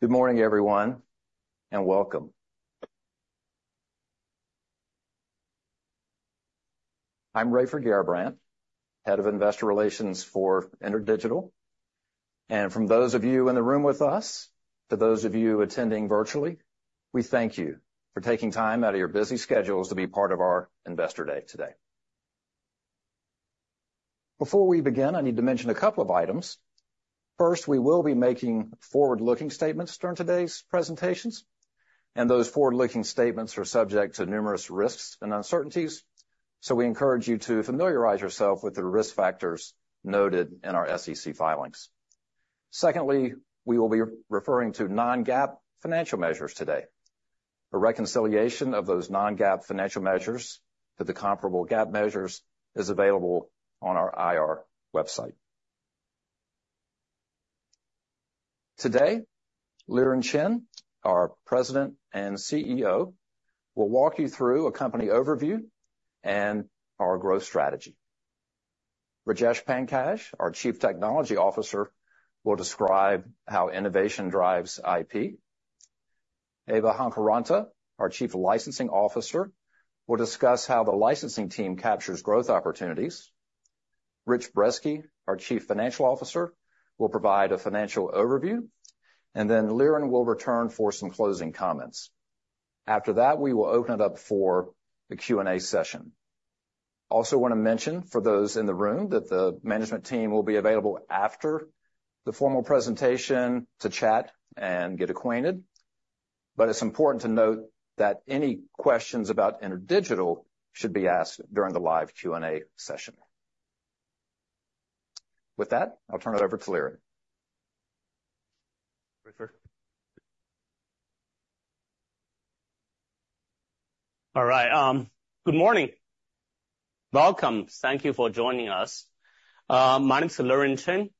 Good morning, everyone, and welcome. I'm Raiford Garrabrant, Head of Investor Relations for InterDigital, and from those of you in the room with us, to those of you attending virtually, we thank you for taking time out of your busy schedules to be part of our Investor Day today. Before we begin, I need to mention a couple of items. First, we will be making forward-looking statements during today's presentations, and those forward-looking statements are subject to numerous risks and uncertainties, so we encourage you to familiarize yourself with the risk factors noted in our SEC filings. Secondly, we will be referring to non-GAAP financial measures today. A reconciliation of those non-GAAP financial measures to the comparable GAAP measures is available on our IR website. Today, Liren Chen, our President and CEO, will walk you through a company overview and our growth strategy. Rajesh Pankaj, our Chief Technology Officer, will describe how innovation drives IP. Eeva Hakoranta, our Chief Licensing Officer, will discuss how the licensing team captures growth opportunities. Rich Brezski, our Chief Financial Officer, will provide a financial overview, and then Liren will return for some closing comments. After that, we will open it up for the Q&A session. Also want to mention, for those in the room, that the management team will be available after the formal presentation to chat and get acquainted, but it's important to note that any questions about InterDigital should be asked during the live Q&A session. With that, I'll turn it over to Liren. All right. Good morning. Welcome. Thank you for joining us. My name is Liren Chen.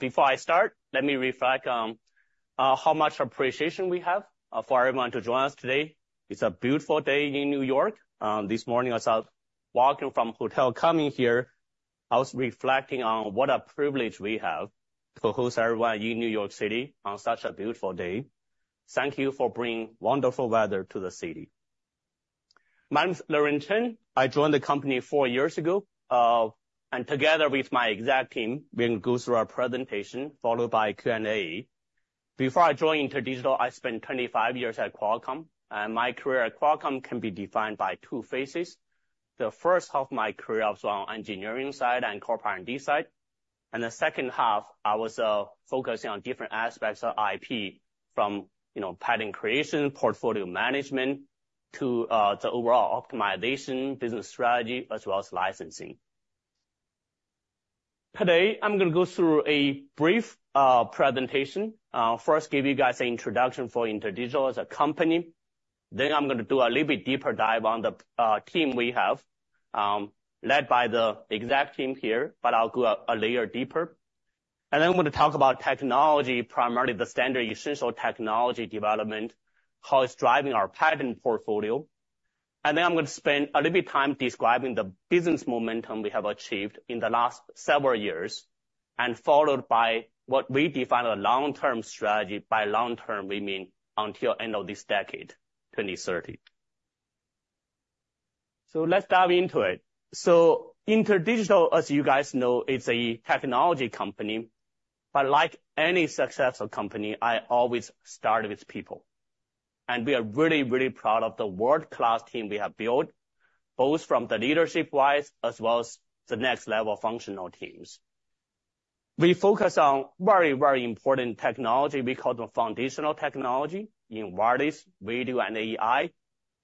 Before I start, let me reflect on how much appreciation we have for everyone to join us today. It's a beautiful day in New York. This morning as I was walking from hotel coming here, I was reflecting on what a privilege we have to host everyone in New York City on such a beautiful day. Thank you for bringing wonderful weather to the city. My name is Liren Chen. I joined the company four years ago, and together with my exec team, we'll go through our presentation, followed by Q&A. Before I joined InterDigital, I spent 25 years at Qualcomm, and my career at Qualcomm can be defined by two phases. The first half of my career was on engineering side and core R&D side, and the second half, I was focusing on different aspects of IP from, you know, patent creation, portfolio management, to the overall optimization, business strategy, as well as licensing. Today, I'm gonna go through a brief presentation. First, give you guys an introduction for InterDigital as a company, then I'm gonna do a little bit deeper dive on the team we have, led by the exec team here, but I'll go a layer deeper. Then I'm gonna talk about technology, primarily the standard essential technology development, how it's driving our patent portfolio. Then I'm going to spend a little bit of time describing the business momentum we have achieved in the last several years, followed by what we define as a long-term strategy. By long-term, we mean until end of this decade, 2030. So let's dive into it. So InterDigital, as you guys know, is a technology company, but like any successful company, I always start with people. And we are really, really proud of the world-class team we have built, both from the leadership-wise, as well as the next-level functional teams. We focus on very, very important technology, we call them foundational technology in wireless, radio, and AI.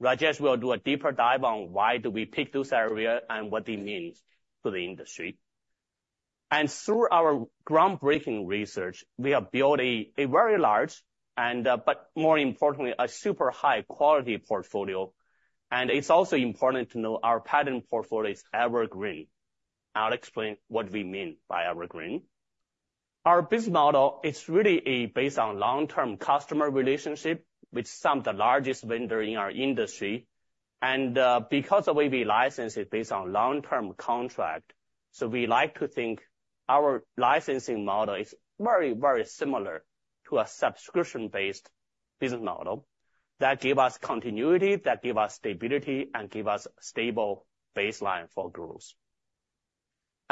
Rajesh will do a deeper dive on why do we pick those area and what it means to the industry. And through our groundbreaking research, we have built a very large and but more importantly, a super high-quality portfolio. And it's also important to know our patent portfolio is evergreen. I'll explain what we mean by evergreen. Our business model, it's really, based on long-term customer relationship with some of the largest vendor in our industry. And, because of the way we license it, based on long-term contract, so we like to think our licensing model is very, very similar to a subscription-based business model that give us continuity, that give us stability, and give us stable baseline for growth.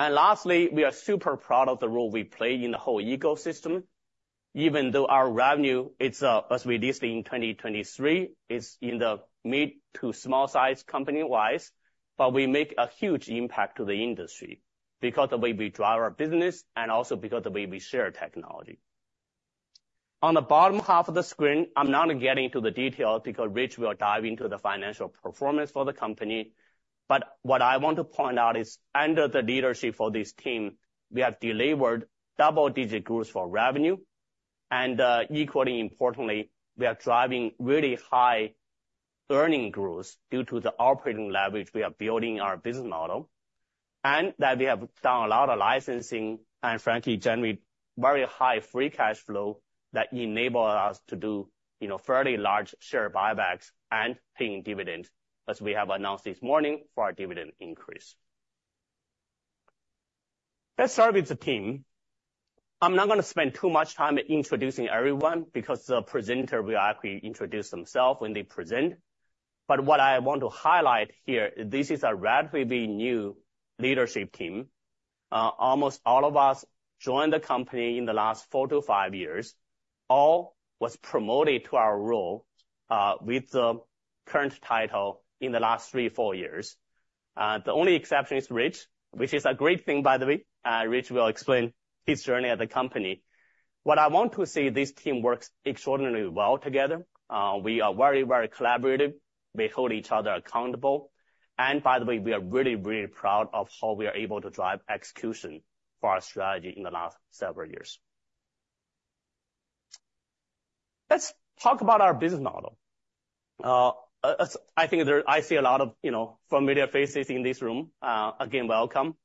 And lastly, we are super proud of the role we play in the whole ecosystem, even though our revenue, it's, as we listed in 2023, is in the mid to small size company-wise, but we make a huge impact to the industry because of the way we drive our business and also because the way we share technology. On the bottom half of the screen, I'm not getting into the detail, because Rich will dive into the financial performance for the company. But what I want to point out is, under the leadership of this team, we have delivered double-digit growth for revenue, and, equally importantly, we are driving really high earnings growth due to the operating leverage we are building in our business model, and that we have done a lot of licensing and frankly, generally, very high free cash flow that enable us to do fairly large share buybacks and paying dividends, as we have announced this morning, for our dividend increase. Let's start with the team. I'm not gonna spend too much time introducing everyone, because the presenter will actually introduce themselves when they present. But what I want to highlight here, this is a relatively new leadership team. Almost all of us joined the company in the last four to five years. All was promoted to our role, with the current title in the last three, four years. The only exception is Rich, which is a great thing, by the way. Rich will explain his journey at the company. What I want to say, this team works extraordinarily well together. We are very, very collaborative. We hold each other accountable, and by the way, we are really, really proud of how we are able to drive execution for our strategy in the last several years. Let's talk about our business model. I think I see a lot of, you know, familiar faces in this room. Again, welcome.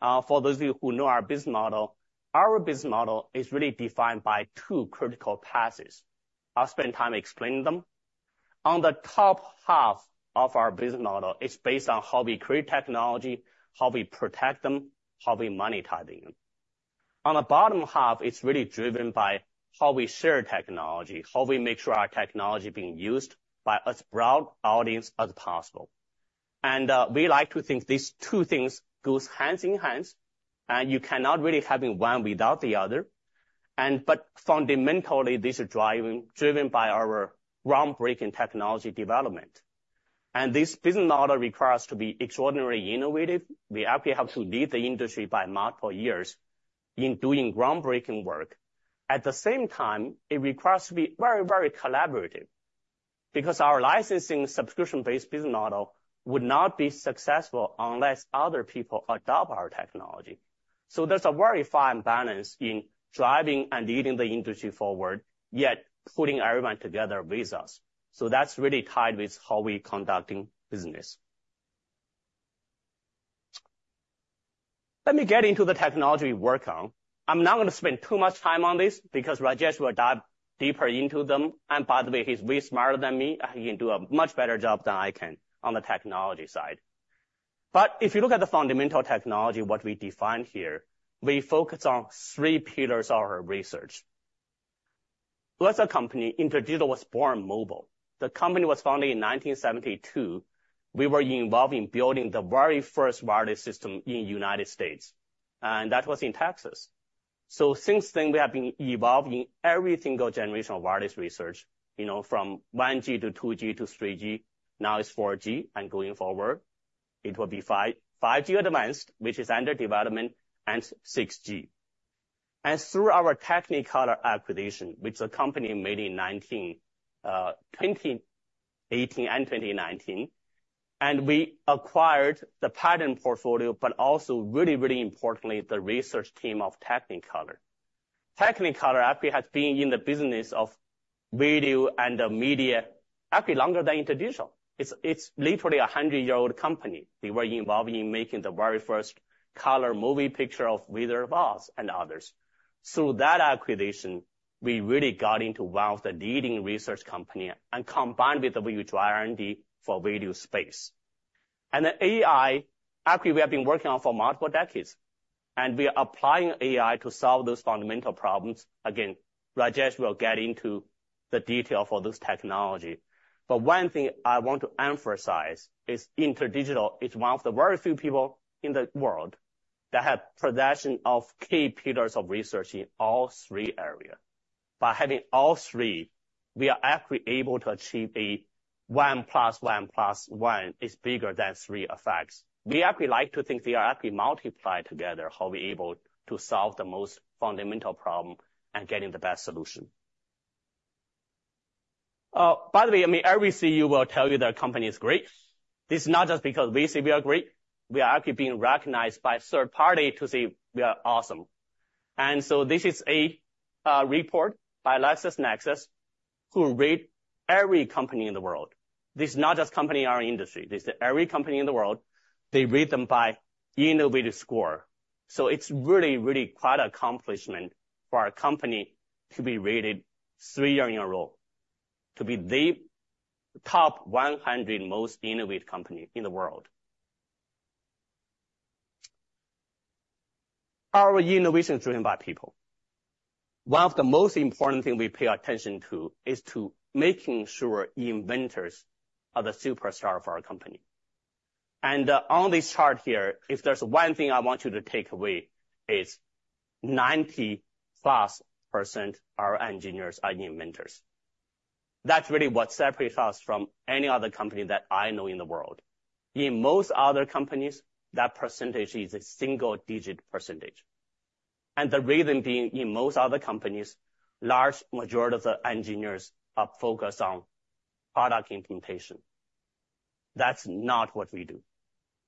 For those of you who know our business model, our business model is really defined by two critical paths. I'll spend time explaining them. On the top half of our business model, it's based on how we create technology, how we protect them, how we monetize them. On the bottom half, it's really driven by how we share technology, how we make sure our technology is being used by as broad audience as possible. We like to think these two things goes hand in hand, and you cannot really have one without the other. But fundamentally, this is driven by our groundbreaking technology development. This business model requires to be extraordinarily innovative. We actually have to lead the industry by multiple years in doing groundbreaking work. At the same time, it requires to be very, very collaborative, because our licensing subscription-based business model would not be successful unless other people adopt our technology. There's a very fine balance in driving and leading the industry forward, yet putting everyone together with us. That's really tied with how we're conducting business. Let me get into the technology work on. I'm not going to spend too much time on this, because Rajesh will dive deeper into them. By the way, he's way smarter than me. He can do a much better job than I can on the technology side. If you look at the fundamental technology, what we defined here, we focus on three pillars of our research. As a company, InterDigital was born mobile. The company was founded in 1972. We were involved in building the very first wireless system in the United States, and that was in Texas. So since then, we have been involved in every single generation of wireless research, you know, from 1G to 2G to 3G. Now it's 4G, and going forward, it will be 5G, 5G Advanced, which is under development, and 6G. And through our Technicolor acquisition, which the company made in 2018 and 2019, and we acquired the patent portfolio, but also really, really importantly, the research team of Technicolor. Technicolor actually has been in the business of video and the media, actually longer than InterDigital. It's, it's literally a 100-year-old company. We were involved in making the very first color movie picture of The Wizard of Oz and others. Through that acquisition, we really got into one of the leading research company and combined with the huge R&D for video space. And the AI, actually, we have been working on for multiple decades, and we are applying AI to solve those fundamental problems. Again, Rajesh will get into the detail for this technology. But one thing I want to emphasize is InterDigital is one of the very few people in the world that have possession of key pillars of research in all three areas. By having all three, we are actually able to achieve a one plus one plus one is bigger than three effects. We actually like to think they are actually multiplied together, how we're able to solve the most fundamental problem and getting the best solution. By the way, I mean, every CEO will tell you their company is great. This is not just because we say we are great. We are actually being recognized by a third party to say we are awesome. And so this is a report by LexisNexis, who rate every company in the world. This is not just company in our industry. This is every company in the world. They rate them by innovative score. So it's really, really quite an accomplishment for our company to be rated three year in a row, to be the top 100 most innovative company in the world. Our innovation is driven by people. One of the most important things we pay attention to is to making sure inventors are the superstar of our company. And on this chart here, if there's one thing I want you to take away, is +90% are engineers, are inventors. That's really what separates us from any other company that I know in the world. In most other companies, that percentage is a single-digit percentage. And the reason being, in most other companies, large majority of the engineers are focused on product implementation. That's not what we do.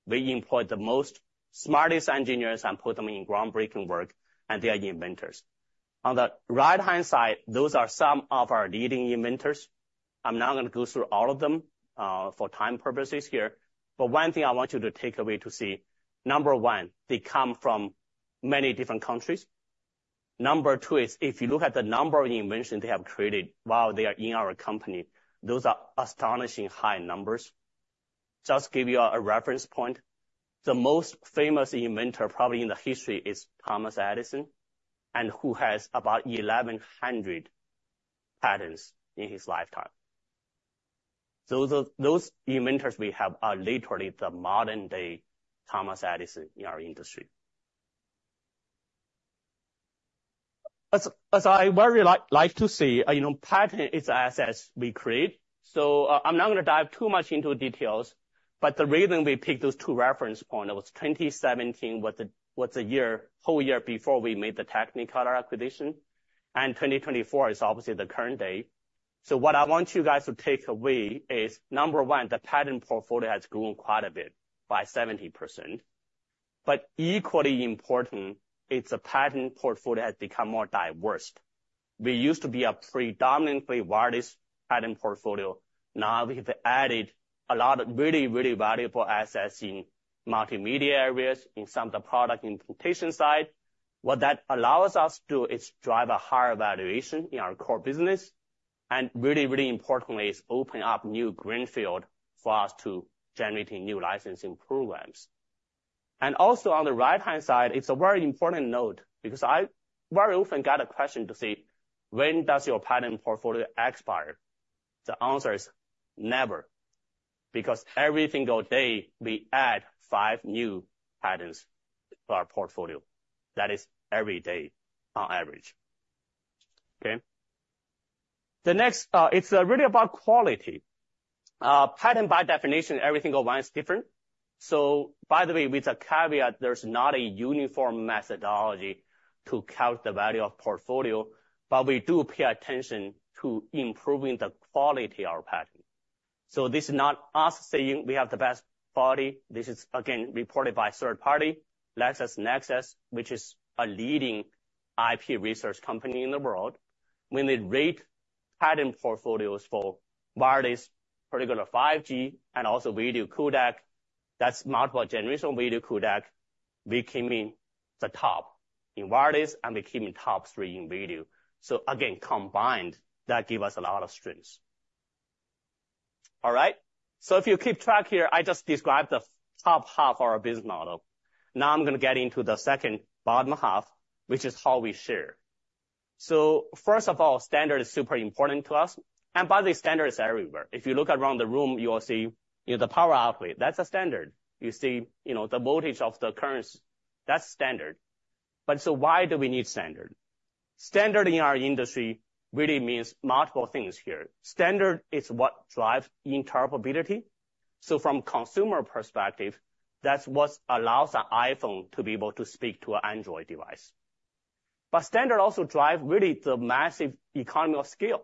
We employ the most smartest engineers and put them in groundbreaking work, and they are the inventors. On the right-hand side, those are some of our leading inventors. I'm not going to go through all of them for time purposes here, but one thing I want you to take away to see, number one, they come from many different countries. Number two is, if you look at the number of inventions they have created while they are in our company, those are astonishingly high numbers. Just give you a reference point. The most famous inventor, probably in the history, is Thomas Edison, and who has about 1,100 patents in his lifetime. Those inventors we have are literally the modern-day Thomas Edison in our industry. As I like to say, you know, patents are assets we create. I'm not going to dive too much into details, but the reason we picked those two reference points, it was 2017, the year before we made the Technicolor acquisition, and 2024 is obviously the current date. What I want you guys to take away is, number one, the patent portfolio has grown quite a bit, by 70%. But equally important, it's the patent portfolio has become more diverse. We used to be a predominantly wireless patent portfolio. Now, we have added a lot of really valuable assets in multimedia areas, in some of the product implementation side. What that allows us to do is drive a higher valuation in our core business, and really, really importantly, is open up new greenfield for us to generating new licensing programs. And also, on the right-hand side, it's a very important note because I very often get a question to say, "When does your patent portfolio expire?" The answer is never, because every single day we add five new patents to our portfolio. That is every day on average. Okay? The next, it's really about quality. Patent by definition, every single one is different. So by the way, with a caveat, there's not a uniform methodology to count the value of portfolio, but we do pay attention to improving the quality of our patent. So this is not us saying we have the best quality. This is, again, reported by third party, LexisNexis, which is a leading IP research company in the world. When they rate patent portfolios for wireless, particularly 5G and also video codec, that's multiple generational video codec. We came in the top in wireless, and we came in top three in video. So again, combined, that give us a lot of strengths. All right. So if you keep track here, I just described the top half of our business model. Now, I'm going to get into the second bottom half, which is how we share. So first of all, standard is super important to us, and by the way, standard is everywhere. If you look around the room, you will see, you know, the power outlet, that's a standard. You see, you know, the voltage of the current, that's standard. But so why do we need standard? Standard in our industry really means multiple things here. Standard is what drives interoperability. So from consumer perspective, that's what allows an iPhone to be able to speak to an Android device. But standard also drive really the massive economy of scale,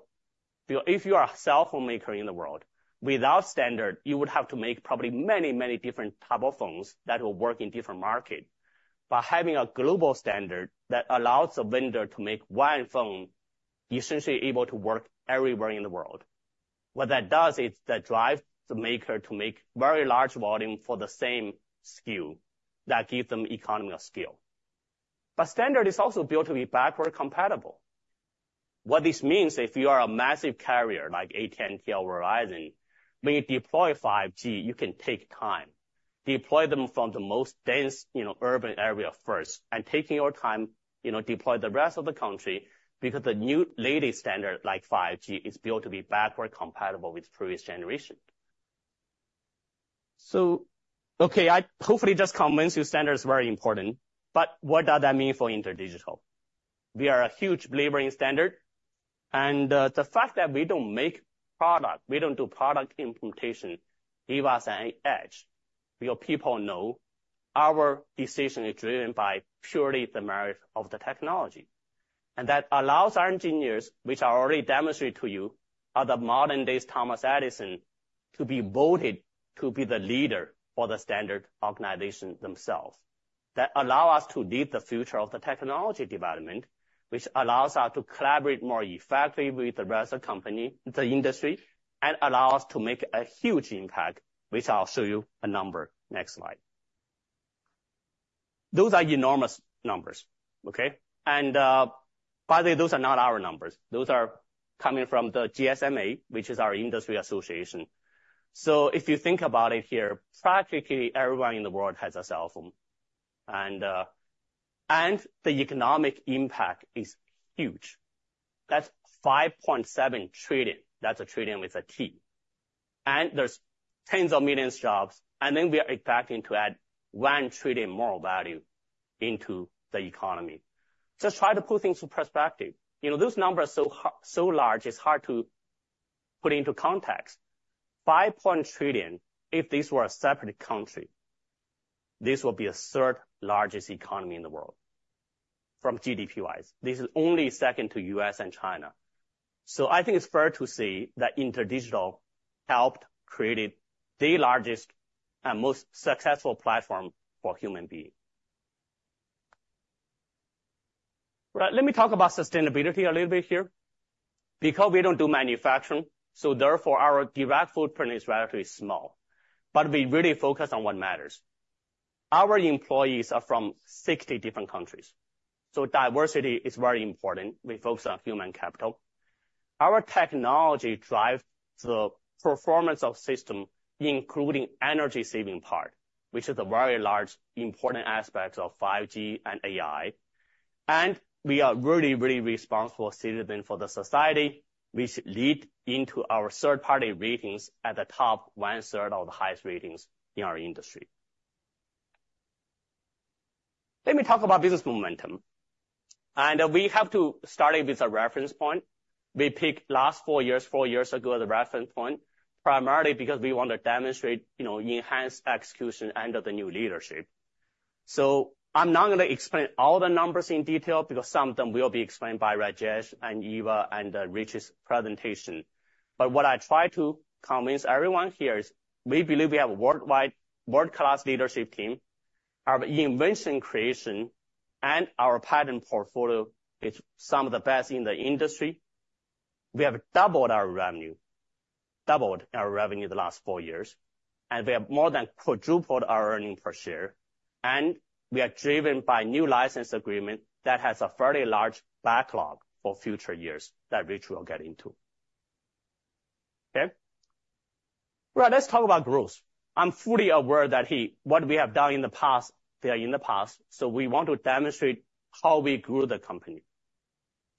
because if you are a cell phone maker in the world, without standard, you would have to make probably many, many different type of phones that will work in different market. By having a global standard that allows the vendor to make one phone, essentially able to work everywhere in the world. What that does is that drives the maker to make very large volume for the same SKU, that give them economy of scale. But standard is also built to be backward compatible. What this means, if you are a massive carrier, like AT&T or Verizon, when you deploy 5G, you can take time, deploy them from the most dense, you know, urban area first, and taking your time, you know, deploy the rest of the country, because the new latest standard, like 5G, is built to be backward compatible with previous generation. So okay, I hopefully just convince you standard is very important, but what does that mean for InterDigital? We are a huge believer in standard, and, the fact that we don't make product, we don't do product implementation, give us an edge, because people know our decision is driven by purely the merit of the technology. And that allows our engineers, which I already demonstrated to you, are the modern-day Thomas Edison, to be voted to be the leader for the standard organization themselves. That allow us to lead the future of the technology development, which allows us to collaborate more effectively with the rest of company, the industry, and allow us to make a huge impact, which I'll show you a number next slide. Those are enormous numbers, okay? And, by the way, those are not our numbers. Those are coming from the GSMA, which is our industry association. So if you think about it here, practically everyone in the world has a cell phone. And, and the economic impact is huge. That's 5.7 trillion. That's a trillion with a T. And there's tens of millions jobs, and then we are expecting to add one trillion more value into the economy. Just try to put things in perspective. You know, those numbers are so large, it's hard to put into context. 5 trillion, if this were a separate country, this will be a third-largest economy in the world from GDP-wise. This is only second to U.S. and China. So I think it's fair to say that InterDigital helped created the largest and most successful platform for human being. Right, let me talk about sustainability a little bit here. Because we don't do manufacturing, so therefore, our direct footprint is relatively small, but we really focus on what matters. Our employees are from 60 different countries, so diversity is very important. We focus on human capital. Our technology drives the performance of system, including energy saving part, which is a very large, important aspect of 5G and AI. And we are really, really responsible citizen for the society, which lead into our third-party ratings at the top 1/3 of the highest ratings in our industry. Let me talk about business momentum, and we have to start it with a reference point. We pick last four years, four years ago, as a reference point, primarily because we want to demonstrate, you know, enhanced execution under the new leadership. I'm not going to explain all the numbers in detail because some of them will be explained by Rajesh and Eeva and Rich's presentation. But what I try to convince everyone here is we believe we have a worldwide, world-class leadership team. Our invention creation and our patent portfolio is some of the best in the industry. We have doubled our revenue, doubled our revenue the last four years, and we have more than quadrupled our earnings per share, and we are driven by new license agreement that has a fairly large backlog for future years that Rich will get into. Okay? Right, let's talk about growth. I'm fully aware that what we have done in the past, they are in the past, so we want to demonstrate how we grew the company.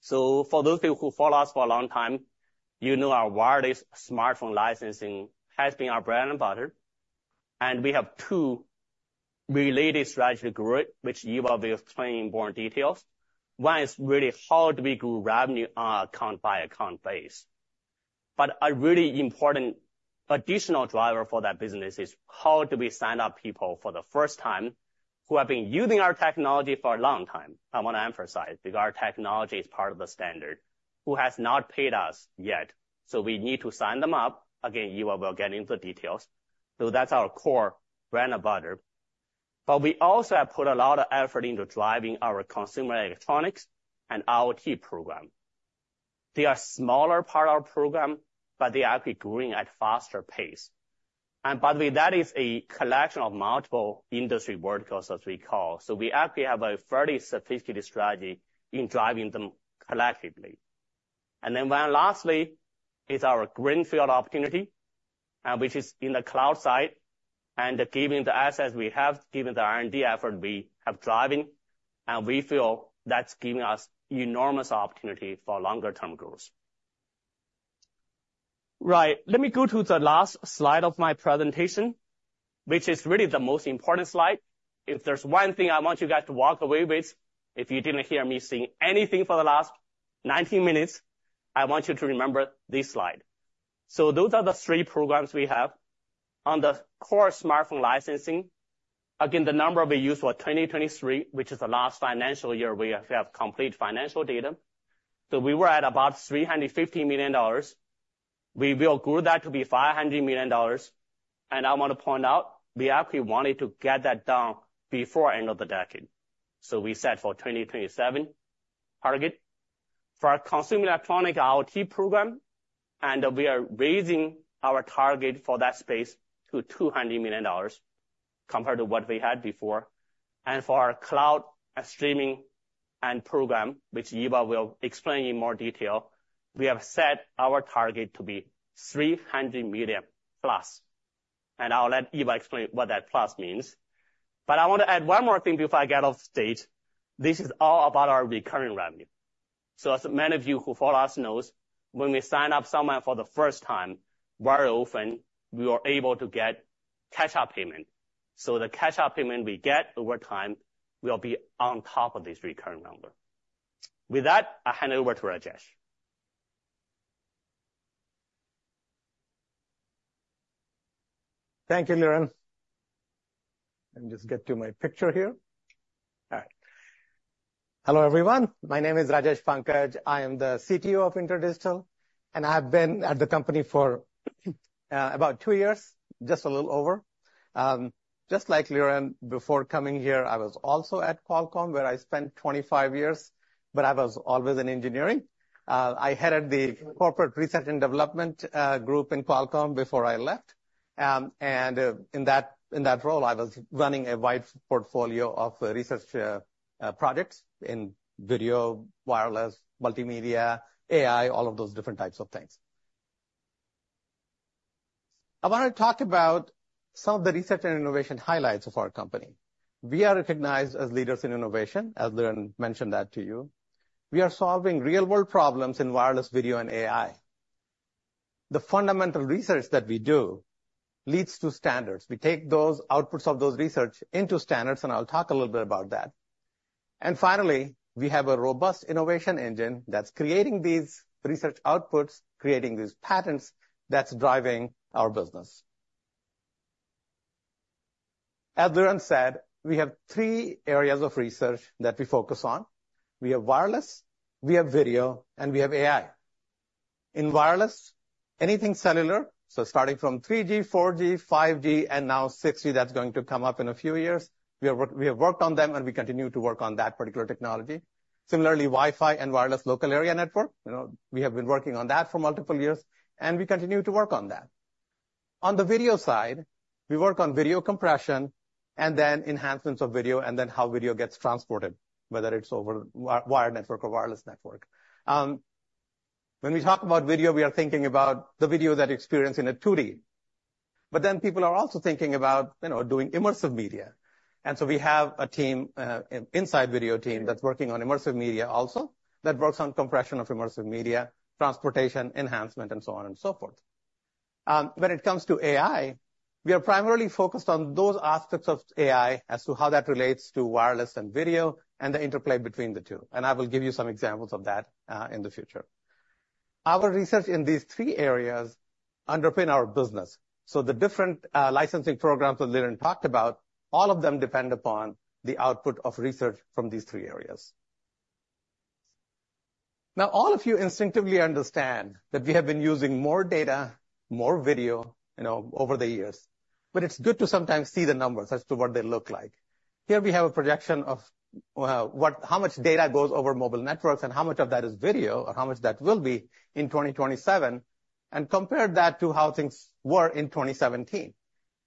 For those people who follow us for a long time, you know our wireless smartphone licensing has been our bread and butter, and we have two related strategy growth, which Eeva will explain in more detail. One is really, how do we grow revenue on account by account basis? But a really important additional driver for that business is how do we sign up people for the first time who have been using our technology for a long time, I want to emphasize, because our technology is part of the standard, who has not paid us yet? So we need to sign them up. Again, Eeva will get into the details. So that's our core bread and butter. But we also have put a lot of effort into driving our consumer electronics and IoT program. They are smaller part of our program, but they are actually growing at faster pace. And by the way, that is a collection of multiple industry workhorse, as we call. So we actually have a fairly sophisticated strategy in driving them collectively. And then one lastly, is our greenfield opportunity, which is in the cloud side, and given the assets we have, given the R&D effort we have driving, and we feel that's giving us enormous opportunity for longer term growth. Right. Let me go to the last slide of my presentation, which is really the most important slide. If there's one thing I want you guys to walk away with, if you didn't hear me saying anything for the last 19 minutes, I want you to remember this slide, so those are the three programs we have. On the core smartphone licensing, again, the number we use for 2023, which is the last financial year, we have complete financial data, so we were at about $350 million. We will grow that to be $500 million, and I want to point out, we actually wanted to get that done before end of the decade, so we set for 2027 target. For our consumer electronic IoT program, and we are raising our target for that space to $200 million compared to what we had before. And for our cloud and streaming program, which Eeva will explain in more detail, we have set our target to be $300 million+. I'll let Eeva explain what that plus means. But I want to add one more thing before I get off stage. This is all about our recurring revenue. So as many of you who follow us knows, when we sign up someone for the first time, very often, we are able to get catch-up payment. So the catch-up payment we get over time will be on top of this recurring number. With that, I'll hand it over to Rajesh. Thank you, Liren. Let me just get to my picture here. All right. Hello, everyone. My name is Rajesh Pankaj. I am the CTO of InterDigital, and I've been at the company for about two years, just a little over. Just like Liren, before coming here, I was also at Qualcomm, where I spent 25 years, but I was always in engineering. I headed the corporate research and development group in Qualcomm before I left, and in that role, I was running a wide portfolio of research projects in video, wireless, multimedia, AI, all of those different types of things. I want to talk about some of the research and innovation highlights of our company. We are recognized as leaders in innovation, as Liren mentioned that to you. We are solving real-world problems in wireless, video, and AI. The fundamental research that we do leads to standards. We take those outputs of those research into standards, and I'll talk a little bit about that. And finally, we have a robust innovation engine that's creating these research outputs, creating these patents, that's driving our business. As Liren said, we have three areas of research that we focus on. We have wireless, we have video, and we have AI. In wireless, anything cellular, so starting from 3G, 4G, 5G, and now 6G, that's going to come up in a few years. We have worked on them, and we continue to work on that particular technology. Similarly, Wi-Fi and wireless local area network. You know, we have been working on that for multiple years, and we continue to work on that. On the video side, we work on video compression and then enhancements of video, and then how video gets transported, whether it's over wired network or wireless network. When we talk about video, we are thinking about the video that you experience in a 2D, but then people are also thinking about, you know, doing immersive media. And so we have a team inside video team that's working on immersive media also, that works on compression of immersive media, transportation, enhancement, and so on and so forth. When it comes to AI, we are primarily focused on those aspects of AI as to how that relates to wireless and video and the interplay between the two, and I will give you some examples of that in the future. Our research in these three areas underpin our business. So the different licensing programs that Liren talked about, all of them depend upon the output of research from these three areas. Now, all of you instinctively understand that we have been using more data, more video, you know, over the years, but it's good to sometimes see the numbers as to what they look like. Here we have a projection of how much data goes over mobile networks and how much of that is video or how much that will be in 2027, and compare that to how things were in 2017.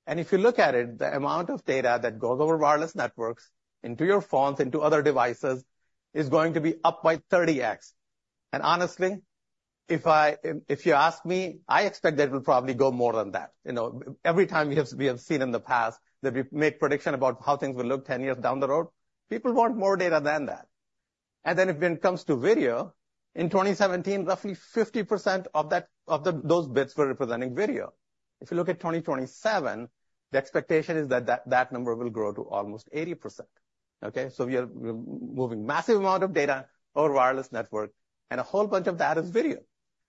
And if you look at it, the amount of data that goes over wireless networks into your phones, into other devices, is going to be up by 30x. And honestly, if you ask me, I expect that it will probably go more than that. You know, every time we have seen in the past that we've made prediction about how things will look ten years down the road, people want more data than that. And then when it comes to video, in 2017, roughly 50% of those bits were representing video. If you look at 2027, the expectation is that number will grow to almost 80%, okay? So we're moving massive amount of data over wireless network, and a whole bunch of that is video.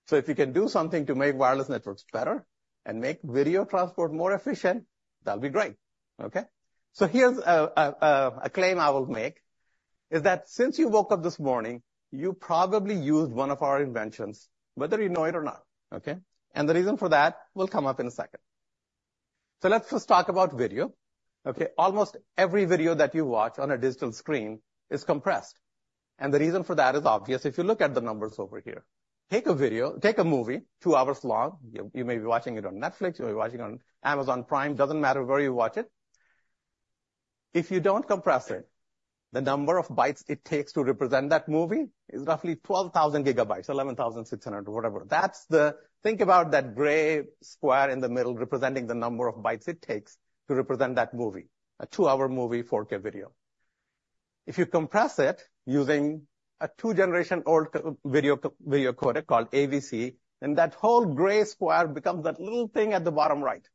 So if you can do something to make wireless networks better and make video transport more efficient, that'll be great, okay? So here's a claim I will make, is that since you woke up this morning, you probably used one of our inventions, whether you know it or not, okay? And the reason for that will come up in a second. So let's just talk about video, okay? Almost every video that you watch on a digital screen is compressed, and the reason for that is obvious if you look at the numbers over here. Take a video, take a movie, two hours long. You, you may be watching it on Netflix, you may be watching on Amazon Prime, doesn't matter where you watch it. If you don't compress it, the number of bytes it takes to represent that movie is roughly 12,000 GB, 11,600, whatever. That's the--Think about that gray square in the middle, representing the number of bytes it takes to represent that movie, a two-hour movie, 4K video. If you compress it using a two-generation old video codec called AVC, then that whole gray square becomes that little thing at the bottom right,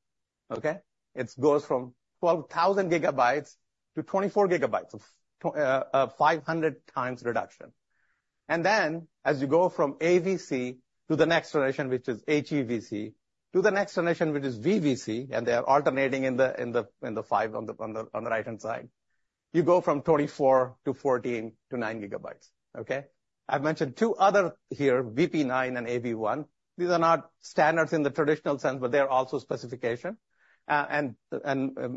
okay? It goes from 12,000 GB to 24 GB, a 500x reduction. And then, as you go from AVC to the next generation, which is HEVC, to the next generation, which is VVC, and they are alternating in the five on the right-hand side, you go from 24 to 14 to 9 GB, okay? I've mentioned two others here, VP9 and AV1. These are not standards in the traditional sense, but they are also specifications, and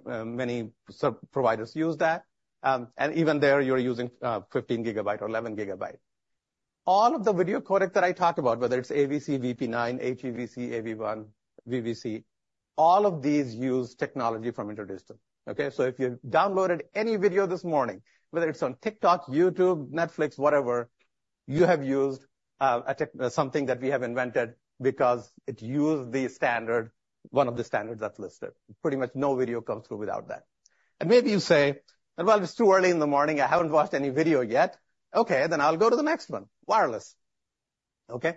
many service providers use that. And even there, you're using 15 GB or 11 GB. All of the video codec that I talked about, whether it's AVC, VP9, HEVC, AV1, VVC, all of these use technology from InterDigital, okay? So if you downloaded any video this morning, whether it's on TikTok, YouTube, Netflix, whatever, you have used a technology that we have invented because it used the standard, one of the standards that's listed. Pretty much no video comes through without that. Maybe you say, "Well, it's too early in the morning. I haven't watched any video yet." Okay, I'll go to the next one. Wireless, okay?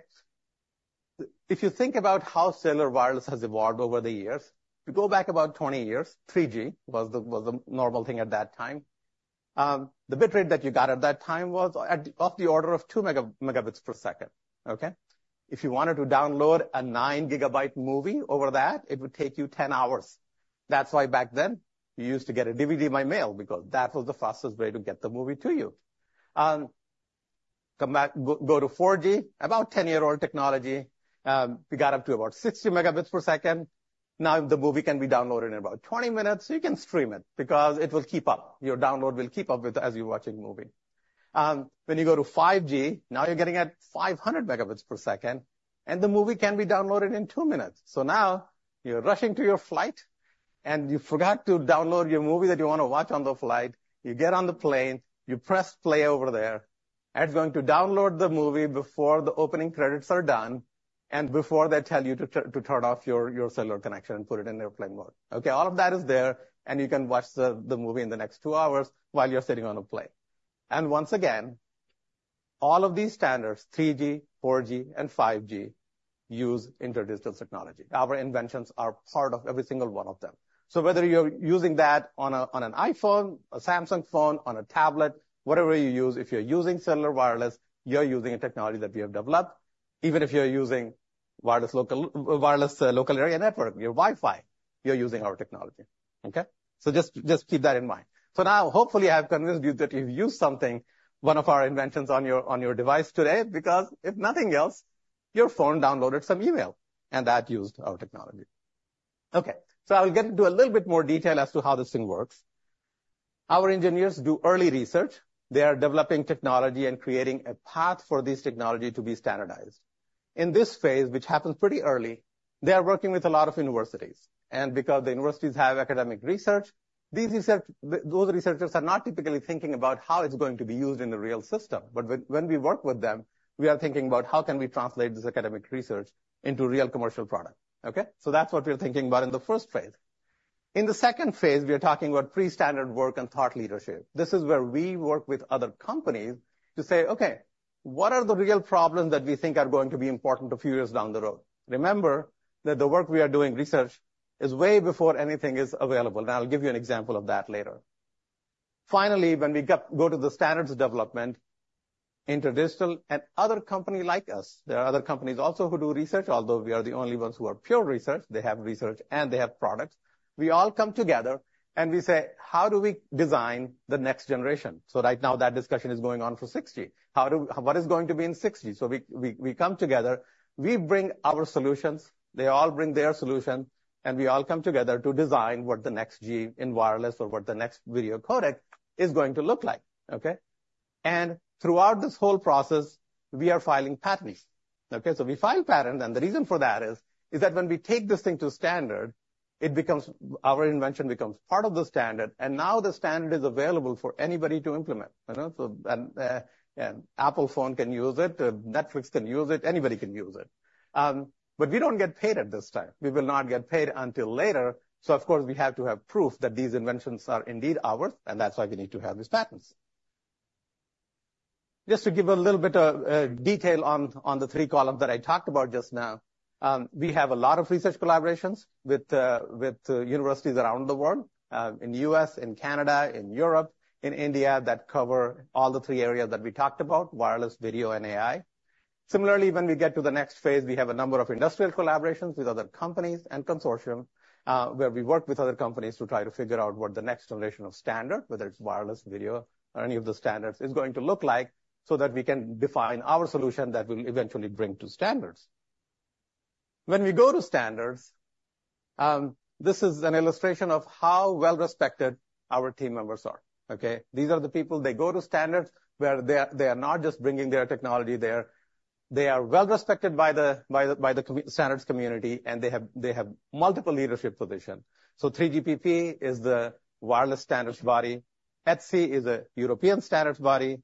If you think about how cellular wireless has evolved over the years, you go back about 20 years, 3G was the normal thing at that time. The bit rate that you got at that time was of the order of two megabits per second, okay? If you wanted to download a 9 GB movie over that, it would take you 10 hours. That's why back then, you used to get a DVD by mail, because that was the fastest way to get the movie to you. Come back, go to 4G, about 10-year-old technology, we got up to about 60 Mbps. Now, the movie can be downloaded in about 20 minutes. You can stream it because it will keep up. Your download will keep up with it as you're watching the movie. When you go to 5G, now you're getting at 500 Mbps, and the movie can be downloaded in two minutes. So now you're rushing to your flight, and you forgot to download your movie that you want to watch on the flight. You get on the plane, you press play over there, and it's going to download the movie before the opening credits are done, and before they tell you to turn off your cellular connection and put it in airplane mode. Okay, all of that is there, and you can watch the movie in the next two hours while you're sitting on a plane, and once again, all of these standards, 3G, 4G, and 5G, use InterDigital technology. Our inventions are part of every single one of them, so whether you're using that on an iPhone, a Samsung phone, on a tablet, whatever you use, if you're using cellular wireless, you're using a technology that we have developed. Even if you're using wireless local area network, your Wi-Fi, you're using our technology, okay, so just keep that in mind. So now, hopefully, I have convinced you that you've used something, one of our inventions, on your, on your device today, because if nothing else, your phone downloaded some email, and that used our technology. Okay, so I will get into a little bit more detail as to how this thing works. Our engineers do early research. They are developing technology and creating a path for this technology to be standardized. In this phase, which happens pretty early, they are working with a lot of universities, and because the universities have academic research, those researchers are not typically thinking about how it's going to be used in the real system. But when we work with them, we are thinking about how can we translate this academic research into real commercial product, okay? So that's what we are thinking about in the first phase. In the second phase, we are talking about pre-standard work and thought leadership. This is where we work with other companies to say, "Okay, what are the real problems that we think are going to be important a few years down the road?" Remember that the work we are doing, research, is way before anything is available, and I'll give you an example of that later. Finally, when we go to the standards development, InterDigital and other companies like us, there are other companies also who do research, although we are the only ones who are pure research. They have research and they have products. We all come together, and we say, "How do we design the next generation?" So right now, that discussion is going on for 6G. How do--What is going to be in 6G? So we come together, we bring our solutions, they all bring their solution, and we all come together to design what the next G in wireless or what the next video codec is going to look like, okay? And throughout this whole process, we are filing patents. Okay, so we file patent, and the reason for that is that when we take this thing to standard, our invention becomes part of the standard, and now the standard is available for anybody to implement. You know, Apple phone can use it, Netflix can use it, anybody can use it. But we don't get paid at this time. We will not get paid until later, so of course, we have to have proof that these inventions are indeed ours, and that's why we need to have these patents. Just to give a little bit of detail on the three columns that I talked about just now, we have a lot of research collaborations with universities around the world, in the U.S., in Canada, in Europe, in India, that cover all the three areas that we talked about, wireless, video, and AI. Similarly, when we get to the next phase, we have a number of industrial collaborations with other companies and consortium, where we work with other companies to try to figure out what the next generation of standard, whether it's wireless, video, or any of the standards, is going to look like, so that we can define our solution that we'll eventually bring to standards. When we go to standards, this is an illustration of how well-respected our team members are, okay? These are the people. They go to standards where they are. They are not just bringing their technology there. They are well respected by the standards community, and they have multiple leadership positions. So 3GPP is the wireless standards body. ETSI is a European standards body.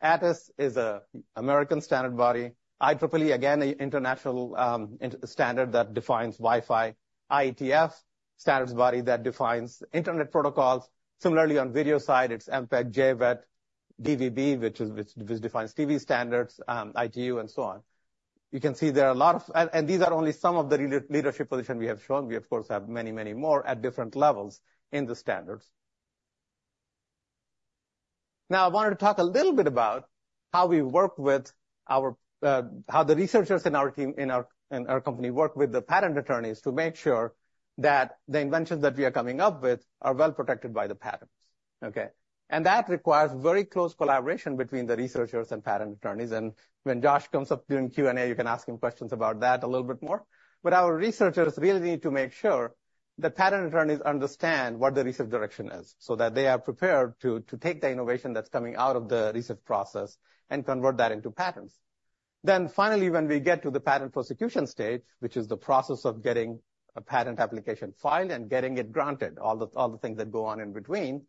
ATIS is an American standards body. IEEE, again, an international standard that defines Wi-Fi. IETF, standards body that defines internet protocols. Similarly, on video side, it's MPEG, JVET, DVB, which defines TV standards, ITU, and so on. You can see there are a lot of. These are only some of the leadership positions we have shown. We, of course, have many more at different levels in the standards. Now, I wanted to talk a little bit about how the researchers in our team, in our company work with the patent attorneys to make sure that the inventions that we are coming up with are well protected by the patents, okay? And that requires very close collaboration between the researchers and patent attorneys, and when Josh comes up during Q&A, you can ask him questions about that a little bit more. But our researchers really need to make sure the patent attorneys understand what the research direction is, so that they are prepared to take the innovation that's coming out of the research process and convert that into patents. Then finally, when we get to the patent prosecution stage, which is the process of getting a patent application filed and getting it granted, all the things that go on in between,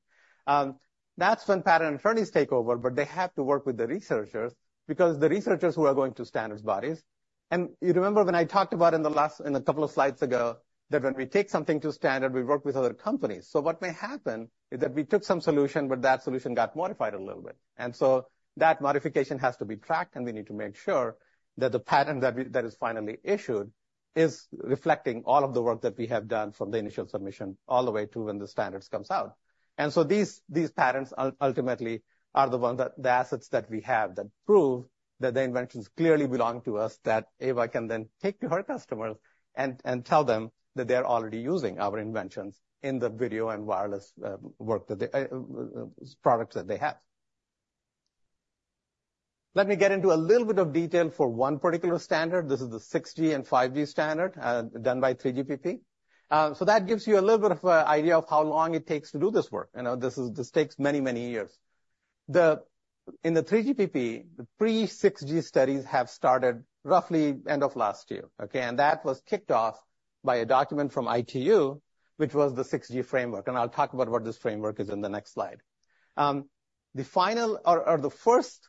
that's when patent attorneys take over, but they have to work with the researchers, because the researchers who are going to standards bodies, and you remember when I talked about in the last couple of slides ago, that when we take something to standard, we work with other companies, so what may happen is that we took some solution, but that solution got modified a little bit, and so that modification has to be tracked, and we need to make sure that the patent that is finally issued is reflecting all of the work that we have done from the initial submission all the way to when the standards comes out. And so these patents ultimately are the ones that the assets that we have that prove that the inventions clearly belong to us that Eeva can then take to her customers and tell them that they are already using our inventions in the video and wireless work that their products that they have. Let me get into a little bit of detail for one particular standard. This is the 6G and 5G standard done by 3GPP. So that gives you a little bit of an idea of how long it takes to do this work. You know, this takes many, many years. In the 3GPP, the pre-6G studies have started roughly end of last year, okay? And that was kicked off by a document from ITU, which was the 6G framework, and I'll talk about what this framework is in the next slide. The final or the first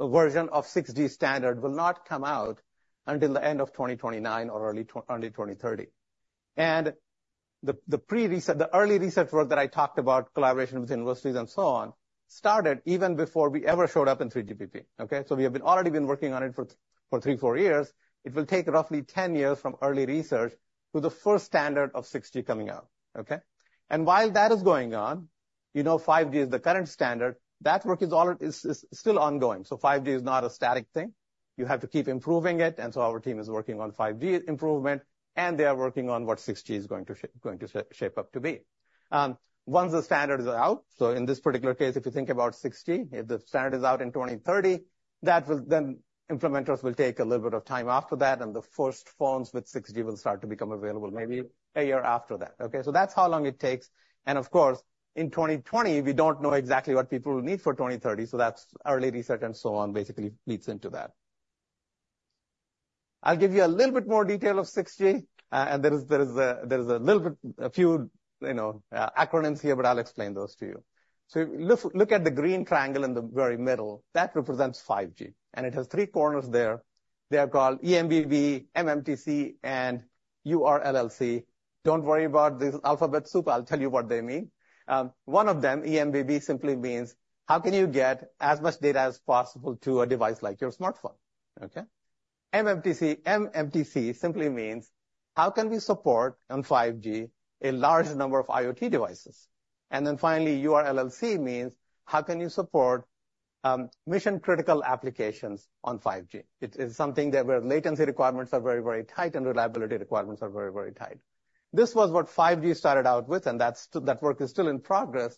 version of 6G standard will not come out until the end of 2029 or early 2030. And the pre-research, the early research work that I talked about, collaboration with universities and so on, started even before we ever showed up in 3GPP, okay? So we have already been working on it for three, four years. It will take roughly 10 years from early research to the first standard of 6G coming out, okay? And while that is going on, you know 5G is the current standard. That work is all still ongoing. So 5G is not a static thing. You have to keep improving it, and so our team is working on 5G improvement, and they are working on what 6G is going to shape up to be. Once the standards are out, so in this particular case, if you think about 6G, if the standard is out in 2030, that will, then implementers will take a little bit of time after that, and the first phones with 6G will start to become available maybe a year after that, okay? So that's how long it takes. And of course, in 2020, we don't know exactly what people will need for 2030, so that's early research and so on, basically feeds into that. I'll give you a little bit more detail of 6G. And there is a little bit, a few, you know, acronyms here, but I'll explain those to you. So look at the green triangle in the very middle. That represents 5G, and it has three corners there. They are called eMBB, mMTC, and URLLC. Don't worry about this alphabet soup. I'll tell you what they mean. One of them, eMBB, simply means, how can you get as much data as possible to a device like your smartphone, okay? mMTC simply means, how can we support, on 5G, a large number of IoT devices? And then finally, URLLC means, how can you support mission-critical applications on 5G? It is something that where latency requirements are very, very tight, and reliability requirements are very, very tight. This was what 5G started out with, and that's still--that work is still in progress.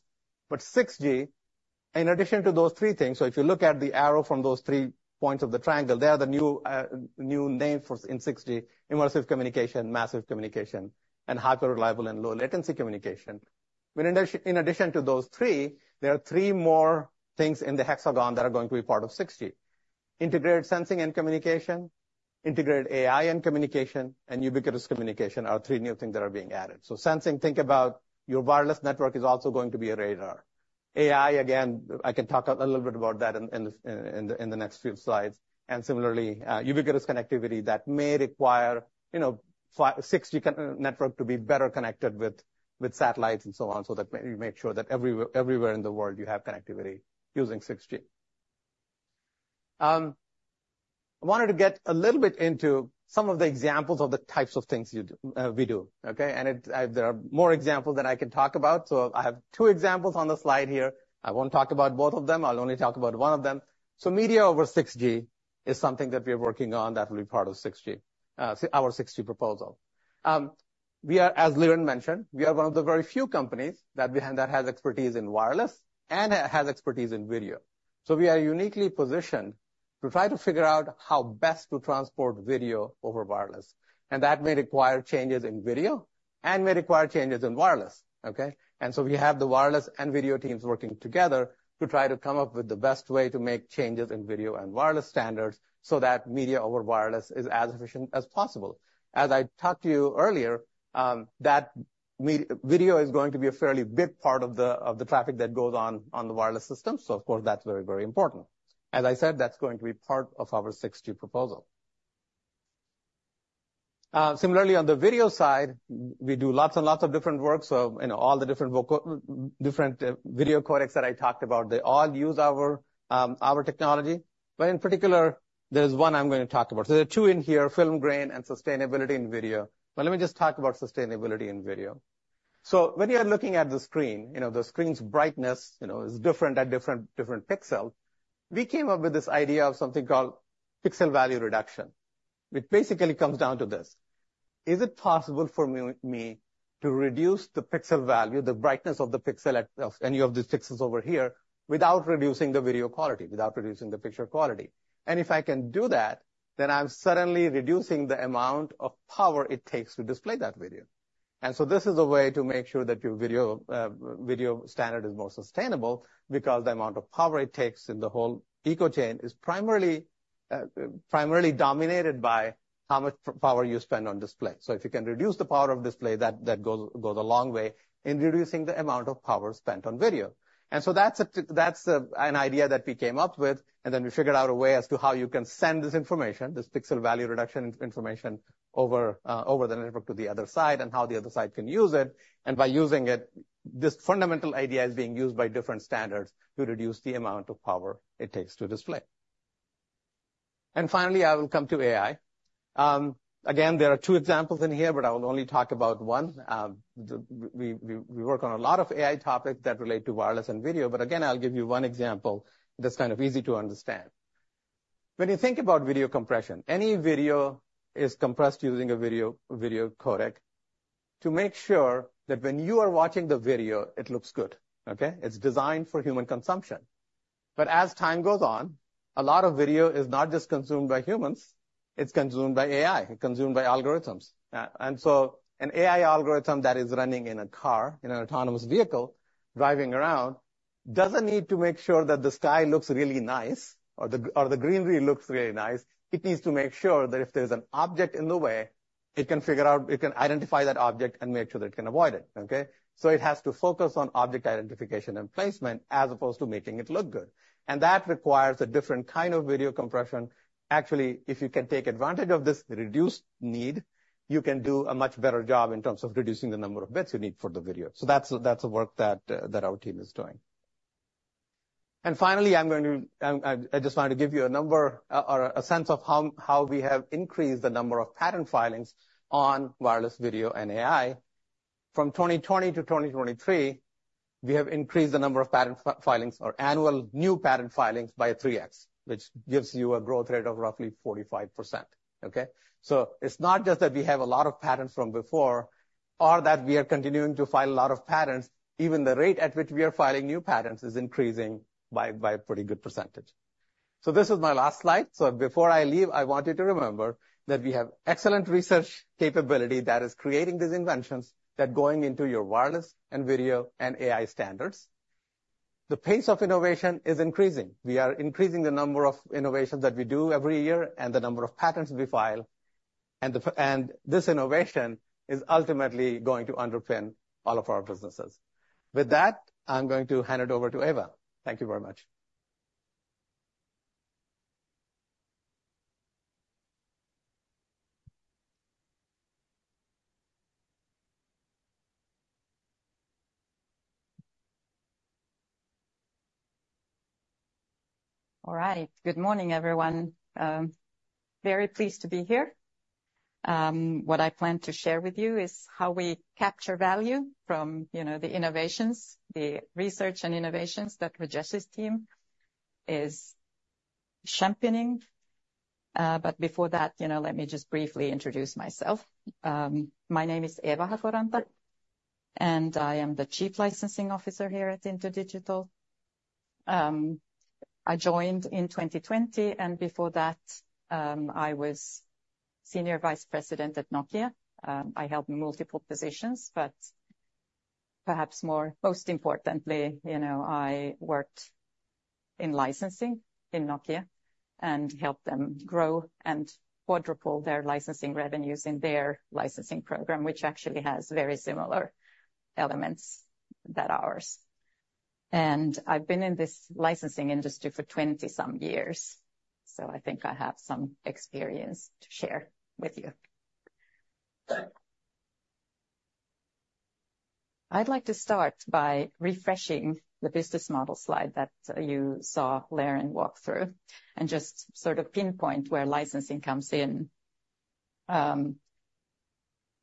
But 6G, in addition to those three things, so if you look at the arrow from those three points of the triangle, they are the new name for in 6G, immersive communication, massive communication, and highly reliable and low latency communication. But in addition to those three, there are three more things in the hexagon that are going to be part of 6G. Integrated sensing and communication, integrated AI and communication, and ubiquitous communication are three new things that are being added. So sensing, think about your wireless network is also going to be a radar. AI, again, I can talk a little bit about that in the next few slides. And similarly, ubiquitous connectivity that may require, you know, 6G network to be better connected with satellites and so on, so that we make sure that everywhere in the world you have connectivity using 6G. I wanted to get a little bit into some of the examples of the types of things we do, okay? There are more examples that I can talk about. So I have two examples on the slide here. I won't talk about both of them. I'll only talk about one of them. So media over 6G is something that we are working on that will be part of 6G, so our 6G proposal. We are, as Liren mentioned, we are one of the very few companies that has expertise in wireless and has expertise in video. So we are uniquely positioned to try to figure out how best to transport video over wireless, and that may require changes in video and may require changes in wireless, okay? And so we have the wireless and video teams working together to try to come up with the best way to make changes in video and wireless standards so that media over wireless is as efficient as possible. As I talked to you earlier, that video is going to be a fairly big part of the traffic that goes on the wireless system, so of course, that's very, very important. As I said, that's going to be part of our 6G proposal. Similarly, on the video side, we do lots and lots of different work. So, you know, all the different video codecs that I talked about, they all use our technology. But in particular, there's one I'm going to talk about. So there are two in here, film grain and sustainability in video. But let me just talk about sustainability in video. So when you are looking at the screen, you know, the screen's brightness, you know, is different at different pixels. We came up with this idea of something called pixel value reduction, which basically comes down to this: Is it possible for me to reduce the pixel value, the brightness of the pixel of any of these pixels over here, without reducing the video quality, without reducing the picture quality? And if I can do that, then I'm suddenly reducing the amount of power it takes to display that video. And so this is a way to make sure that your video standard is more sustainable because the amount of power it takes in the whole eco chain is primarily dominated by how much power you spend on display. So if you can reduce the power of display, that goes a long way in reducing the amount of power spent on video. And so that's an idea that we came up with, and then we figured out a way as to how you can send this information, this Pixel Value Reduction information, over the network to the other side, and how the other side can use it. And by using it, this fundamental idea is being used by different standards to reduce the amount of power it takes to display. And finally, I will come to AI. Again, there are two examples in here, but I will only talk about one. We work on a lot of AI topics that relate to wireless and video, but again, I'll give you one example that's kind of easy to understand. When you think about video compression, any video is compressed using a video codec to make sure that when you are watching the video, it looks good, okay? It's designed for human consumption. But as time goes on, a lot of video is not just consumed by humans, it's consumed by AI, consumed by algorithms. And so an AI algorithm that is running in a car, in an autonomous vehicle, driving around, doesn't need to make sure that the sky looks really nice or the greenery looks really nice. It needs to make sure that if there's an object in the way, it can figure out- it can identify that object and make sure that it can avoid it, okay? So it has to focus on object identification and placement, as opposed to making it look good. And that requires a different kind of video compression. Actually, if you can take advantage of this reduced need, you can do a much better job in terms of reducing the number of bits you need for the video. So that's the, that's the work that that our team is doing. And finally, I'm going to. I just wanted to give you a number or a sense of how we have increased the number of patent filings on wireless, video, and AI. From 2020 to 2023. We have increased the number of patent filings, or annual new patent filings, by 3x, which gives you a growth rate of roughly 45%, okay? So it's not just that we have a lot of patents from before or that we are continuing to file a lot of patents, even the rate at which we are filing new patents is increasing by a pretty good percentage. So this is my last slide. So before I leave, I want you to remember that we have excellent research capability that is creating these inventions that going into your wireless and video and AI standards. The pace of innovation is increasing. We are increasing the number of innovations that we do every year and the number of patents we file. And this innovation is ultimately going to underpin all of our businesses. With that, I'm going to hand it over to Eeva. Thank you very much. All right. Good morning, everyone. Very pleased to be here. What I plan to share with you is how we capture value from, you know, the innovations, the research and innovations that Rajesh's team is championing. But before that, you know, let me just briefly introduce myself. My name is Eeva Hakoranta, and I am the Chief Licensing Officer here at InterDigital. I joined in 2020, and before that, I was Senior Vice President at Nokia. I held multiple positions, but perhaps more, most importantly, you know, I worked in licensing in Nokia and helped them grow and quadruple their licensing revenues in their licensing program, which actually has very similar elements than ours. I've been in this licensing industry for some-20 years, so I think I have some experience to share with you. I'd like to start by refreshing the business model slide that you saw Liren walk through, and just sort of pinpoint where licensing comes in.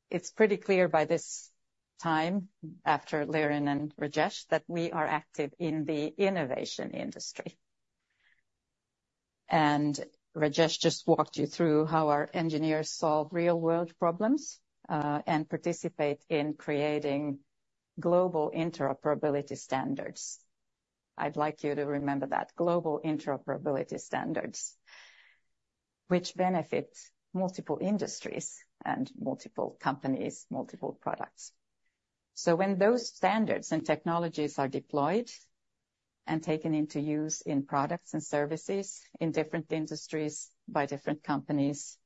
It's pretty clear by this time, after Liren and Rajesh, that we are active in the innovation industry. And Rajesh just walked you through how our engineers solve real-world problems, and participate in creating global interoperability standards. I'd like you to remember that: global interoperability standards, which benefit multiple industries and multiple companies, multiple products. So when those standards and technologies are deployed and taken into use in products and services in different industries by different companies,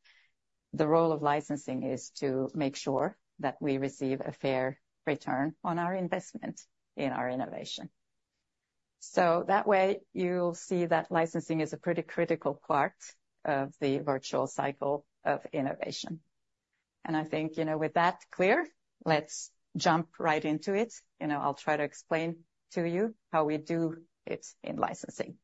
the role of licensing is to make sure that we receive a fair return on our investment in our innovation. So that way, you'll see that licensing is a pretty critical part of the virtuous cycle of innovation. And I think, you know, with that clear, let's jump right into it. You know, I'll try to explain to you how we do it in licensing.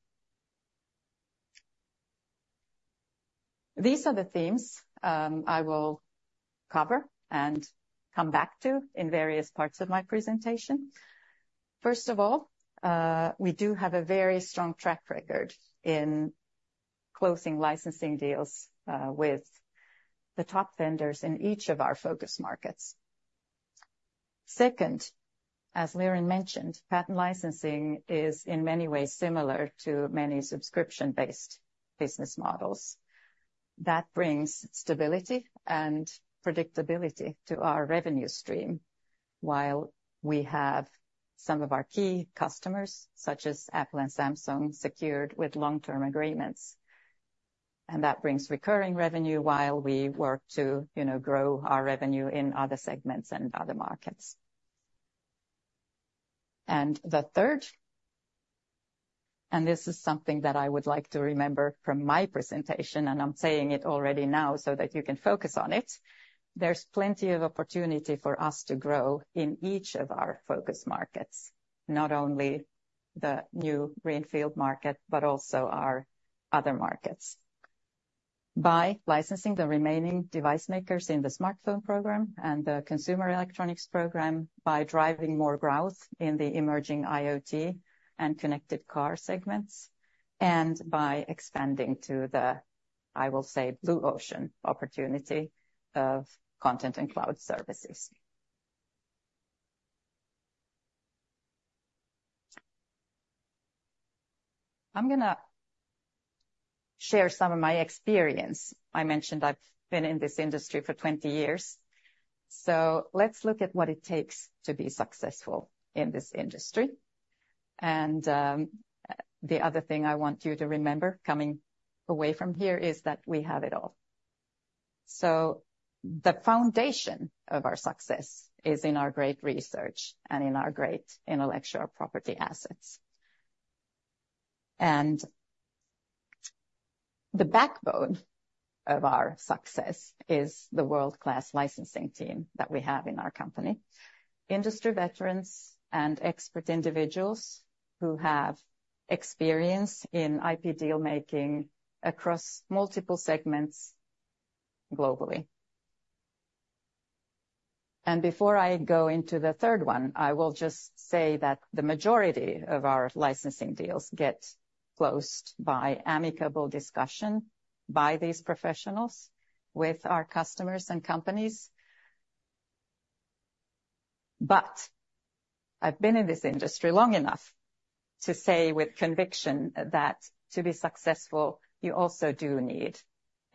These are the themes I will cover and come back to in various parts of my presentation. First of all, we do have a very strong track record in closing licensing deals with the top vendors in each of our focus markets. Second, as Liren mentioned, patent licensing is, in many ways, similar to many subscription-based business models. That brings stability and predictability to our revenue stream, while we have some of our key customers, such as Apple and Samsung, secured with long-term agreements. And that brings recurring revenue while we work to, you know, grow our revenue in other segments and other markets. And the third, and this is something that I would like to remember from my presentation, and I'm saying it already now so that you can focus on it. There's plenty of opportunity for us to grow in each of our focus markets, not only the new greenfield market, but also our other markets, by licensing the remaining device makers in the smartphone program and the consumer electronics program, by driving more growth in the emerging IoT and connected car segments, and by expanding to the, I will say, blue ocean opportunity of content and cloud services. I'm gonna share some of my experience. I mentioned I've been in this industry for 20 years. So let's look at what it takes to be successful in this industry. And the other thing I want you to remember coming away from here is that we have it all. So the foundation of our success is in our great research and in our great intellectual property assets. And the backbone of our success is the world-class licensing team that we have in our company. Industry veterans and expert individuals who have experience in IP deal-making across multiple segments globally. And before I go into the third one, I will just say that the majority of our licensing deals get closed by amicable discussion by these professionals with our customers and companies. But I've been in this industry long enough to say with conviction that to be successful, you also do need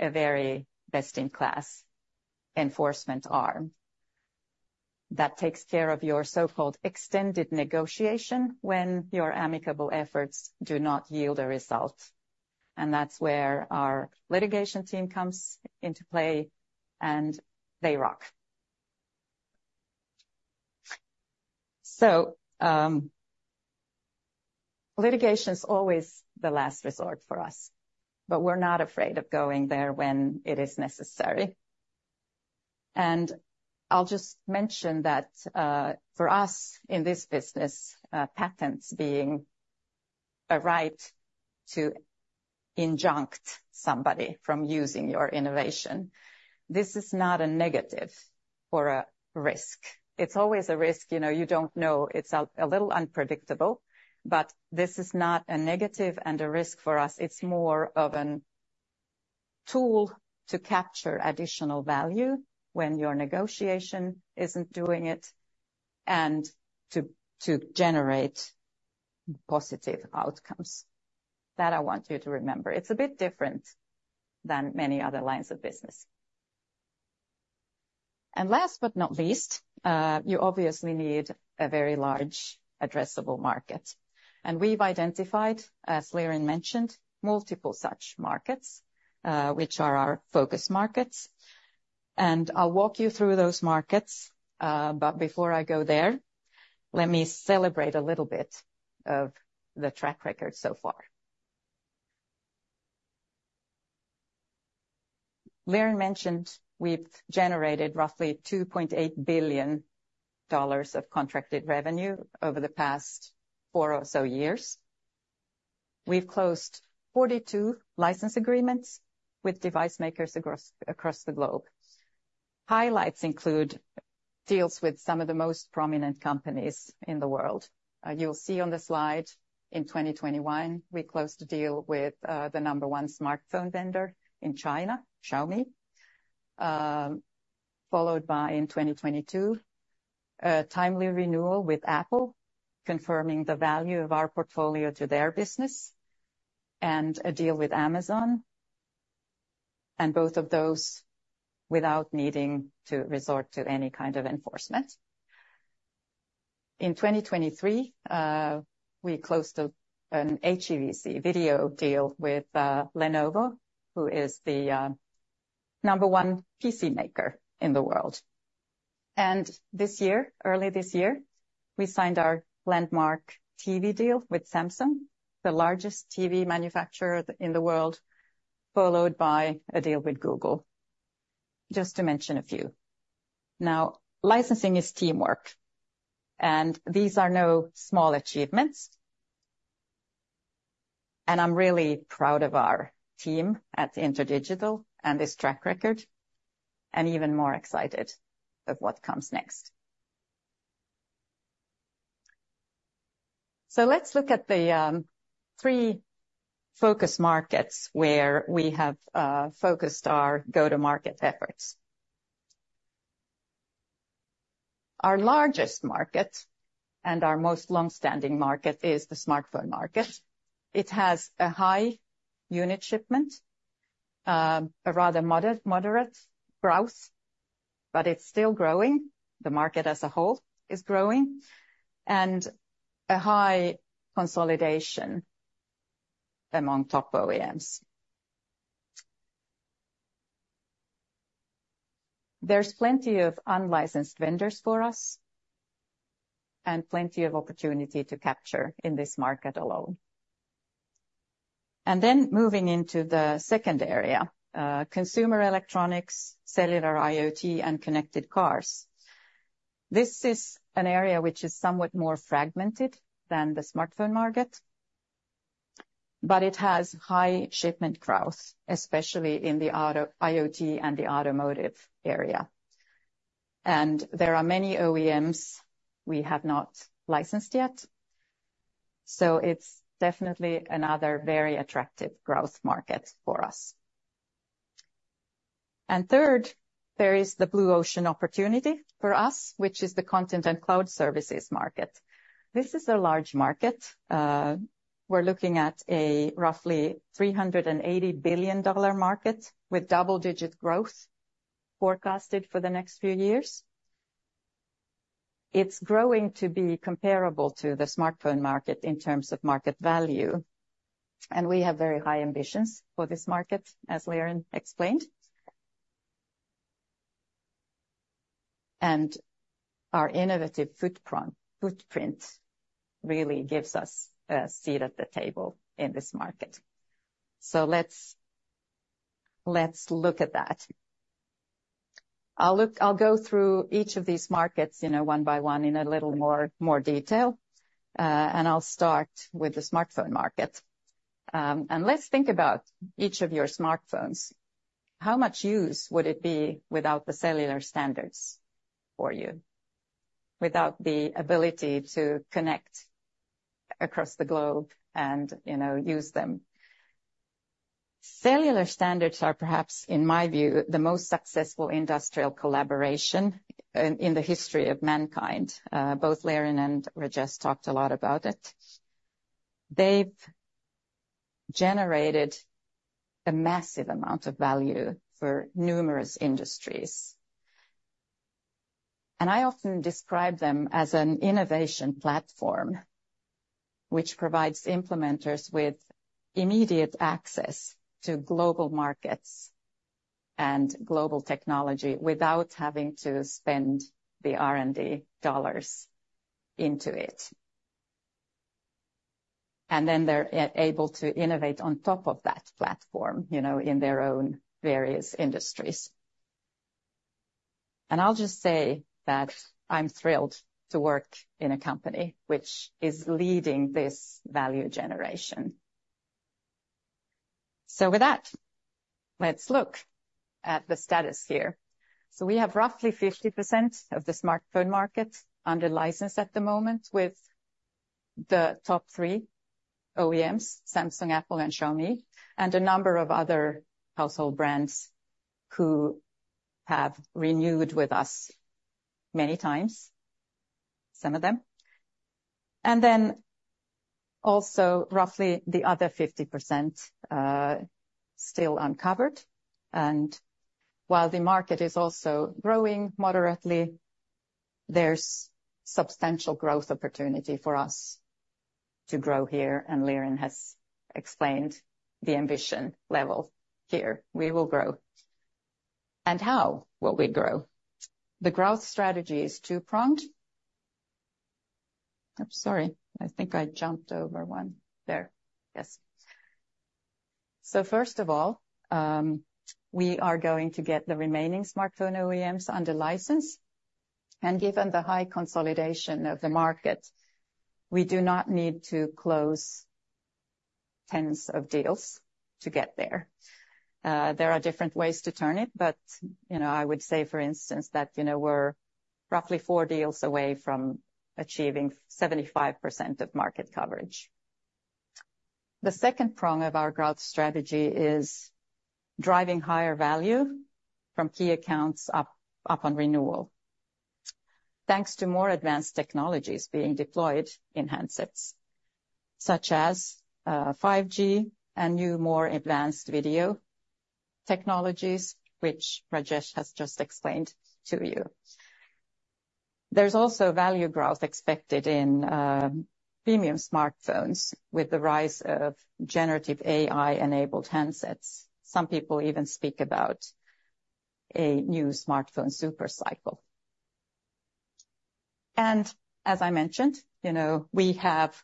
a very best-in-class enforcement arm that takes care of your so-called extended negotiation when your amicable efforts do not yield a result, and that's where our litigation team comes into play, and they rock. Litigation is always the last resort for us, but we're not afraid of going there when it is necessary. I'll just mention that, for us, in this business, patents being a right to enjoin somebody from using your innovation, this is not a negative or a risk. It's always a risk, you know, you don't know. It's a little unpredictable, but this is not a negative and a risk for us. It's more of a tool to capture additional value when your negotiation isn't doing it, and to generate positive outcomes. That, I want you to remember. It's a bit different than many other lines of business. Last but not least, you obviously need a very large addressable market, and we've identified, as Liren mentioned, multiple such markets, which are our focus markets. I'll walk you through those markets, but before I go there, let me celebrate a little bit of the track record so far. Liren mentioned we've generated roughly $2.8 billion of contracted revenue over the past four or so years. We've closed 42 license agreements with device makers across the globe. Highlights include deals with some of the most prominent companies in the world. You'll see on the slide, in 2021, we closed a deal with the number one smartphone vendor in China, Xiaomi. Followed by, in 2022, a timely renewal with Apple, and a deal with Amazon, and both of those without needing to resort to any kind of enforcement. In 2023, we closed an HEVC video deal with Lenovo, who is the number one PC maker in the world. This year, early this year, we signed our landmark TV deal with Samsung, the largest TV manufacturer in the world, followed by a deal with Google, just to mention a few. Now, licensing is teamwork, and these are no small achievements, and I'm really proud of our team at InterDigital and this track record, and even more excited of what comes next. Let's look at the three focus markets where we have focused our go-to-market efforts. Our largest market, and our most long-standing market, is the smartphone market. It has a high unit shipment, a rather moderate growth, but it's still growing. The market as a whole is growing, and a high consolidation among top OEMs. There's plenty of unlicensed vendors for us and plenty of opportunity to capture in this market alone. And then moving into the second area, consumer electronics, cellular IoT, and connected cars. This is an area which is somewhat more fragmented than the smartphone market, but it has high shipment growth, especially in the IoT and the automotive area. And there are many OEMs we have not licensed yet, so it's definitely another very attractive growth market for us. And third, there is the blue ocean opportunity for us, which is the content and cloud services market. This is a large market. We're looking at a roughly $380 billion market with double-digit growth forecasted for the next few years. It's growing to be comparable to the smartphone market in terms of market value, and we have very high ambitions for this market, as Liren explained, and our innovative footprint really gives us a seat at the table in this market, so let's look at that. I'll go through each of these markets, you know, one by one in a little more detail, and I'll start with the smartphone market, and let's think about each of your smartphones. How much use would it be without the cellular standards for you, without the ability to connect across the globe and, you know, use them? Cellular standards are perhaps, in my view, the most successful industrial collaboration in the history of mankind. Both Liren and Rajesh talked a lot about it. They've generated a massive amount of value for numerous industries, and I often describe them as an innovation platform, which provides implementers with immediate access to global markets and global technology without having to spend the R&D dollars into it. And then they're able to innovate on top of that platform, you know, in their own various industries. And I'll just say that I'm thrilled to work in a company which is leading this value generation. So with that, let's look at the status here. So we have roughly 50% of the smartphone market under license at the moment with the top three OEMs, Samsung, Apple, and Xiaomi, and a number of other household brands who have renewed with us many times, some of them. And then also, roughly the other 50%, still uncovered. And while the market is also growing moderately, there's substantial growth opportunity for us to grow here, and Liren has explained the ambition level here. We will grow. And how will we grow? The growth strategy is two-pronged. I'm sorry, I think I jumped over one there. Yes. So first of all, we are going to get the remaining smartphone OEMs under license, and given the high consolidation of the market, we do not need to close tens of deals to get there. There are different ways to turn it, but, you know, I would say, for instance, that, you know, we're roughly four deals away from achieving 75% of market coverage. The second prong of our growth strategy is driving higher value from key accounts up on renewal, thanks to more advanced technologies being deployed in handsets, such as 5G and new, more advanced video technologies, which Rajesh has just explained to you. There's also value growth expected in premium smartphones with the rise of generative AI-enabled handsets. Some people even speak about a new smartphone super cycle. And as I mentioned, you know, we have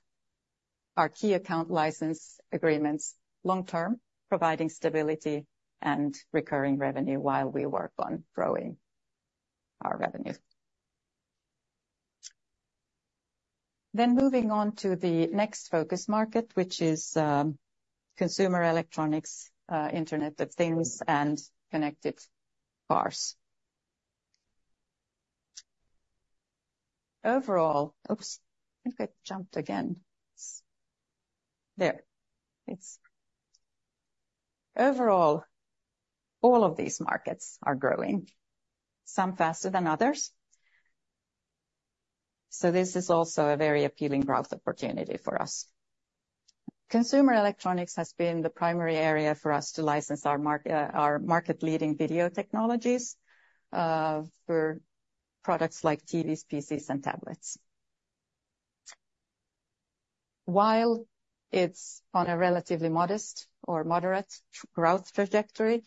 our key account license agreements long term, providing stability and recurring revenue while we work on growing our revenue. Then moving on to the next focus market, which is consumer electronics, Internet of Things, and connected cars. Overall, all of these markets are growing, some faster than others, so this is also a very appealing growth opportunity for us. Consumer electronics has been the primary area for us to license our mark, our market-leading video technologies, for products like TVs, PCs, and tablets. While it's on a relatively modest or moderate growth trajectory,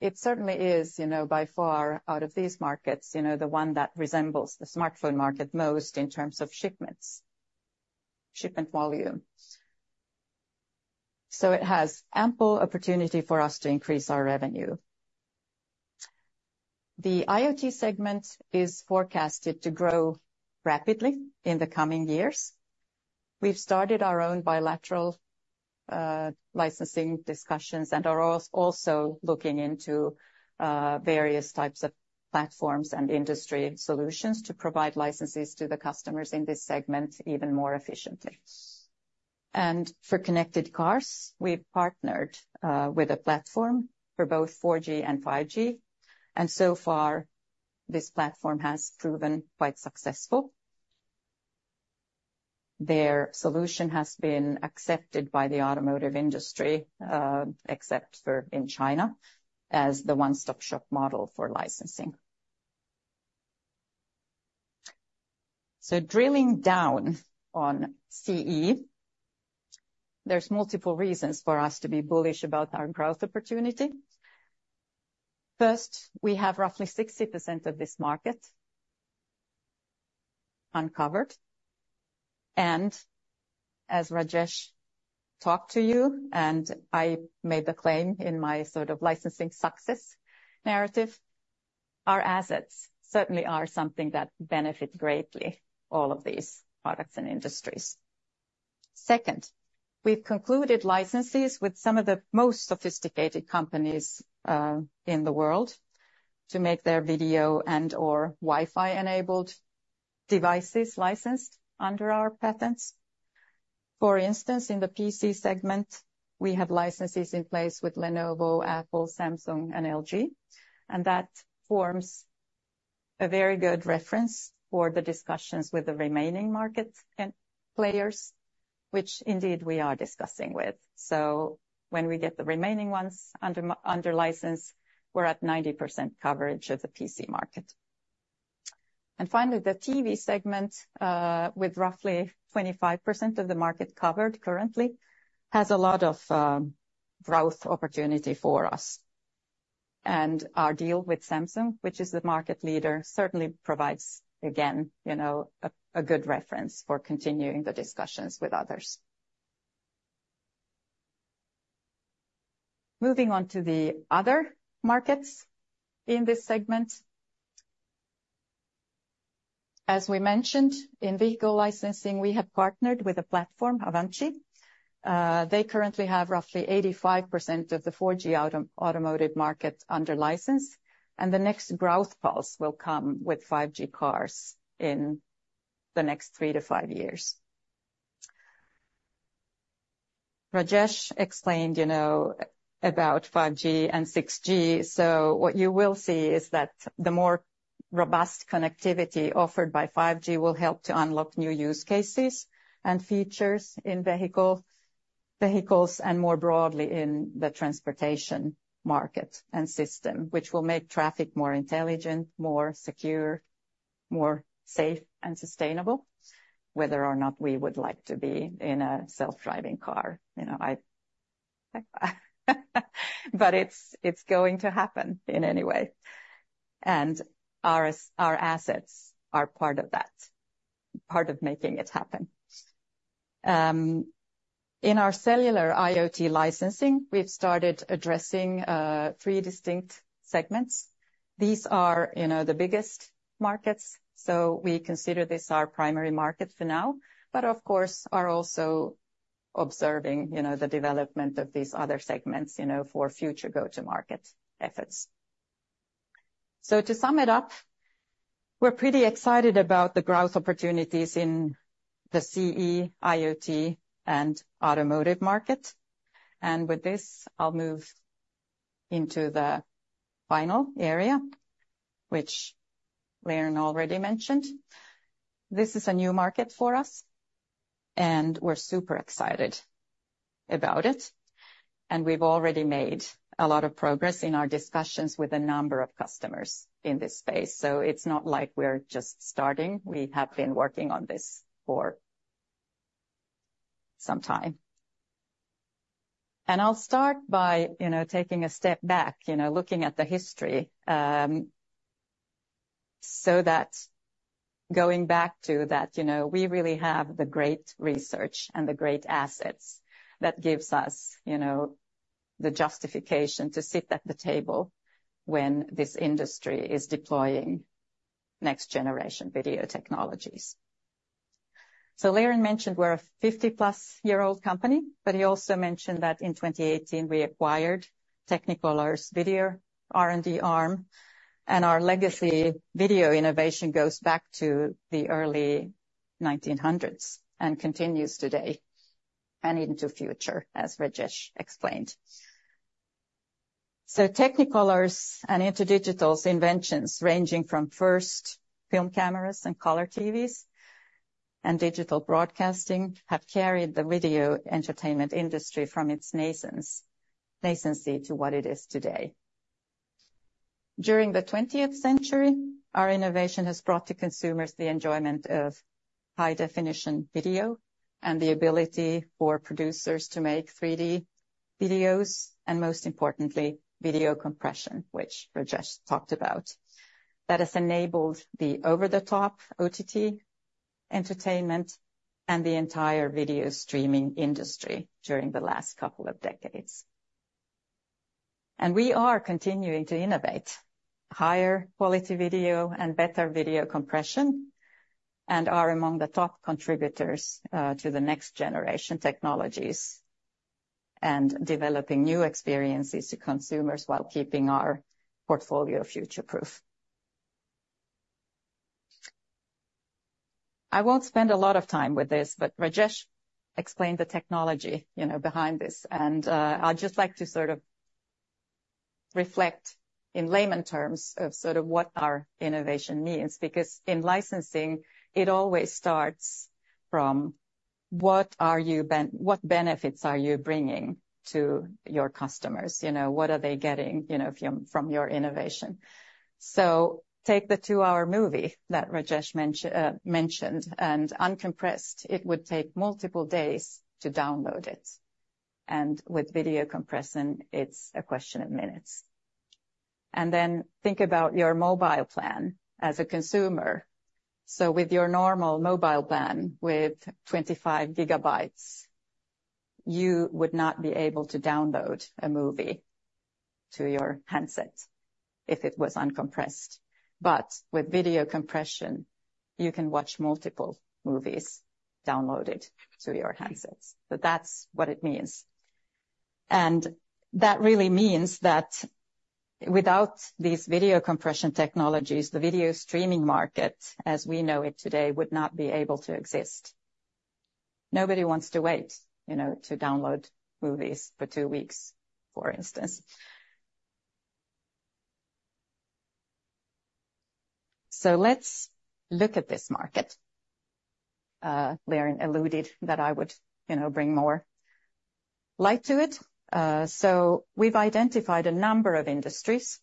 it certainly is, you know, by far, out of these markets, you know, the one that resembles the smartphone market most in terms of shipments, shipment volume. So it has ample opportunity for us to increase our revenue. The IoT segment is forecasted to grow rapidly in the coming years. We've started our own bilateral, licensing discussions and are also looking into, various types of platforms and industry solutions to provide licenses to the customers in this segment even more efficiently. And for connected cars, we've partnered, with a platform for both 4G and 5G, and so far, this platform has proven quite successful. Their solution has been accepted by the automotive industry, except for in China, as the one-stop shop model for licensing. So drilling down on CE, there's multiple reasons for us to be bullish about our growth opportunity. First, we have roughly 60% of this market uncovered, and as Rajesh talked to you and I made the claim in my sort of licensing success narrative. Our assets certainly are something that benefit greatly all of these products and industries. Second, we've concluded licenses with some of the most sophisticated companies in the world to make their video and/or Wi-Fi enabled devices licensed under our patents. For instance, in the PC segment, we have licenses in place with Lenovo, Apple, Samsung, and LG, and that forms a very good reference for the discussions with the remaining market and players, which indeed we are discussing with. When we get the remaining ones under license, we're at 90% coverage of the PC market. Finally, the TV segment, with roughly 25% of the market covered currently, has a lot of growth opportunity for us. Our deal with Samsung, which is the market leader, certainly provides, again, you know, a good reference for continuing the discussions with others. Moving on to the other markets in this segment. As we mentioned, in vehicle licensing, we have partnered with a platform, Avanci. They currently have roughly 85% of the 4G automotive market under license, and the next growth pulse will come with 5G cars in the next three-five years. Rajesh explained, you know, about 5G and 6G, so what you will see is that the more robust connectivity offered by 5G will help to unlock new use cases and features in vehicles, and more broadly, in the transportation market and system, which will make traffic more intelligent, more secure, more safe and sustainable, whether or not we would like to be in a self-driving car. You know, but it's going to happen anyway, and our assets are part of that, part of making it happen. In our cellular IoT licensing, we've started addressing three distinct segments. These are, you know, the biggest markets, so we consider this our primary market for now, but of course are also observing, you know, the development of these other segments, you know, for future go-to-market efforts. So to sum it up, we're pretty excited about the growth opportunities in the CE, IoT, and automotive market. And with this, I'll move into the final area, which Liren already mentioned. This is a new market for us, and we're super excited about it, and we've already made a lot of progress in our discussions with a number of customers in this space, so it's not like we're just starting. We have been working on this for some time. And I'll start by, you know, taking a step back, you know, looking at the history, so that going back to that, you know, we really have the great research and the great assets that gives us, you know, the justification to sit at the table when this industry is deploying next-generation video technologies. Liren mentioned we're a +50-year-old company, but he also mentioned that in 2018, we acquired Technicolor's video R&D arm, and our legacy video innovation goes back to the early 1900s and continues today and into future, as Rajesh explained. Technicolor's and InterDigital's inventions, ranging from first film cameras and color TVs and digital broadcasting, have carried the video entertainment industry from its nascency to what it is today. During the 20th century, our innovation has brought to consumers the enjoyment of high-definition video and the ability for producers to make 3D videos, and most importantly, video compression, which Rajesh talked about. That has enabled the over-the-top, OTT, entertainment and the entire video streaming industry during the last couple of decades. We are continuing to innovate higher quality video and better video compression, and are among the top contributors to the next-generation technologies and developing new experiences to consumers while keeping our portfolio future-proof. I won't spend a lot of time with this, but Rajesh explained the technology, you know, behind this, and I'd just like to sort of reflect in layman's terms of sort of what our innovation means, because in licensing, it always starts from what benefits are you bringing to your customers? You know, what are they getting, you know, from your innovation? So take the two-hour movie that Rajesh mentioned, and uncompressed, it would take multiple days to download it, and with video compression, it's a question of minutes. Then think about your mobile plan as a consumer. With your normal mobile plan, with 25 GB, you would not be able to download a movie to your handset if it was uncompressed, but with video compression, you can watch multiple movies downloaded to your handsets. That's what it means. That really means that without these video compression technologies, the video streaming market, as we know it today, would not be able to exist. Nobody wants to wait, you know, to download movies for two weeks, for instance. Let's look at this market. Liren alluded that I would, you know, bring more light to it. We've identified a number of industries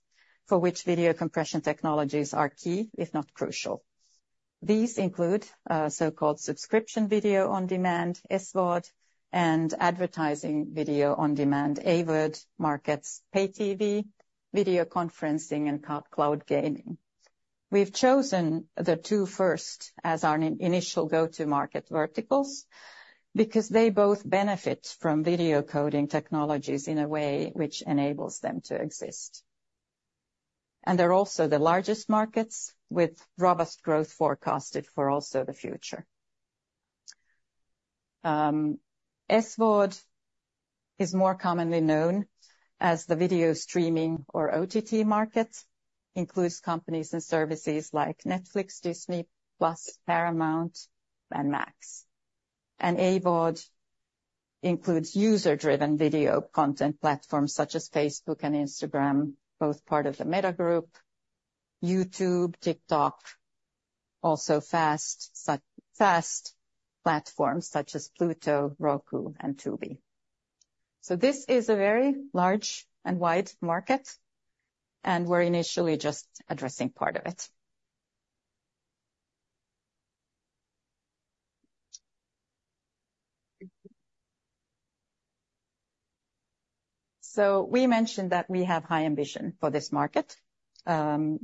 for which video compression technologies are key, if not crucial. These include so-called subscription video-on-demand, SVOD, and advertising video-on-demand, AVOD, markets, pay TV, video conferencing, and cloud gaming. We've chosen the two first as our initial go-to-market verticals because they both benefit from video coding technologies in a way which enables them to exist. And they're also the largest markets with robust growth forecasted for also the future. SVOD is more commonly known as the video streaming or OTT market, includes companies and services like Netflix, Disney+, Paramount, and Max. And AVOD includes user-driven video content platforms such as Facebook and Instagram, both part of the Meta group, YouTube, TikTok, also FAST platforms such as Pluto, Roku, and Tubi. So this is a very large and wide market, and we're initially just addressing part of it. So we mentioned that we have high ambition for this market, and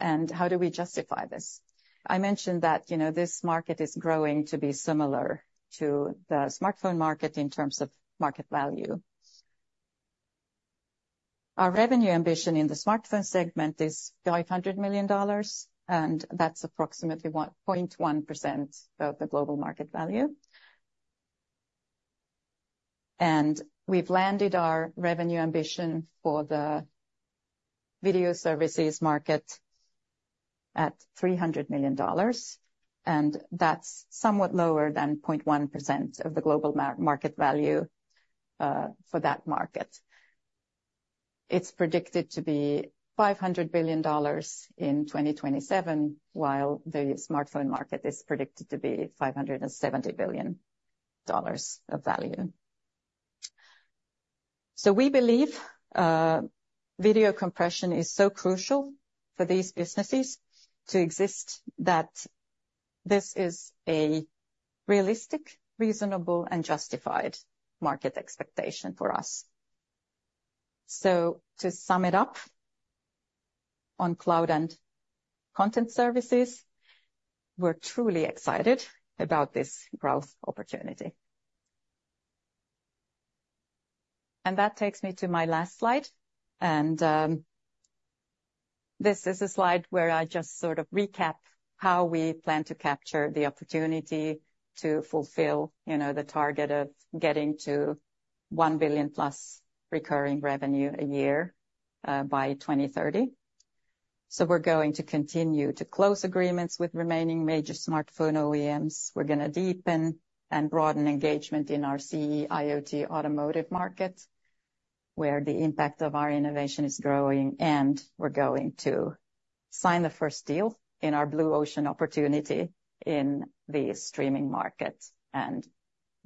how do we justify this? I mentioned that, you know, this market is growing to be similar to the smartphone market in terms of market value. Our revenue ambition in the smartphone segment is $500 million, and that's approximately 1.1% of the global market value. And we've landed our revenue ambition for the video services market at $300 million, and that's somewhat lower than 0.1% of the global market value for that market. It's predicted to be $500 billion in 2027, while the smartphone market is predicted to be $570 billion of value. So we believe video compression is so crucial for these businesses to exist, that this is a realistic, reasonable, and justified market expectation for us. So to sum it up, on cloud and content services, we're truly excited about this growth opportunity. And that takes me to my last slide, and this is a slide where I just sort of recap how we plan to capture the opportunity to fulfill, you know, the target of getting to $1 billion+ recurring revenue a year by 2030. So we're going to continue to close agreements with remaining major smartphone OEMs. We're gonna deepen and broaden engagement in our CE, IoT, automotive market, where the impact of our innovation is growing, and we're going to sign the first deal in our blue ocean opportunity in the streaming market and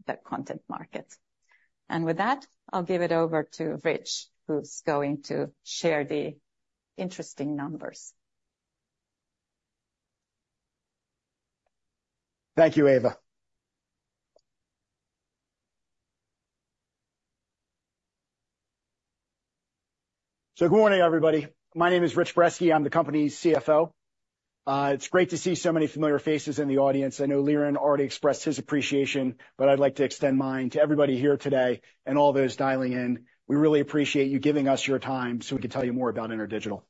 the content market. And with that, I'll give it over to Rich, who's going to share the interesting numbers. Thank you, Eeva. Good morning, everybody. My name is Rich Brezski. I'm the company's CFO. It's great to see so many familiar faces in the audience. I know Liren already expressed his appreciation, but I'd like to extend mine to everybody here today and all those dialing in. We really appreciate you giving us your time so we can tell you more about InterDigital.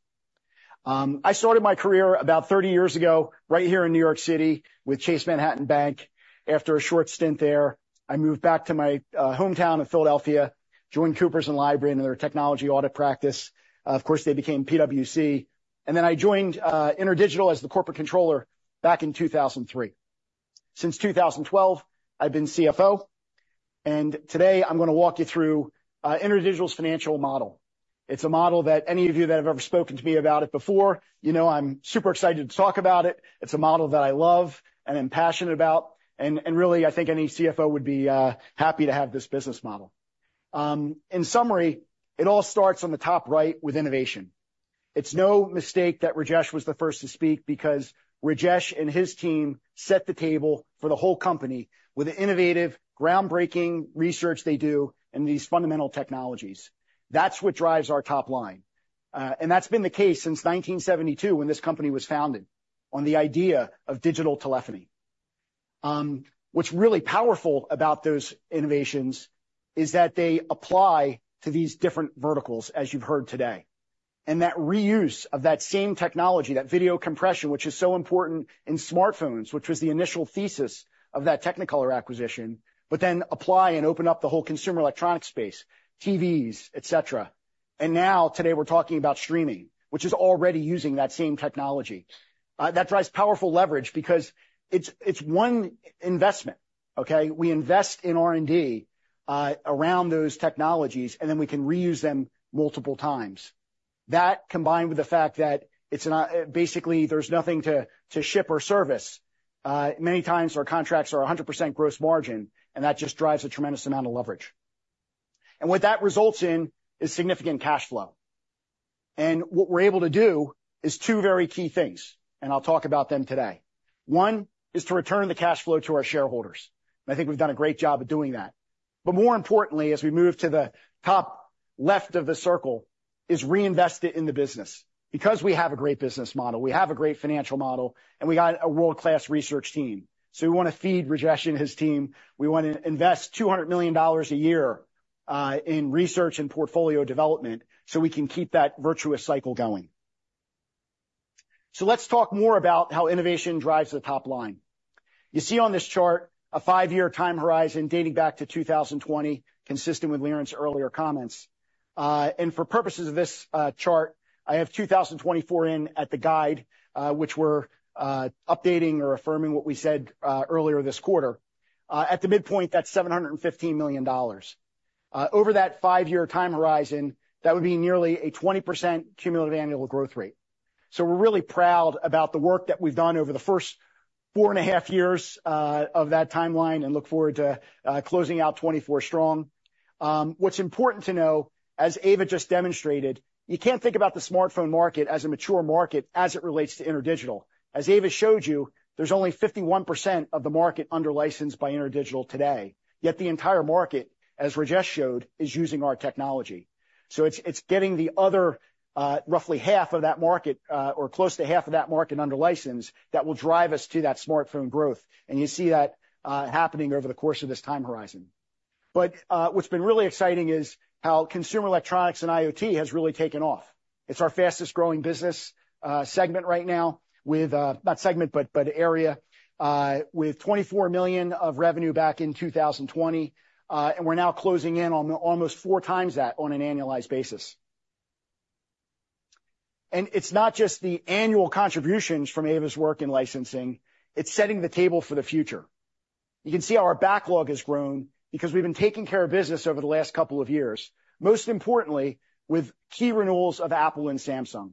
I started my career about 30 years ago, right here in New York City with Chase Manhattan Bank. After a short stint there, I moved back to my hometown of Philadelphia, joined Coopers & Lybrand in their technology audit practice. Of course, they became PwC. Then I joined InterDigital as the corporate controller back in 2003. Since 2012, I've been CFO, and today I'm gonna walk you through InterDigital's financial model. It's a model that any of you that have ever spoken to me about it before, you know I'm super excited to talk about it. It's a model that I love and am passionate about, and really, I think any CFO would be happy to have this business model. In summary, it all starts on the top right with innovation. It's no mistake that Rajesh was the first to speak, because Rajesh and his team set the table for the whole company with the innovative, groundbreaking research they do and these fundamental technologies. That's what drives our top line, and that's been the case since 1972, when this company was founded, on the idea of digital telephony. What's really powerful about those innovations is that they apply to these different verticals, as you've heard today. And that reuse of that same technology, that video compression, which is so important in smartphones, which was the initial thesis of that Technicolor acquisition, but then apply and open up the whole consumer electronic space, TVs, et cetera. And now, today, we're talking about streaming, which is already using that same technology. That drives powerful leverage because it's one investment, okay? We invest in R&D around those technologies, and then we can reuse them multiple times. That, combined with the fact that it's not basically, there's nothing to ship or service. Many times, our contracts are 100% gross margin, and that just drives a tremendous amount of leverage. And what that results in is significant cash flow. And what we're able to do is two very key things, and I'll talk about them today. One is to return the cash flow to our shareholders, and I think we've done a great job of doing that. But more importantly, as we move to the top left of the circle, is reinvest it in the business. Because we have a great business model, we have a great financial model, and we got a world-class research team, so we wanna feed Rajesh and his team. We wanna invest $200 million a year in research and portfolio development, so we can keep that virtuous cycle going. So let's talk more about how innovation drives the top line. You see on this chart a five-year time horizon dating back to 2020, consistent with Liren's earlier comments. And for purposes of this chart, I have 2024 in at the guide, which we're updating or affirming what we said earlier this quarter. At the midpoint, that's $715 million. Over that five-year time horizon, that would be nearly a 20% cumulative annual growth rate. So we're really proud about the work that we've done over the first four and a half years of that timeline, and look forward to closing out 2024 strong. What's important to know, as Eeva just demonstrated, you can't think about the smartphone market as a mature market as it relates to InterDigital. As Eeva showed you, there's only 51% of the market under license by InterDigital today, yet the entire market, as Rajesh showed, is using our technology. It's getting the other roughly half of that market or close to half of that market under license that will drive us to that smartphone growth, and you see that happening over the course of this time horizon, but what's been really exciting is how consumer electronics and IoT has really taken off. It's our fastest-growing business segment right now with not segment but area with $24 million of revenue back in 2020, and we're now closing in on almost 4x that on an annualized basis, and it's not just the annual contributions from Avanci's work in licensing, it's setting the table for the future. You can see how our backlog has grown because we've been taking care of business over the last couple of years, most importantly, with key renewals of Apple and Samsung.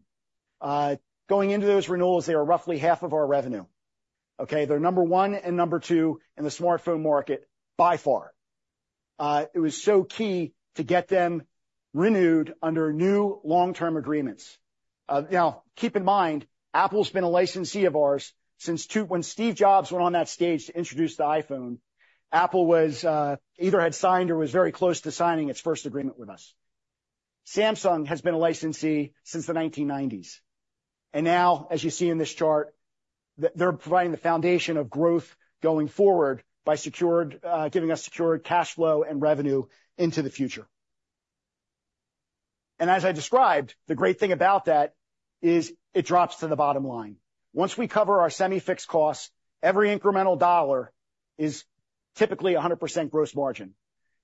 Going into those renewals, they were roughly half of our revenue, okay? They're number one and number two in the smartphone market, by far. It was so key to get them renewed under new long-term agreements. Now, keep in mind, Apple's been a licensee of ours since, when Steve Jobs went on that stage to introduce the iPhone, Apple was either had signed or was very close to signing its first agreement with us. Samsung has been a licensee since the 1990s. And now, as you see in this chart, they're providing the foundation of growth going forward by secured, giving us secured cash flow and revenue into the future. And as I described, the great thing about that is it drops to the bottom line. Once we cover our semi-fixed costs, every incremental dollar is typically a 100% gross margin.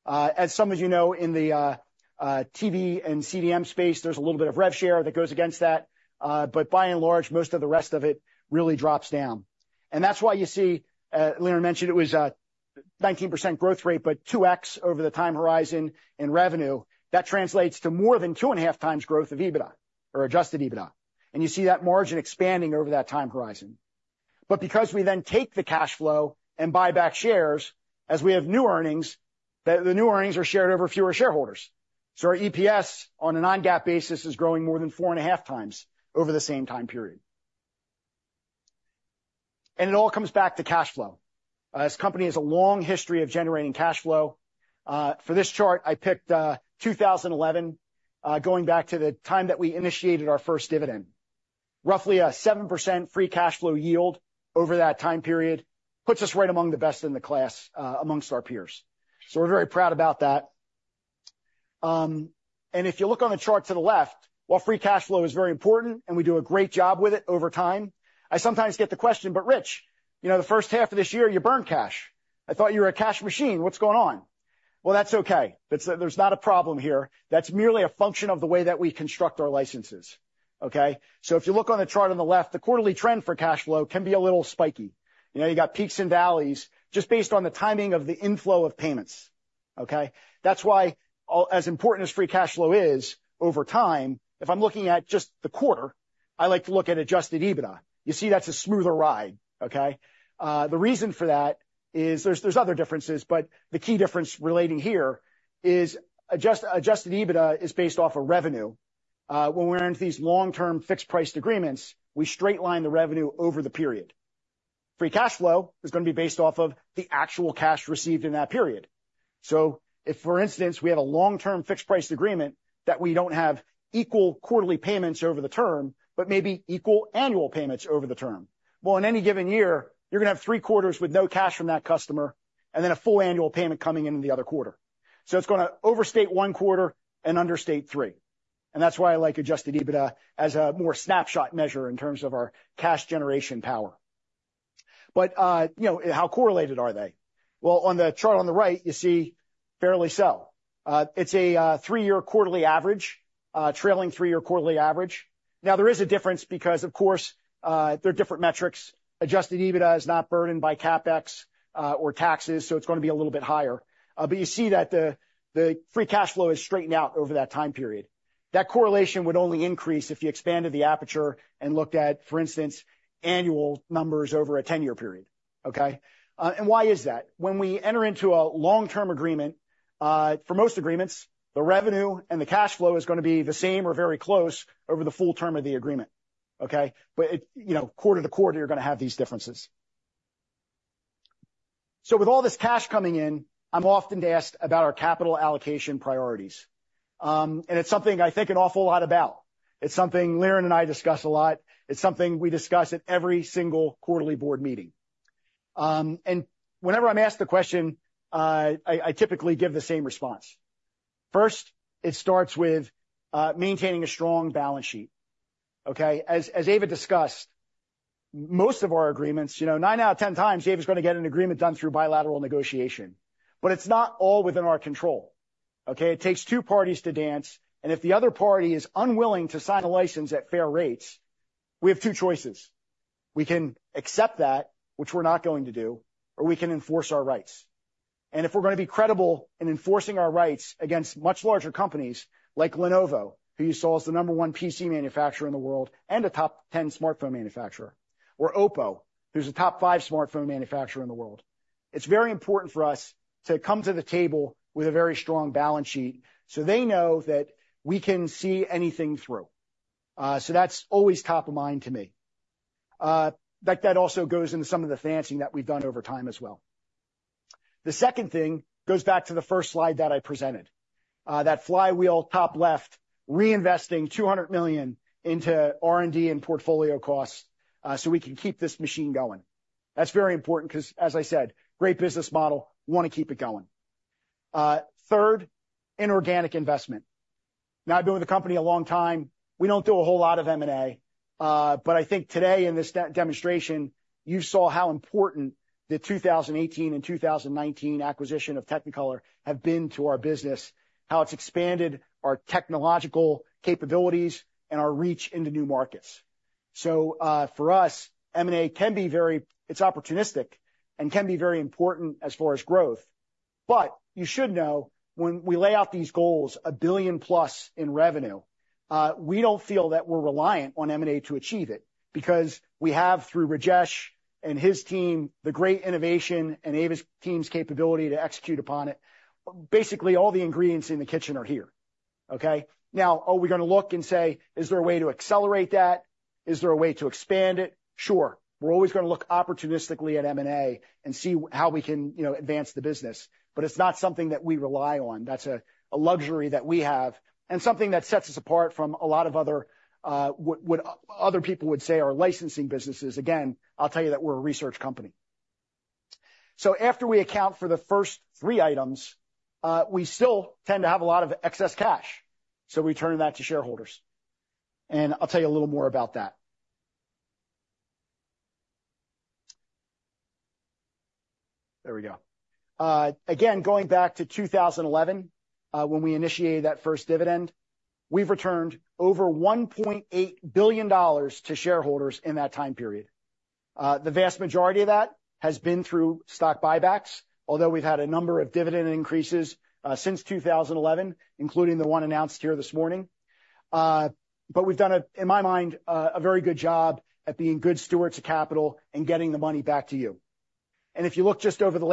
As some of you know, in the TV and CDM space, there's a little bit of rev share that goes against that, but by and large, most of the rest of it really drops down. And that's why you see, Liren mentioned it was, 19% growth rate, but 2x over the time horizon in revenue. That translates to more than 2.5x growth of EBITDA or adjusted EBITDA, and you see that margin expanding over that time horizon. But because we then take the cash flow and buy back shares, as we have new earnings, the, the new earnings are shared over fewer shareholders. So our EPS, on a non-GAAP basis, is growing more than 4.5x over the same time period. And it all comes back to cash flow. This company has a long history of generating cash flow. For this chart, I picked 2011, going back to the time that we initiated our first dividend. Roughly a 7% free cash flow yield over that time period puts us right among the best in the class, amongst our peers, so we're very proud about that. And if you look on the chart to the left, while free cash flow is very important, and we do a great job with it over time, I sometimes get the question: "But Rich, you know, the first half of this year, you burned cash. I thought you were a cash machine. What's going on?" Well, that's okay. That's, there's not a problem here. That's merely a function of the way that we construct our licenses, okay? So if you look on the chart on the left, the quarterly trend for cash flow can be a little spiky. You know, you got peaks and valleys, just based on the timing of the inflow of payments, okay? That's why as important as free cash flow is, over time, if I'm looking at just the quarter, I like to look at adjusted EBITDA. You see that's a smoother ride, okay? The reason for that is there's other differences, but the key difference relating here is adjusted EBITDA is based off of revenue. When we're into these long-term, fixed-priced agreements, we straight line the revenue over the period. Free cash flow is going to be based off of the actual cash received in that period. So if, for instance, we have a long-term fixed price agreement, that we don't have equal quarterly payments over the term, but maybe equal annual payments over the term, well, in any given year, you're going to have three quarters with no cash from that customer, and then a full annual payment coming in in the other quarter. So it's gonna overstate one quarter and understate three. And that's why I like adjusted EBITDA as a more snapshot measure in terms of our cash generation power. But, you know, how correlated are they? Well, on the chart on the right, you see fairly so. It's a three-year quarterly average, trailing three-year quarterly average. Now, there is a difference because, of course, they're different metrics. Adjusted EBITDA is not burdened by CapEx, or taxes, so it's gonna be a little bit higher. But you see that the free cash flow is straightened out over that time period. That correlation would only increase if you expanded the aperture and looked at, for instance, annual numbers over a ten-year period, okay? And why is that? When we enter into a long-term agreement, for most agreements, the revenue and the cash flow is gonna be the same or very close over the full term of the agreement, okay? But, you know, quarter-to-quarter, you're gonna have these differences. So with all this cash coming in, I'm often asked about our capital allocation priorities. And it's something I think an awful lot about. It's something Liren and I discuss a lot. It's something we discuss at every single quarterly board meeting. And whenever I'm asked the question, I typically give the same response. First, it starts with maintaining a strong balance sheet, okay? As Eeva discussed, most of our agreements, you know, 9 out of 10 times, Eeva's gonna get an agreement done through bilateral negotiation. But it's not all within our control, okay? It takes two parties to dance, and if the other party is unwilling to sign a license at fair rates, we have two choices: We can accept that, which we're not going to do, or we can enforce our rights. And if we're gonna be credible in enforcing our rights against much larger companies like Lenovo, who you saw is the number one PC manufacturer in the world and a top 10 smartphone manufacturer, or OPPO, who's a top five smartphone manufacturer in the world, it's very important for us to come to the table with a very strong balance sheet so they know that we can see anything through. So that's always top of mind to me. That also goes into some of the financing that we've done over time as well. The second thing goes back to the first slide that I presented, that flywheel, top left, reinvesting $200 million into R&D and portfolio costs, so we can keep this machine going. That's very important because, as I said, great business model, want to keep it going. Third, inorganic investment. Now, I've been with the company a long time. We don't do a whole lot of M&A, but I think today in this demonstration, you saw how important the 2018 and 2019 acquisition of Technicolor have been to our business, how it's expanded our technological capabilities and our reach into new markets, so for us, M&A can be very opportunistic and can be very important as far as growth, but you should know, when we lay out these goals, $1 billion+ in revenue, we don't feel that we're reliant on M&A to achieve it because we have, through Rajesh and his team, the great innovation and Eeva's team's capability to execute upon it. Basically, all the ingredients in the kitchen are here, okay? Now, are we gonna look and say, "Is there a way to accelerate that? Is there a way to expand it?" Sure, we're always gonna look opportunistically at M&A and see how we can, you know, advance the business, but it's not something that we rely on. That's a luxury that we have and something that sets us apart from a lot of other, what other people would say are licensing businesses. Again, I'll tell you that we're a research company. So after we account for the first three items, we still tend to have a lot of excess cash, so we return that to shareholders. And I'll tell you a little more about that. There we go. Again, going back to 2011, when we initiated that first dividend, we've returned over $1.8 billion to shareholders in that time period. The vast majority of that has been through stock buybacks, although we've had a number of dividend increases since 2011, including the one announced here this morning. But we've done, in my mind, a very good job at being good stewards of capital and getting the money back to you. And if you look just over the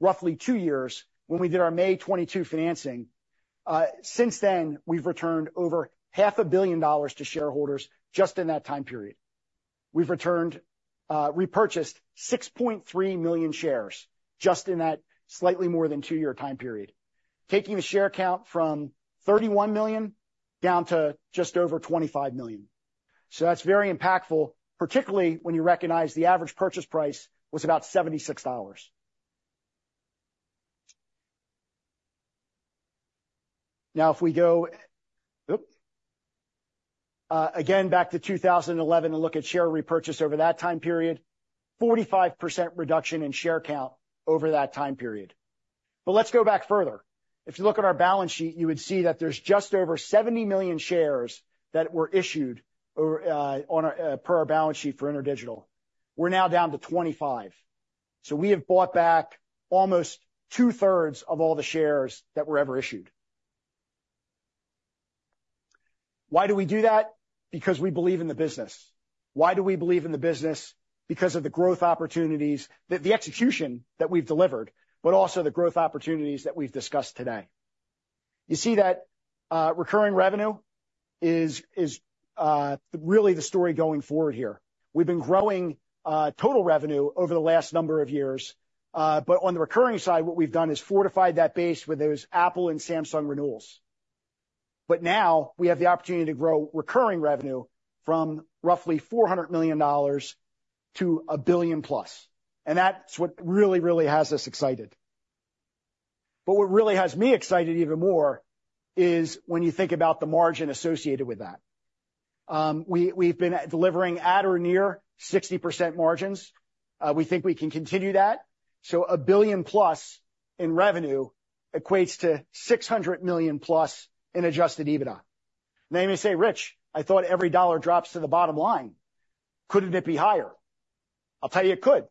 last, roughly two years, when we did our May 2022 financing, since then, we've returned over $500 million to shareholders just in that time period. We've repurchased 6.3 million shares just in that slightly more than two-year time period, taking the share count from 31 million down to just over 25 million. So that's very impactful, particularly when you recognize the average purchase price was about $76. Now, if we go again back to 2011 and look at share repurchase over that time period, 45% reduction in share count over that time period. But let's go back further. If you look at our balance sheet, you would see that there's just over 70 million shares that were issued per our balance sheet for InterDigital. We're now down to 25%. So we have bought back almost 2/3 of all the shares that were ever issued. Why do we do that? Because we believe in the business. Why do we believe in the business? Because of the growth opportunities, the execution that we've delivered, but also the growth opportunities that we've discussed today. You see that recurring revenue is really the story going forward here. We've been growing total revenue over the last number of years, but on the recurring side, what we've done is fortified that base with those Apple and Samsung renewals. But now we have the opportunity to grow recurring revenue from roughly $400 million to $1 billion+, and that's what really, really has us excited. But what really has me excited even more is when you think about the margin associated with that. We've been delivering at or near 60% margins. We think we can continue that. So $1 billion+ in revenue equates to $600 million+ in adjusted EBITDA. Now, you may say, "Rich, I thought every dollar drops to the bottom line. Couldn't it be higher?" I'll tell you, it could.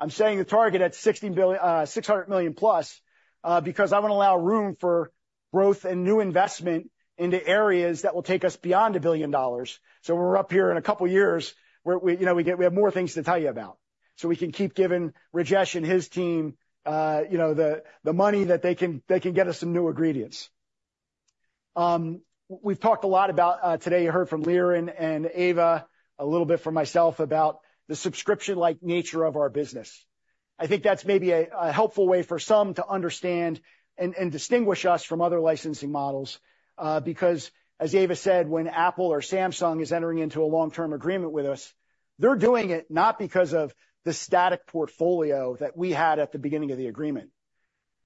I'm saying the target at $600 billion+, because I want to allow room for growth and new investment into areas that will take us beyond $1 billion. We're up here in a couple of years, where we, you know, we have more things to tell you about. So we can keep giving Rajesh and his team, you know, the money that they can get us some new ingredients. We've talked a lot about today. You heard from Liren and Eeva, a little bit from myself, about the subscription-like nature of our business. I think that's maybe a helpful way for some to understand and distinguish us from other licensing models, because, as Eeva said, when Apple or Samsung is entering into a long-term agreement with us, they're doing it not because of the static portfolio that we had at the beginning of the agreement.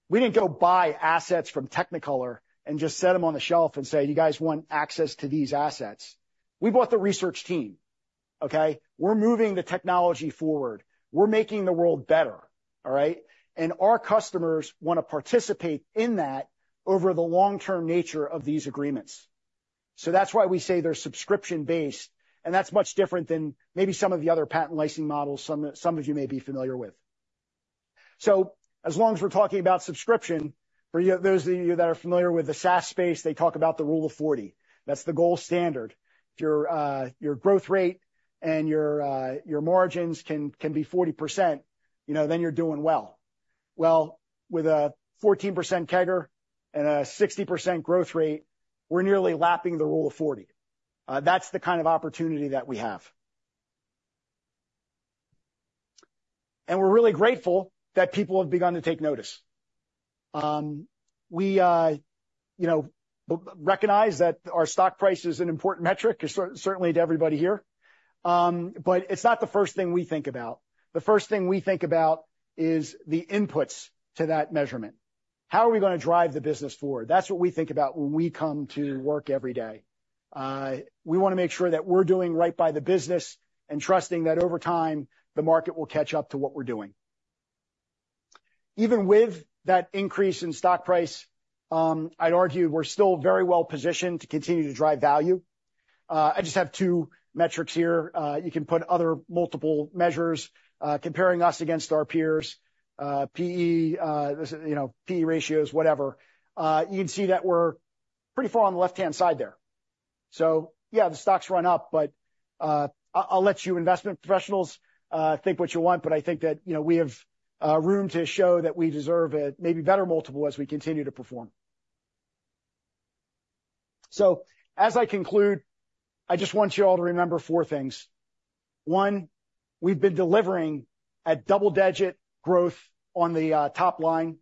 We didn't go buy assets from Technicolor and just set them on the shelf and say, "You guys want access to these assets?" We bought the research team, okay? We're moving the technology forward. We're making the world better, all right? And our customers want to participate in that over the long-term nature of these agreements. So that's why we say they're subscription-based, and that's much different than maybe some of the other patent licensing models some of you may be familiar with. As long as we're talking about subscription, for you, those of you that are familiar with the SaaS space, they talk about the Rule of 40. That's the gold standard. If your growth rate and your margins can be 40%, you know, then you're doing well. With a 14% CAGR and a 60% growth rate, we're nearly lapping the Rule of 40. That's the kind of opportunity that we have. And we're really grateful that people have begun to take notice. We, you know, recognize that our stock price is an important metric, certainly to everybody here, but it's not the first thing we think about. The first thing we think about is the inputs to that measurement. How are we gonna drive the business forward? That's what we think about when we come to work every day. We wanna make sure that we're doing right by the business and trusting that over time, the market will catch up to what we're doing. Even with that increase in stock price, I'd argue we're still very well positioned to continue to drive value. I just have two metrics here. You can put other multiple measures, comparing us against our peers, PE, you know, PE ratios, whatever. You can see that we're pretty far on the left-hand side there. So yeah, the stock's run up, but, I'll let you investment professionals think what you want, but I think that, you know, we have room to show that we deserve a maybe better multiple as we continue to perform. As I conclude, I just want you all to remember four things. One, we've been delivering double-digit growth on the top line,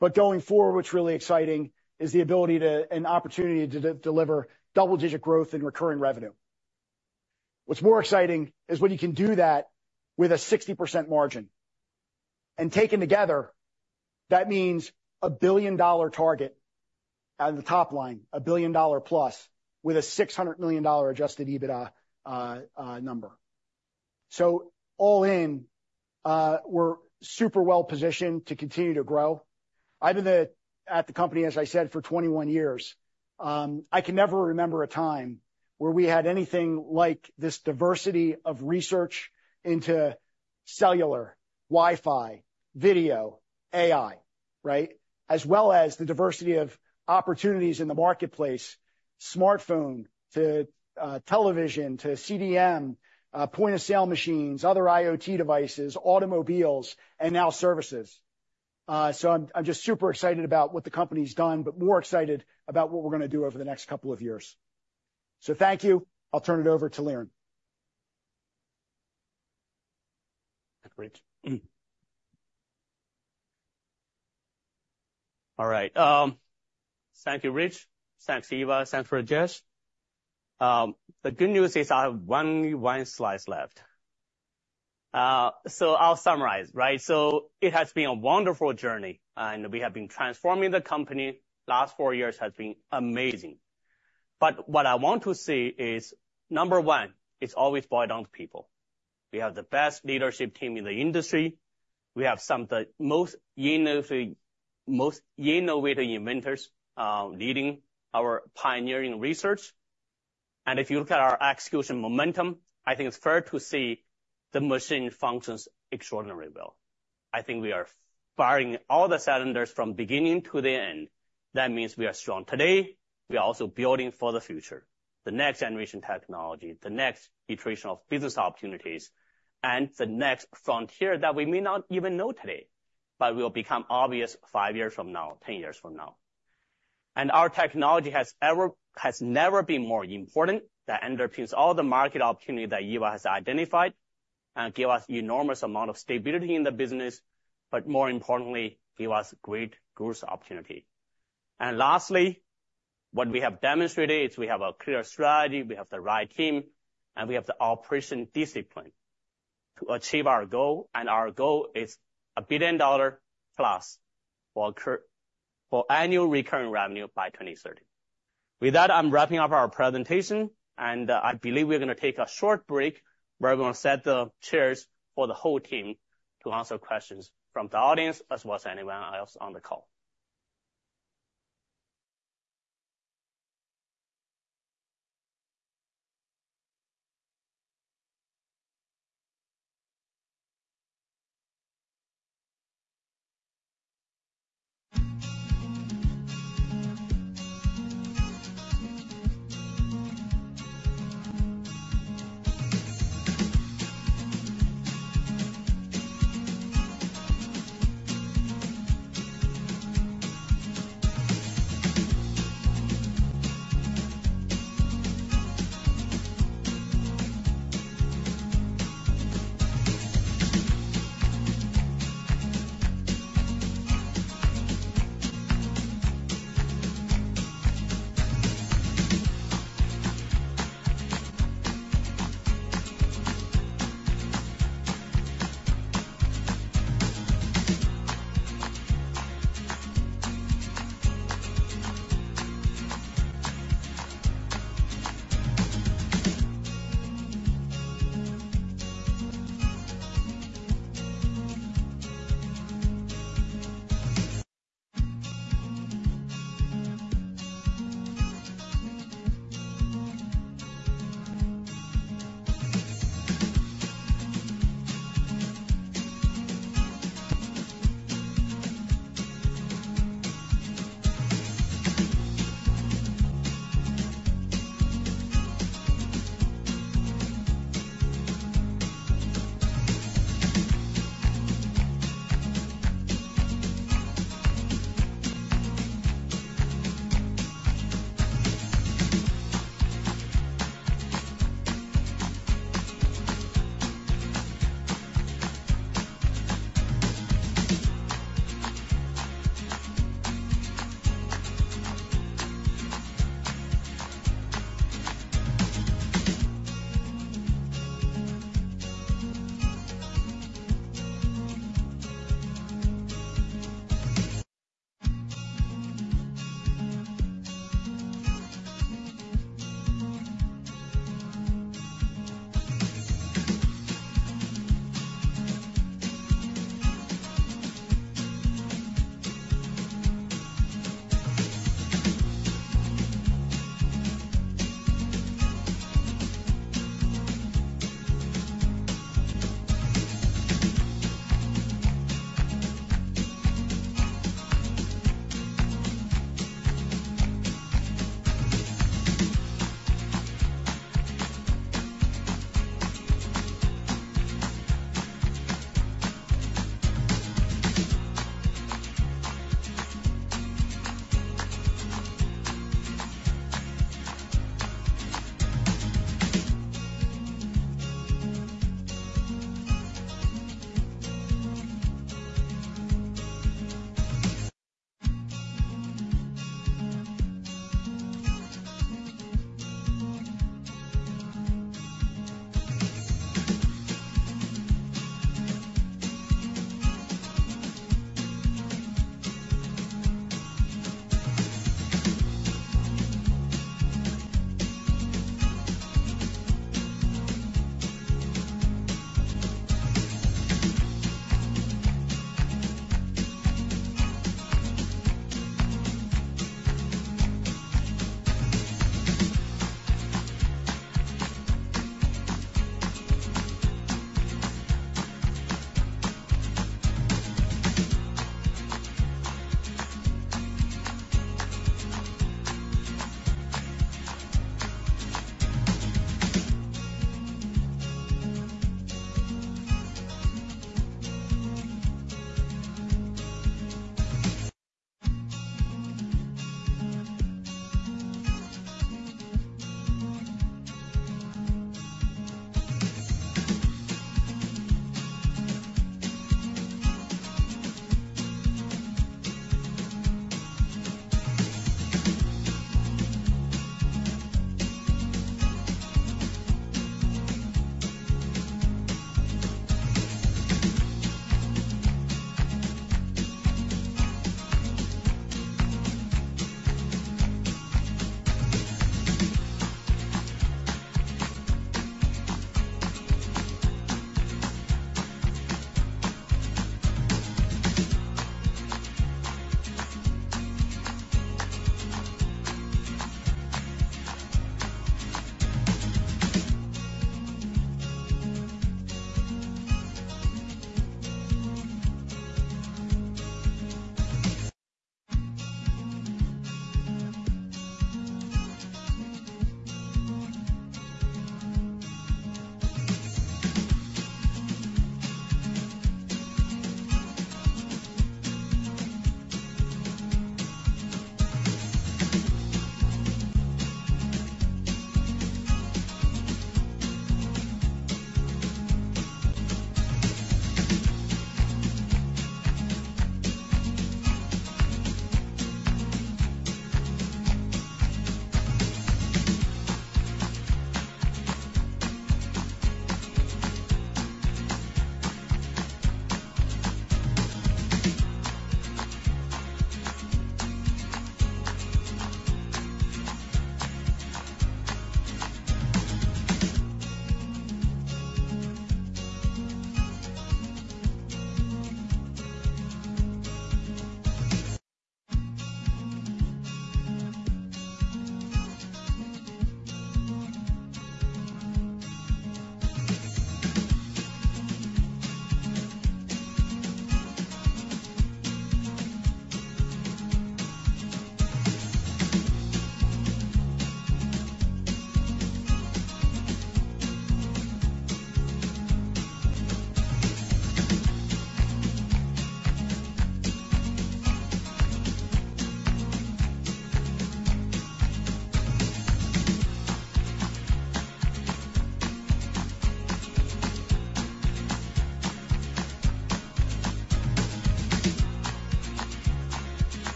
but going forward, what's really exciting is the ability to and opportunity to deliver double-digit growth in recurring revenue. What's more exciting is when you can do that with a 60% margin, and taken together, that means a $1 billion target on the top line, a $1 billion+, with a $600 million adjusted EBITDA number. All in, we're super well positioned to continue to grow. I've been at the company, as I said, for 21 years. I can never remember a time where we had anything like this diversity of research into cellular, Wi-Fi, video, AI, right? As well as the diversity of opportunities in the marketplace, smartphone to, television, to CDM, point-of-sale machines, other IoT devices, automobiles, and now services. So I'm just super excited about what the company's done, but more excited about what we're gonna do over the next couple of years. So thank you. I'll turn it over to Liren. Great. All right, thank you, Rich. Thanks, Eeva. Thanks, Rajesh. The good news is I have only one slide left. So I'll summarize, right? So it has been a wonderful journey, and we have been transforming the company. Last four years has been amazing. But what I want to say is, number one, it's always boil down to people. We have the best leadership team in the industry. We have some of the most innovative inventors leading our pioneering research. And if you look at our execution momentum, I think it's fair to say the machine functions extraordinarily well. I think we are firing all the cylinders from beginning to the end. That means we are strong today, we are also building for the future. The next generation technology, the next iteration of business opportunities, and the next frontier that we may not even know today, but will become obvious five years from now, 10 years from now. Our technology has never been more important. That underpins all the market opportunity that Eeva has identified and give us enormous amount of stability in the business, but more importantly, give us great growth opportunity. Lastly, what we have demonstrated is we have a clear strategy, we have the right team, and we have the operational discipline to achieve our goal, and our goal is $1 billion+ for annual recurring revenue by 2030. With that, I'm wrapping up our presentation, and I believe we're going to take a short break. We're going to set the chairs for the whole team to answer questions from the audience as well as anyone else on the call.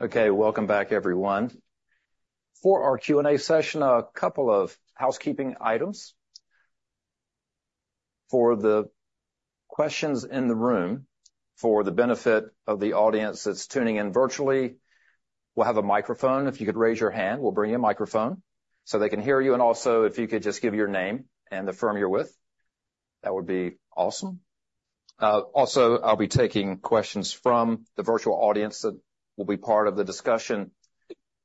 Okay, welcome back, everyone. For our Q&A session, a couple of housekeeping items. For the questions in the room, for the benefit of the audience that's tuning in virtually, we'll have a microphone. If you could raise your hand, we'll bring you a microphone so they can hear you, and also, if you could just give your name and the firm you're with, that would be awesome. Also, I'll be taking questions from the virtual audience that will be part of the discussion.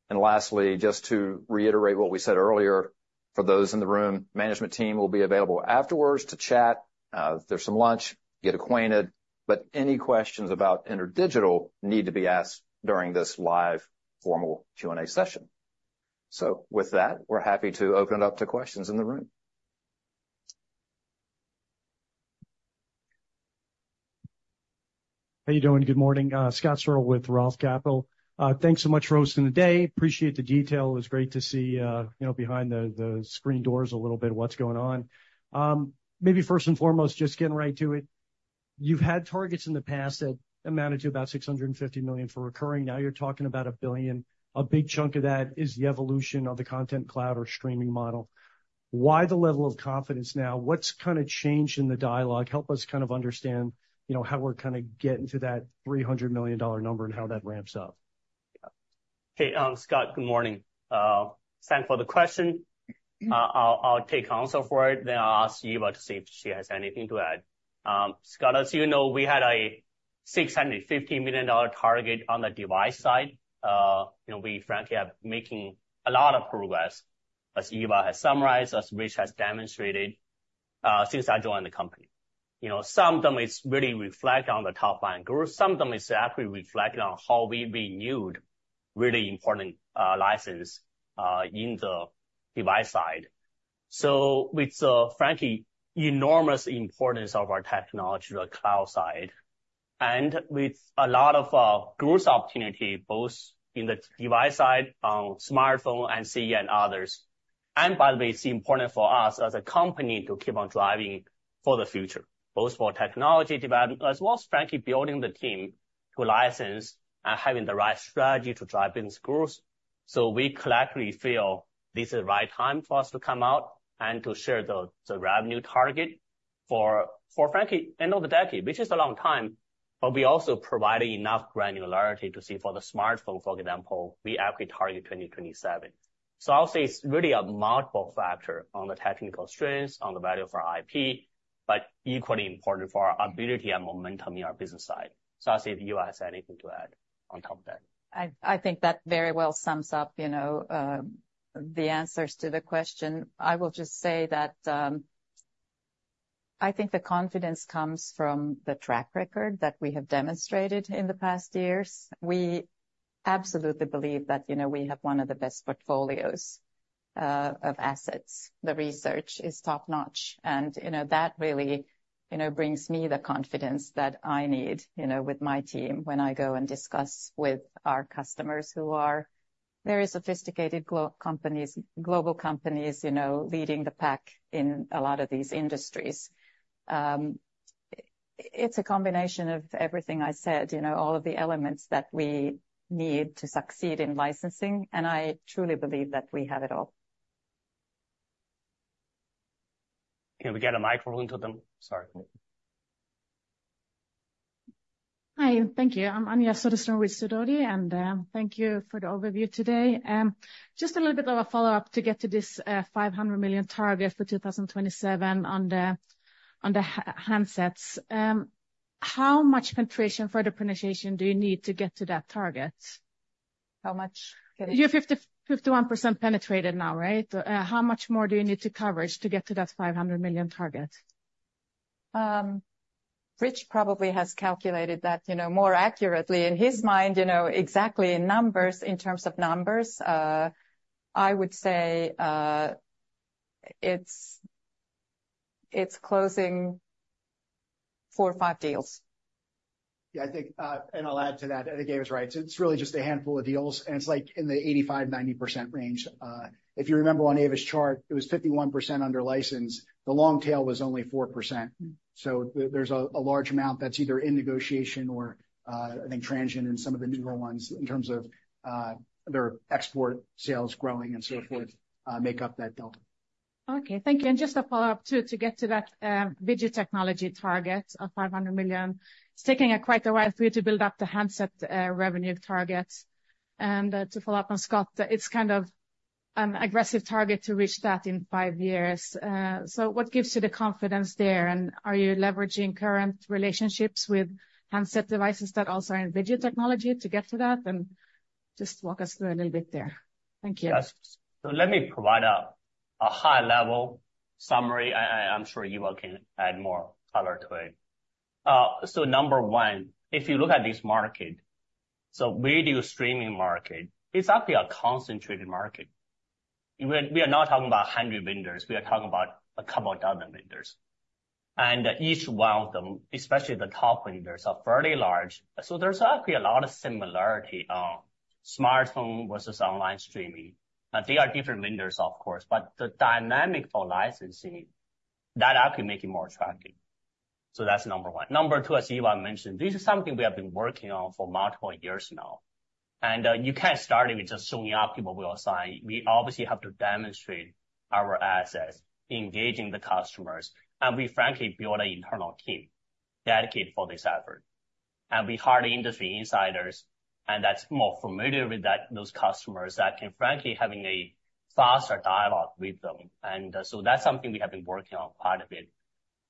And lastly, just to reiterate what we said earlier, for those in the room, management team will be available afterwards to chat. There's some lunch, get acquainted, but any questions about InterDigital need to be asked during this live formal Q&A session. So with that, we're happy to open it up to questions in the room. How you doing? Good morning. Scott Searle with Roth Capital. Thanks so much for hosting the day. Appreciate the detail. It's great to see, you know, behind the scenes a little bit, what's going on. Maybe first and foremost, just getting right to it, you've had targets in the past that amounted to about $650 million for recurring. Now you're talking about $1 billion. A big chunk of that is the evolution of the content cloud or streaming model. Why the level of confidence now? What's kind of changed in the dialogue? Help us kind of understand, you know, how we're kind of getting to that $300 million number and how that ramps up. Hey, Scott, good morning. Thanks for the question. I'll take a crack at it, then I'll ask Eeva to see if she has anything to add. Scott, as you know, we had a $650 million target on the device side. You know, we frankly are making a lot of progress, as Eeva has summarized, as Rich has demonstrated, since I joined the company. You know, some of them is really reflect on the top line growth. Some of them is actually reflecting on how we renewed really important license in the device side. So with the, frankly, enormous importance of our technology to the cloud side, and with a lot of growth opportunity, both in the device side, on smartphone, and CE, and others. By the way, it's important for us as a company to keep on driving for the future, both for technology development as well as, frankly, building the team to license and having the right strategy to drive business growth. We collectively feel this is the right time for us to come out and to share the revenue target for, frankly, end of the decade, which is a long time, but we also provide enough granularity to see for the smartphone, for example, we actually target 2027. I'll say it's really a multiple factor on the technical strengths, on the value of our IP, but equally important for our ability and momentum in our business side. I'll see if Eeva has anything to add on top of that. I think that very well sums up, you know, the answers to the question. I will just say that, I think the confidence comes from the track record that we have demonstrated in the past years. We absolutely believe that, you know, we have one of the best portfolios of assets. The research is top-notch, and, you know, that really, you know, brings me the confidence that I need, you know, with my team when I go and discuss with our customers, who are very sophisticated global companies, you know, leading the pack in a lot of these industries. It's a combination of everything I said, you know, all of the elements that we need to succeed in licensing, and I truly believe that we have it all. Can we get a microphone to them? Sorry. Hi, thank you. I'm Anja Soderstrom with Sidoti, and thank you for the overview today. Just a little bit of a follow-up to get to this $500 million target for 2027 on the handsets. How much penetration, further penetration do you need to get to that target? How much? You're 50%-51% penetrated now, right? How much more coverage do you need to get to that $500 million target? Rich probably has calculated that, you know, more accurately in his mind, you know, exactly in numbers. In terms of numbers, I would say, it's closing four or five deals. Yeah, I think, and I'll add to that, I think Eeva's right. It's really just a handful of deals, and it's, like, in the 85%-90% range. If you remember on Eeva's chart, it was 51% under license. The long tail was only 4%. So there, there's a, a large amount that's either in negotiation or, I think transient in some of the newer ones, in terms of, their export sales growing and so forth, make up that delta. Okay, thank you. And just a follow-up, too, to get to that, video technology target of $500 million. It's taking quite a while for you to build up the handset revenue target. And, to follow up on Scott, it's kind of an aggressive target to reach that in five years. So what gives you the confidence there, and are you leveraging current relationships with handset devices that also are in video technology to get to that? And just walk us through a little bit there. Thank you. Yes. So let me provide a high-level summary. I, I'm sure you all can add more color to it. So number one, if you look at this market, so video streaming market is actually a concentrated market. We are not talking about 100 vendors, we are talking about a couple of dozen vendors. And each one of them, especially the top vendors, are fairly large. So there's actually a lot of similarity on smartphone versus online streaming. Now, they are different vendors, of course, but the dynamic for licensing, that actually make it more attractive. So that's number one. Number two, as Eeva mentioned, this is something we have been working on for multiple years now, and you can't start it with just showing up and we'll sign. We obviously have to demonstrate our assets, engaging the customers, and we frankly build an internal team dedicated for this effort. We hire industry insiders, and that's more familiar with that, those customers that can frankly having a faster dialogue with them. So that's something we have been working on, part of it.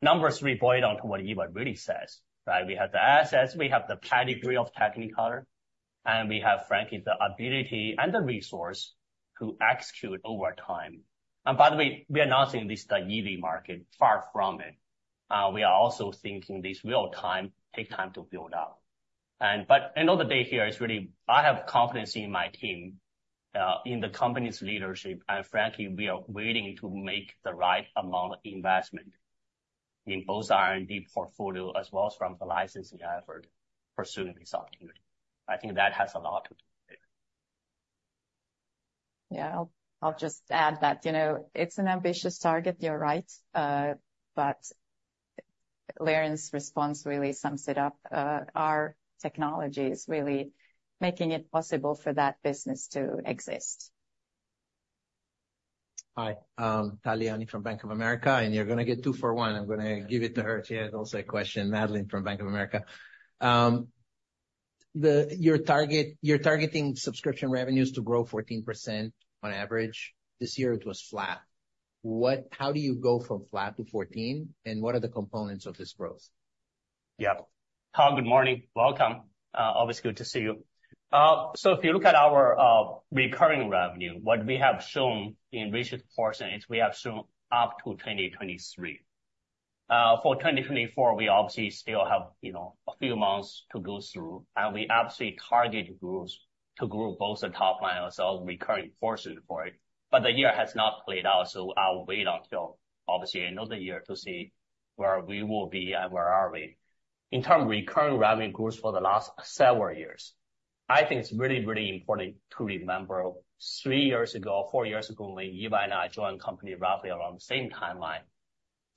Number three boils down to what Eeva really says, right? We have the assets, we have the pedigree of Technicolor, and we have, frankly, the ability and the resource to execute over time. By the way, we are not saying this is an easy market, far from it. We are also thinking this will take time to build up. End of the day, here is really I have confidence in my team, in the company's leadership, and frankly, we are willing to make the right amount of investment in both R&D portfolio as well as from the licensing effort pursuing this opportunity. I think that has a lot to do with it. Yeah, I'll just add that, you know, it's an ambitious target, you're right, but Liren's response really sums it up. Our technology is really making it possible for that business to exist. Hi, Tal Liani from Bank of America, and you're gonna get two for one. I'm gonna give it to her. She has also a question, Madeline from Bank of America. Your target--you're targeting subscription revenues to grow 14% on average. This year it was flat. What? How do you go from flat to 14%? And what are the components of this growth? Yeah. Tal, good morning. Welcome. Always good to see you. So if you look at our recurring revenue, what we have shown in recent quarters, is we have shown up to 2023. For 2024, we obviously still have, you know, a few months to go through, and we obviously target growth to grow both the top line as well as recurring revenue for it. But the year has not played out, so I'll wait until obviously another year to see where we will be and where we are. In terms of recurring revenue growth for the last several years, I think it's really, really important to remember, three years ago, four years ago, when Eeva and I joined the company roughly around the same timeline,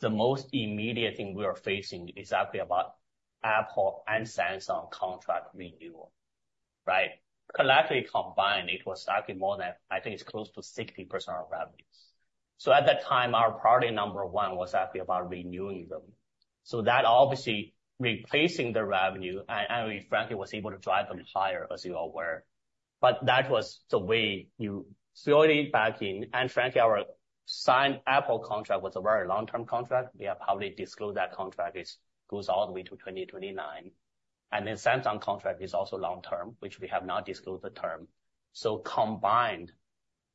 the most immediate thing we are facing is actually about Apple and Samsung contract renewal, right? Collectively combined, it was actually more than, I think it's close to 60% of our revenues. So at that time, our priority number one was actually about renewing them. So that obviously replacing the revenue, and we frankly was able to drive them higher, as you all are aware. But that was the way you slowly back in, and frankly, our signed Apple contract was a very long-term contract. We have publicly disclosed that contract. It goes all the way to 2029. And then Samsung contract is also long-term, which we have not disclosed the term. So combined,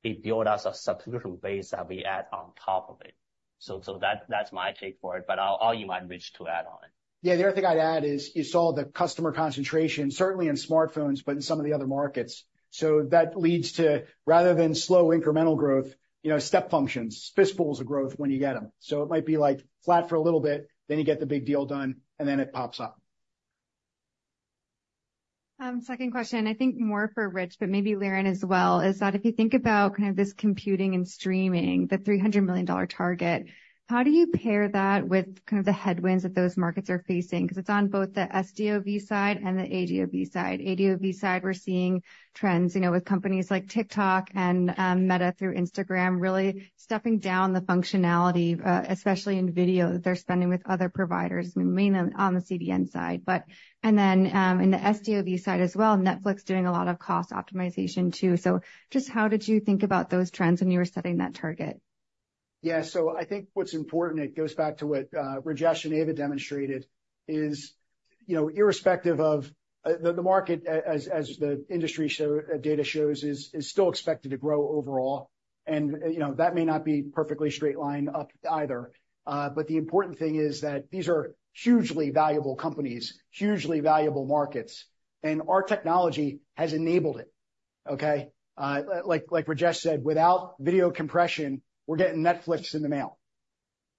it build us a subscription base that we add on top of it. So that that's my take for it, but I'll, all you might wish to add on it. Yeah, the only thing I'd add is, you saw the customer concentration, certainly in smartphones, but in some of the other markets. So that leads to, rather than slow incremental growth, you know, step functions, fistfuls of growth when you get them. So it might be like flat for a little bit, then you get the big deal done, and then it pops up. Second question, I think more for Rich, but maybe Liren as well, is that if you think about kind of this computing and streaming, the $300 million target, how do you pair that with kind of the headwinds that those markets are facing? Because it's on both the SVOD side and the AVOD side. AVOD side, we're seeing trends, you know, with companies like TikTok and, Meta through Instagram, really stepping down the functionality, especially in video, that they're spending with other providers, mainly on the CDN side. But and then, in the SVOD side as well, Netflix doing a lot of cost optimization, too. So just how did you think about those trends when you were setting that target? Yeah. So I think what's important, it goes back to what Rajesh and Eeva demonstrated, is, you know, irrespective of the market as the industry data shows, is still expected to grow overall. And, you know, that may not be perfectly straight line up either. But the important thing is that these are hugely valuable companies, hugely valuable markets, and our technology has enabled it, okay? Like Rajesh said, without video compression, we're getting Netflix in the mail,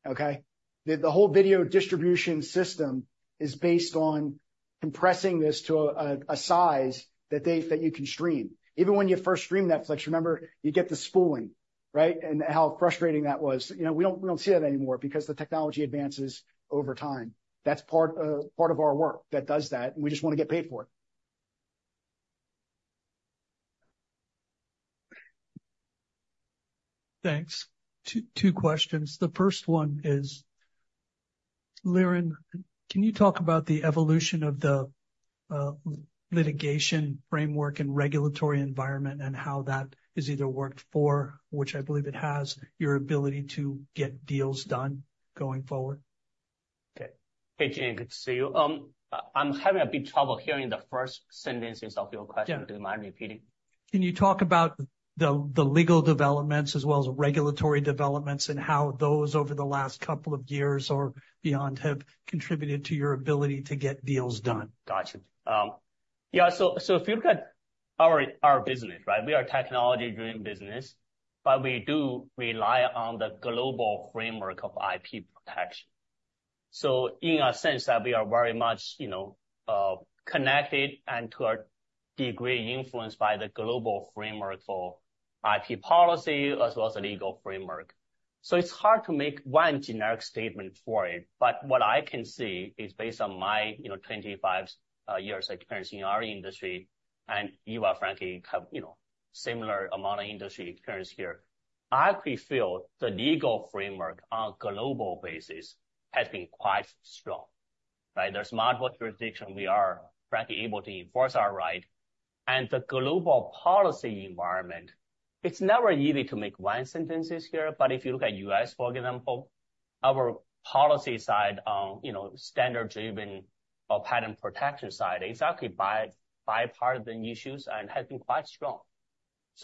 okay? The whole video distribution system is based on compressing this to a size that you can stream. Even when you first stream Netflix, remember, you get the spooling, right? And how frustrating that was. You know, we don't see that anymore because the technology advances over time. That's part of our work that does that, and we just wanna get paid for it. Thanks. Two, two questions. The first one is, Liren, can you talk about the evolution of the litigation framework and regulatory environment, and how that has either worked for, which I believe it has, your ability to get deals done going forward? Okay. Hey, Gene, good to see you. I'm having a bit trouble hearing the first sentences of your question. Yeah. Do you mind repeating? Can you talk about the legal developments as well as regulatory developments, and how those over the last couple of years or beyond have contributed to your ability to get deals done? Got it. Yeah, so if you look at our business, right? We are a technology-driven business, but we do rely on the global framework of IP protection. So in a sense that we are very much, you know, connected and, to a degree, influenced by the global framework for IP policy as well as the legal framework. So it's hard to make one generic statement for it, but what I can see is based on my, you know, 25 years experience in our industry, and Eeva, frankly, have, you know, similar amount of industry experience here. I feel the legal framework on a global basis has been quite strong, right? There's multiple jurisdiction we are frankly able to enforce our right. The global policy environment, it's never easy to make one sentence here, but if you look at the U.S., for example, on our policy side, you know, standard-driven or patent protection side, it's exactly bipartisan issues and has been quite strong.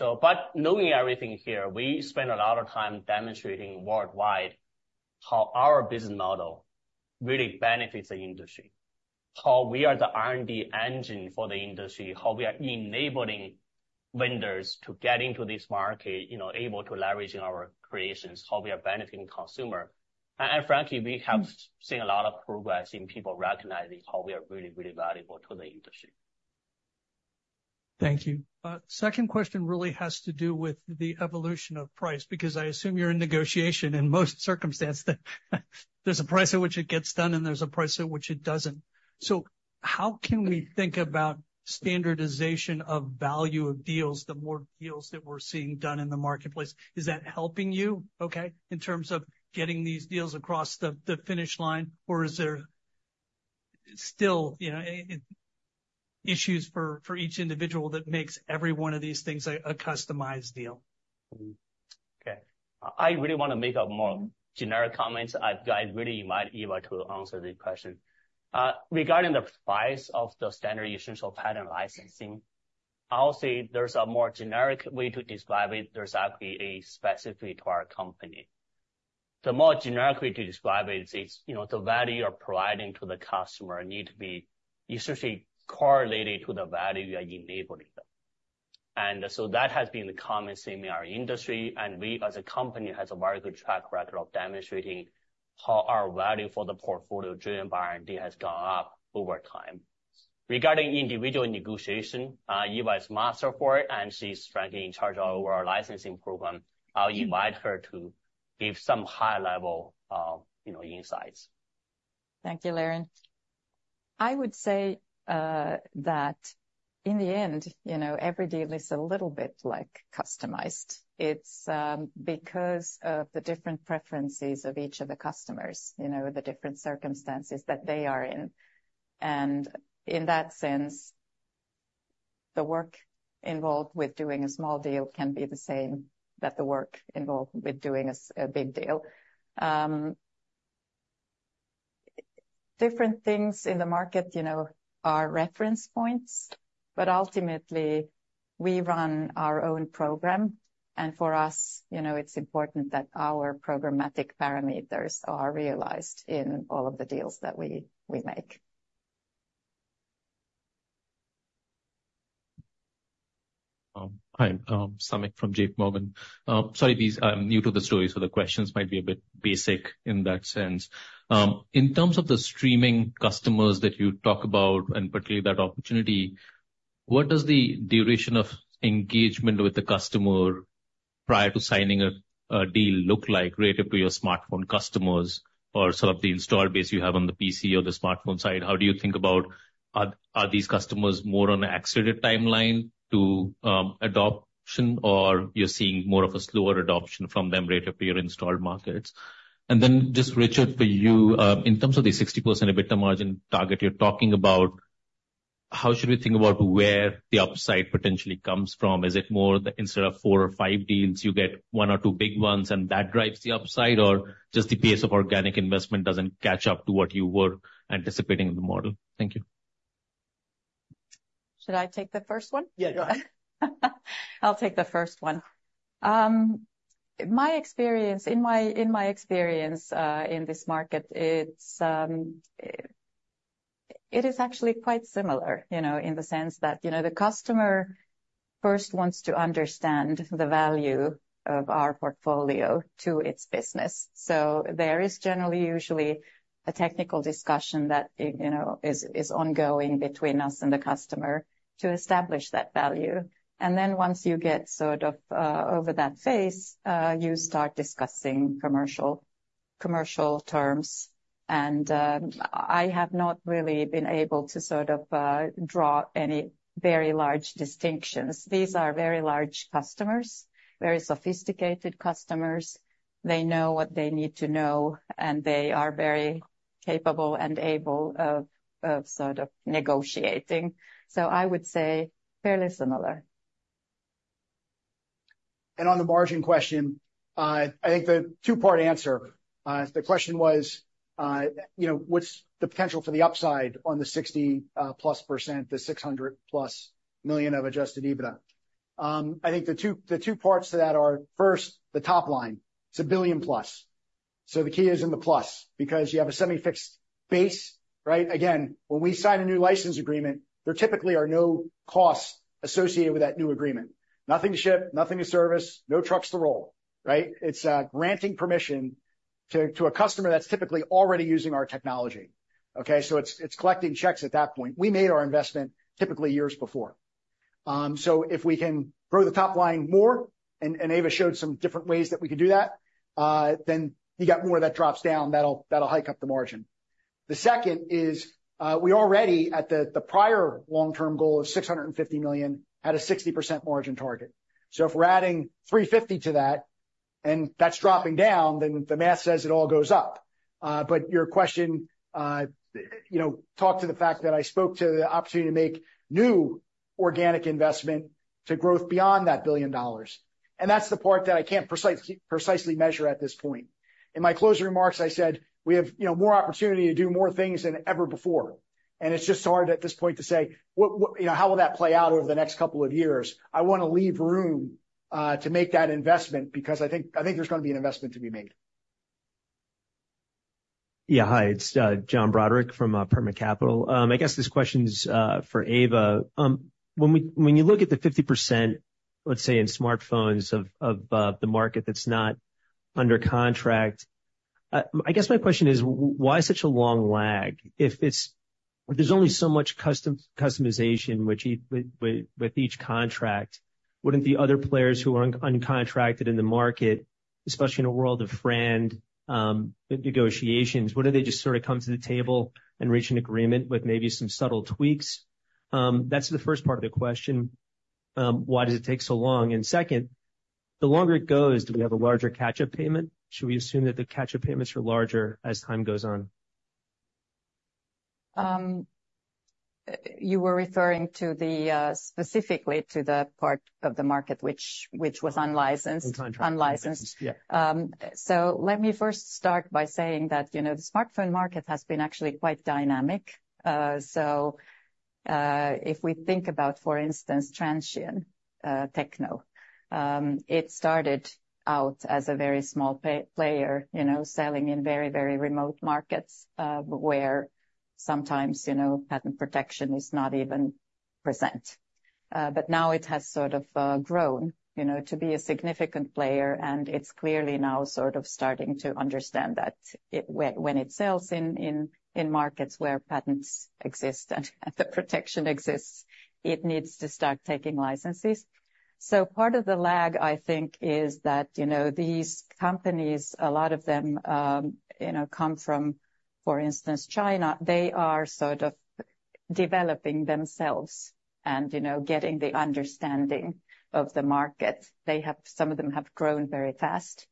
But knowing everything here, we spend a lot of time demonstrating worldwide how our business model really benefits the industry, how we are the R&D engine for the industry, how we are enabling vendors to get into this market, you know, able to leverage our creations, how we are benefiting consumers. And frankly, we have seen a lot of progress in people recognizing how we are really, really valuable to the industry. Thank you. Second question really has to do with the evolution of price, because I assume you're in negotiation in most circumstances. There's a price at which it gets done, and there's a price at which it doesn't. So how can we think about standardization of value of deals, the more deals that we're seeing done in the marketplace? Is that helping you, okay, in terms of getting these deals across the finish line, or is there still, you know, issues for each individual that makes every one of these things a customized deal? Okay. I really want to make a more generic comment. I really invite Eeva to answer the question. Regarding the price of the standard essential patent licensing, I'll say there's a more generic way to describe it. There's actually a specific to our company. The more generic way to describe it is, you know, the value you're providing to the customer need to be essentially correlated to the value you are enabling them. And so that has been the common theme in our industry, and we, as a company, has a very good track record of demonstrating how our value for the portfolio-driven R&D has gone up over time. Regarding individual negotiation, Eeva is master for it, and she's frankly in charge all over our licensing program. I'll invite her to give some high level, you know, insights. Thank you, Liren. I would say that in the end, you know, every deal is a little bit, like, customized. It's because of the different preferences of each of the customers, you know, the different circumstances that they are in. And in that sense, the work involved with doing a small deal can be the same, that the work involved with doing a big deal. Different things in the market, you know, are reference points, but ultimately, we run our own program, and for us, you know, it's important that our programmatic parameters are realized in all of the deals that we make. Hi, Samik from J.P. Morgan. Sorry, these, I'm new to the story, so the questions might be a bit basic in that sense. In terms of the streaming customers that you talk about, and particularly that opportunity, what does the duration of engagement with the customer prior to signing a deal look like relative to your smartphone customers or sort of the install base you have on the PC or the smartphone side? How do you think about, are these customers more on an accelerated timeline to adoption, or you're seeing more of a slower adoption from them relative to your installed markets? And then just, Richard, for you, in terms of the 60% EBITDA margin target you're talking about, how should we think about where the upside potentially comes from? Is it more that instead of four or five deals, you get one or two big ones, and that drives the upside? Or just the pace of organic investment doesn't catch up to what you were anticipating in the model? Thank you. Should I take the first one? Yeah, go ahead. I'll take the first one. In my experience in this market, it is actually quite similar, you know, in the sense that, you know, the customer first wants to understand the value of our portfolio to its business. So there is generally, usually a technical discussion that you know is ongoing between us and the customer to establish that value. And then once you get sort of over that phase, you start discussing commercial terms. And I have not really been able to sort of draw any very large distinctions. These are very large customers, very sophisticated customers. They know what they need to know, and they are very capable and able of sort of negotiating. So I would say fairly similar. On the margin question, I think the two-part answer, the question was, you know, what's the potential for the upside on the +60%, the $600 million+ of adjusted EBITDA? I think the two parts to that are, first, the top line. It's $1 billion+. So the key is in the plus, because you have a semi-fixed base, right? Again, when we sign a new license agreement, there typically are no costs associated with that new agreement. Nothing to ship, nothing to service, no trucks to roll, right? It's granting permission to a customer that's typically already using our technology, okay? So it's collecting checks at that point. We made our investment typically years before. So if we can grow the top line more, and Eeva showed some different ways that we could do that, then you got more of that drops down, that'll hike up the margin. The second is, we already, at the prior long-term goal of $650 million, had a 60% margin target. So if we're adding $350 million to that, and that's dropping down, then the math says it all goes up. But your question, you know, talks to the fact that I spoke to the opportunity to make new organic investment to growth beyond that $1 billion. And that's the part that I can't precisely measure at this point. In my closing remarks, I said we have, you know, more opportunity to do more things than ever before, and it's just hard at this point to say what, you know, how will that play out over the next couple of years. I wanna leave room to make that investment because I think there's gonna be an investment to be made. Yeah, hi, it's John Broderick from Permit Capital. I guess this question is for Eeva. When you look at the 50%, let's say, in smartphones of the market that's not under contract, I guess my question is: why such a long lag? If there's only so much customization with each contract, wouldn't the other players who are uncontracted in the market, especially in a world of frenetic negotiations, wouldn't they just sort of come to the table and reach an agreement with maybe some subtle tweaks? That's the first part of the question, why does it take so long? And second, the longer it goes, do we have a larger catch-up payment? Should we assume that the catch-up payments are larger as time goes on? You were referring to the specifically to the part of the market which was unlicensed-- Uncontracted. Unlicensed. Yeah. So let me first start by saying that, you know, the smartphone market has been actually quite dynamic. So, if we think about, for instance, Transsion, Tecno, it started out as a very small player, you know, selling in very, very remote markets, where sometimes, you know, patent protection is not even present. But now it has sort of grown, you know, to be a significant player, and it's clearly now sort of starting to understand that it, when it sells in markets where patents exist and the protection exists, it needs to start taking licenses. So part of the lag, I think, is that, you know, these companies, a lot of them, you know, come from, for instance, China. They are sort of developing themselves and, you know, getting the understanding of the market. They have some of them have grown very fast,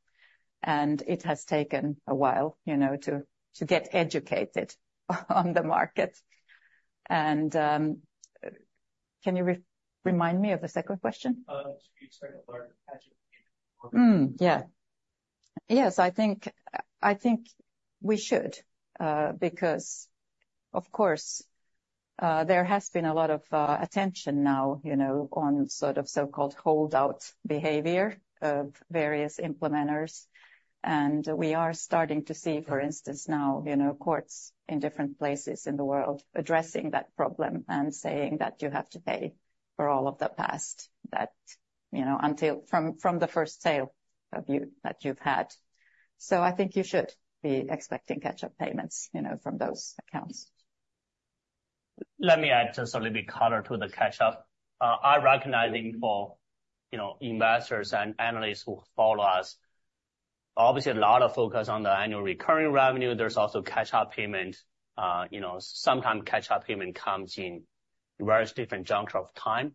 and it has taken a while, you know, to get educated on the market. And, can you remind me of the second question? Do you expect a larger catch-up? Yes, I think we should, because, of course, there has been a lot of attention now, you know, on sort of so-called holdout behavior of various implementers. And we are starting to see, for instance, now, you know, courts in different places in the world addressing that problem and saying that you have to pay for all of the past, that, you know, until from the first sale of you, that you've had. So I think you should be expecting catch-up payments, you know, from those accounts. Let me add just a little bit of color to the catch-up. I recognize, for you know, investors and analysts who follow us, obviously a lot of focus on the annual recurring revenue. There's also catch-up payment. You know, sometimes catch-up payment comes in various different junctures of time.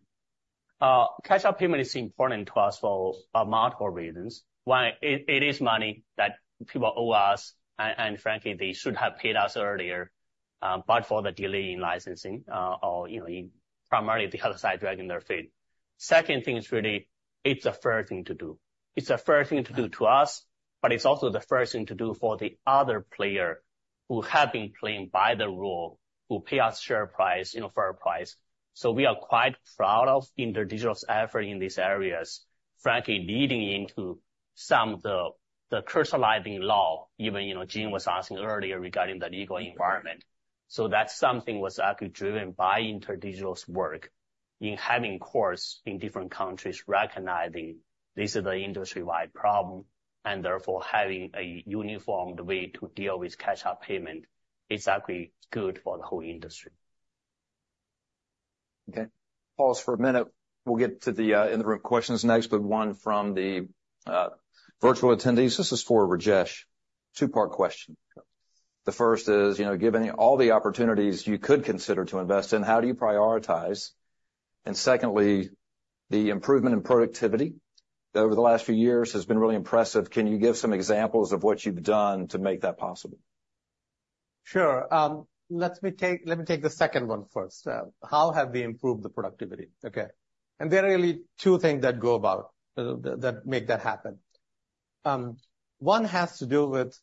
Catch-up payment is important to us for multiple reasons. One, it is money that people owe us, and frankly, they should have paid us earlier, but for the delay in licensing, you know, primarily the other side dragging their feet. Second thing is really, it's a fair thing to do. It's a fair thing to do to us, but it's also the fair thing to do for the other players who have been playing by the rules, who pay us a fair price, you know, fair price. So we are quite proud of InterDigital's effort in these areas, frankly, leading into some of the crystallizing law, even, you know, Gene was asking earlier regarding the legal environment. So that's something was actually driven by InterDigital's work in having courts in different countries recognizing this is an industry-wide problem, and therefore, having a uniform way to deal with catch-up payment is actually good for the whole industry. Okay. Pause for a minute. We'll get to the in-the-room questions next, but one from the virtual attendees. This is for Rajesh. Two-part question. The first is, you know, given all the opportunities you could consider to invest in, how do you prioritize? And secondly, the improvement in productivity over the last few years has been really impressive. Can you give some examples of what you've done to make that possible? Sure. Let me take the second one first. How have we improved the productivity? Okay. And there are really two things that go about, that make that happen. One has to do with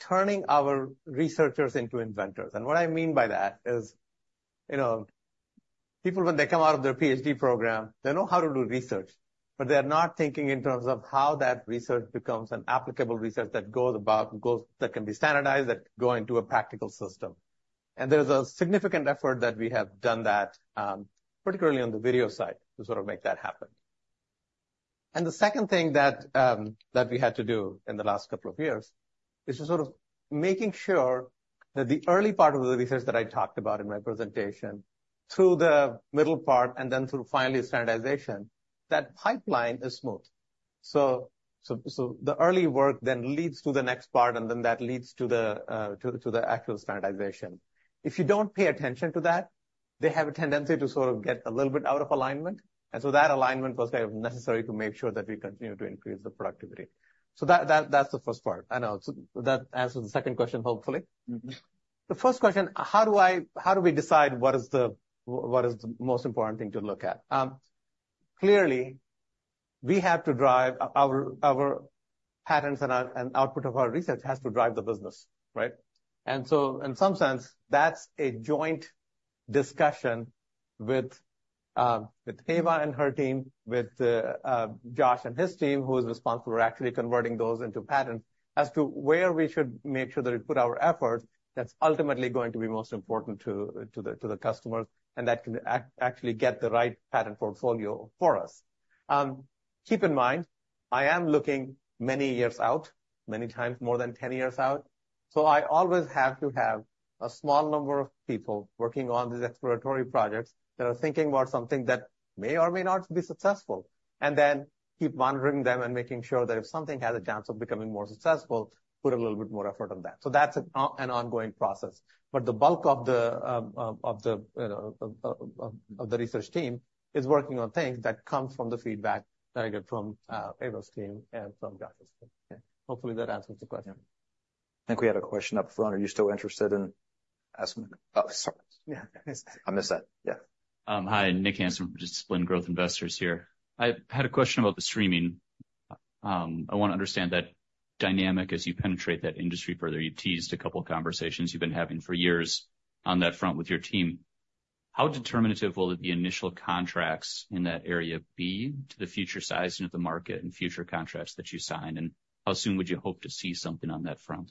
turning our researchers into inventors. And what I mean by that is, you know, people, when they come out of their PhD program, they know how to do research, but they're not thinking in terms of how that research becomes an applicable research that can be standardized, that go into a practical system. And there's a significant effort that we have done that, particularly on the video side, to sort of make that happen. The second thing that we had to do in the last couple of years is just sort of making sure that the early part of the research that I talked about in my presentation, through the middle part, and then through, finally, standardization, that pipeline is smooth. So the early work then leads to the next part, and then that leads to the actual standardization. If you don't pay attention to that, they have a tendency to sort of get a little bit out of alignment. And so that alignment was kind of necessary to make sure that we continue to increase the productivity. So that, that's the first part. I know. So that answers the second question, hopefully. The first question, how do we decide what is the most important thing to look at? Clearly, we have to drive our patents and output of our research has to drive the business, right? And so in some sense, that's a joint discussion with Eeva and her team, with Josh and his team, who is responsible for actually converting those into patents, as to where we should make sure that we put our effort that's ultimately going to be most important to the customers, and that can actually get the right patent portfolio for us. Keep in mind, I am looking many years out, many times more than ten years out, so I always have to have a small number of people working on these exploratory projects that are thinking about something that may or may not be successful, and then keep monitoring them and making sure that if something has a chance of becoming more successful, put a little bit more effort on that. So that's an ongoing process. But the bulk of the, you know, research team is working on things that come from the feedback that I get from Eeva's team and from Josh's team. Okay, hopefully that answers the question. I think we had a question up front. Are you still interested in asking? Oh, sorry. Yeah, I missed that. Yeah. Hi, Nick Hansen from Disciplined Growth Investors here. I had a question about the streaming. I want to understand that dynamic as you penetrate that industry further. You've teased a couple conversations you've been having for years on that front with your team. How determinative will the initial contracts in that area be to the future sizing of the market and future contracts that you sign, and how soon would you hope to see something on that front?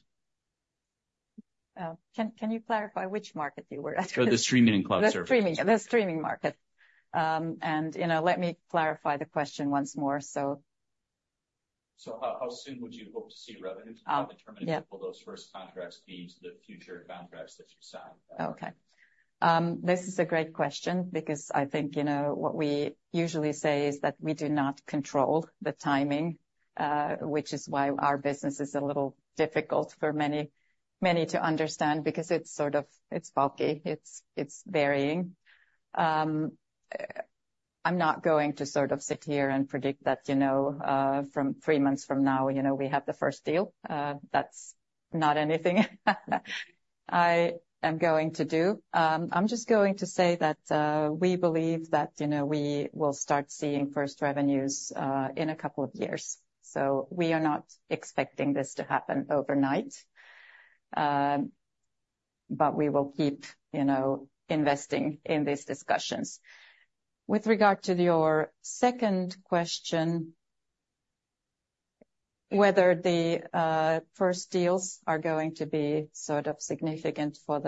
Can you clarify which market you were asking? Oh, the streaming and cloud service. The streaming, the streaming market. You know, let me clarify the question once more, so. How soon would you hope to see revenues, how determinative will those first contracts be to the future contracts that you sign? Okay. This is a great question because I think, you know, what we usually say is that we do not control the timing, which is why our business is a little difficult for many, many to understand, because it's sort of--It's bulky, it's, it's varying. I'm not going to sort of sit here and predict that, you know, from three months from now, you know, we have the first deal. That's not anything I am going to do. I'm just going to say that, we believe that, you know, we will start seeing first revenues, in a couple of years. So we are not expecting this to happen overnight, but we will keep, you know, investing in these discussions. With regard to your second question. Whether the first deals are going to be sort of significant for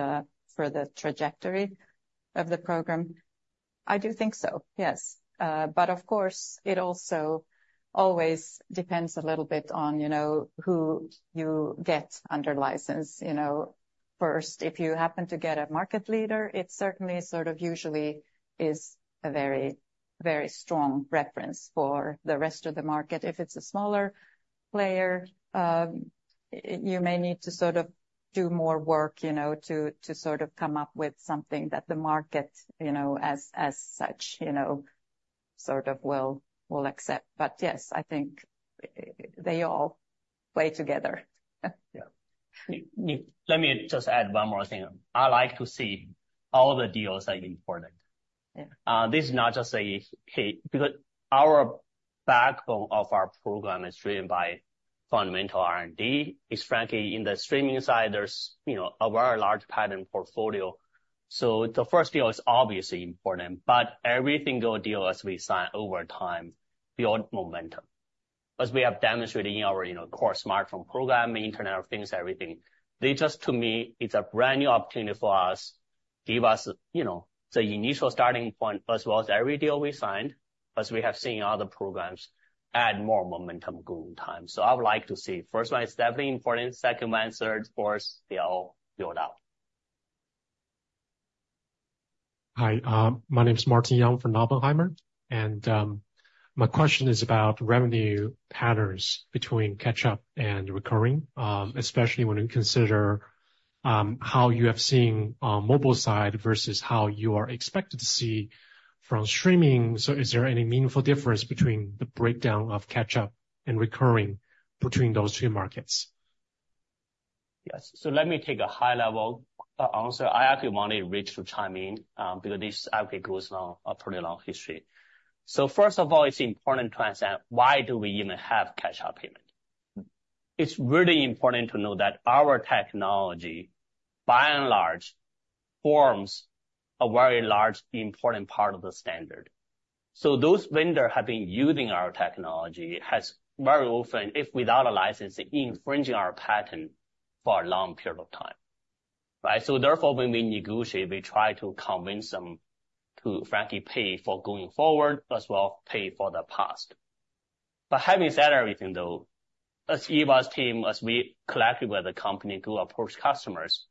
the trajectory of the program? I do think so, yes. But of course, it also always depends a little bit on, you know, who you get under license, you know. First, if you happen to get a market leader, it certainly sort of usually is a very, very strong reference for the rest of the market. If it's a smaller player, you may need to sort of do more work, you know, to sort of come up with something that the market, you know, as such, you know, sort of will accept. But yes, I think they all play together. Yeah. Let me just add one more thing. I like to see all the deals are important. Yeah. This is not just a case, because our backbone of our program is driven by fundamental R&D, frankly, in the streaming side, there's, you know, a very large patent portfolio. So the first deal is obviously important, but every single deal as we sign over time, build momentum. As we have demonstrated in our, you know, core smartphone program, Internet of Things, everything, they just, to me, it's a brand-new opportunity for us, give us, you know, the initial starting point, as well as every deal we signed, as we have seen in other programs, add more momentum over time. So I would like to see. First one is definitely important, second one, third, fourth, they all build out. Hi, my name is Martin Yang from Oppenheimer, and, my question is about revenue patterns between catch-up and recurring, especially when you consider, how you have seen on mobile side versus how you are expected to see from streaming. So is there any meaningful difference between the breakdown of catch-up and recurring between those two markets? Yes. So let me take a high level answer. I actually want Rich to chime in, because this actually goes on a pretty long history. So first of all, it's important to understand, why do we even have catch-up payment? It's really important to know that our technology, by and large, forms a very large, important part of the standard. So those vendor have been using our technology, has very often, if without a license, infringing our patent for a long period of time. Right? So therefore, when we negotiate, we try to convince them to frankly pay for going forward, as well, pay for the past. But having said everything, though, as Eeva's team, as we collectively as a company go approach customers,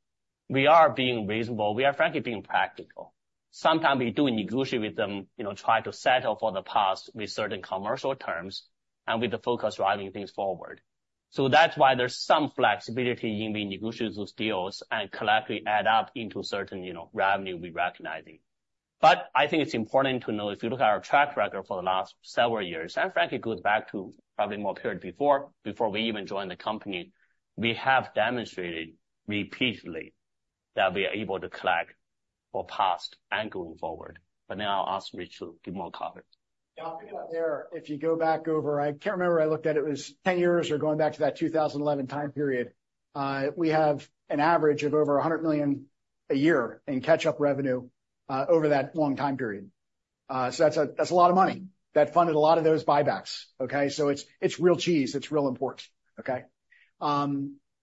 we are being reasonable. We are frankly being practical. Sometimes we do negotiate with them, you know, try to settle for the past with certain commercial terms and with the focus driving things forward. So that's why there's some flexibility in the negotiations deals and collectively add up into certain, you know, revenue we're recognizing. But I think it's important to know, if you look at our track record for the last several years, and frankly, it goes back to probably more period before, before we even joined the company, we have demonstrated repeatedly that we are able to collect for past and going forward. But now I'll ask Rich to give more comment. Yeah, I'll pick up there. If you go back over, I can't remember, I looked at it, it was ten years or going back to that two thousand and eleven time period, we have an average of over $100 million a year in catch-up revenue, over that long time period. So that's a, that's a lot of money. That funded a lot of those buybacks, okay? So it's, it's real cheese. It's real important, okay?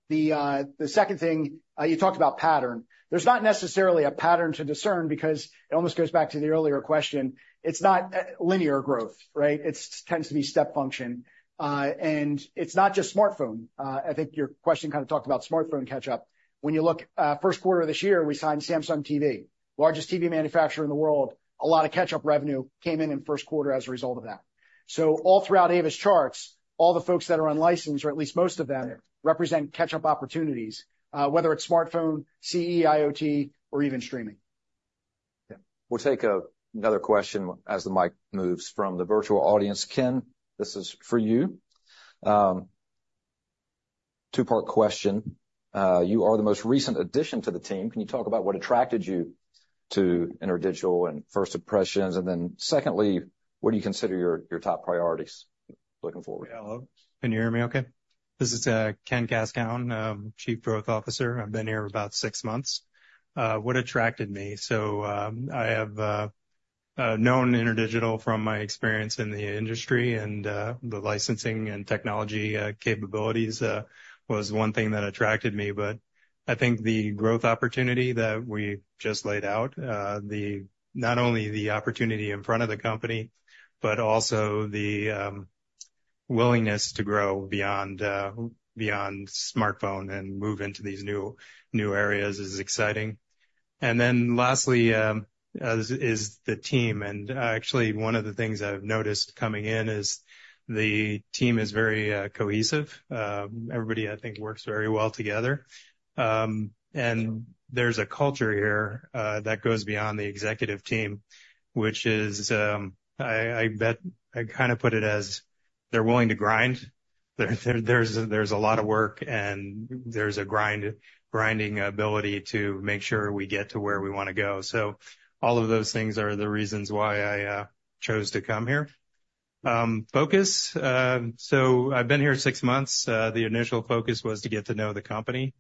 The second thing, you talked about patent. There's not necessarily a pattern to discern because it almost goes back to the earlier question. It's not linear growth, right? It tends to be step function. And it's not just smartphone. I think your question kind of talked about smartphone catch-up. When you look, first quarter of this year, we signed Samsung TV, largest TV manufacturer in the world. A lot of catch-up revenue came in in first quarter as a result of that. So all throughout our charts, all the folks that are on license, or at least most of them represent catch-up opportunities, whether it's smartphone, CE, IoT, or even streaming. Yeah. We'll take another question as the mic moves from the virtual audience. Ken, this is for you. Two-part question. You are the most recent addition to the team. Can you talk about what attracted you to InterDigital and first impressions? And then secondly, what do you consider your top priorities looking forward? Yeah. Hello, can you hear me okay? This is Ken Kaskoun, Chief Growth Officer. I've been here about six months. What attracted me? So, I have known InterDigital from my experience in the industry, and the licensing and technology capabilities was one thing that attracted me. But I think the growth opportunity that we just laid out, not only the opportunity in front of the company, but also the willingness to grow beyond smartphone and move into these new areas is exciting. And then lastly, as is the team, and actually, one of the things I've noticed coming in is the team is very cohesive. Everybody, I think, works very well together. There's a culture here that goes beyond the executive team, which is, I kind of put it as they're willing to grind. There's a lot of work, and there's a grinding ability to make sure we get to where we wanna go. All of those things are the reasons why I chose to come here. Focus. I've been here six months. The initial focus was to get to know the company.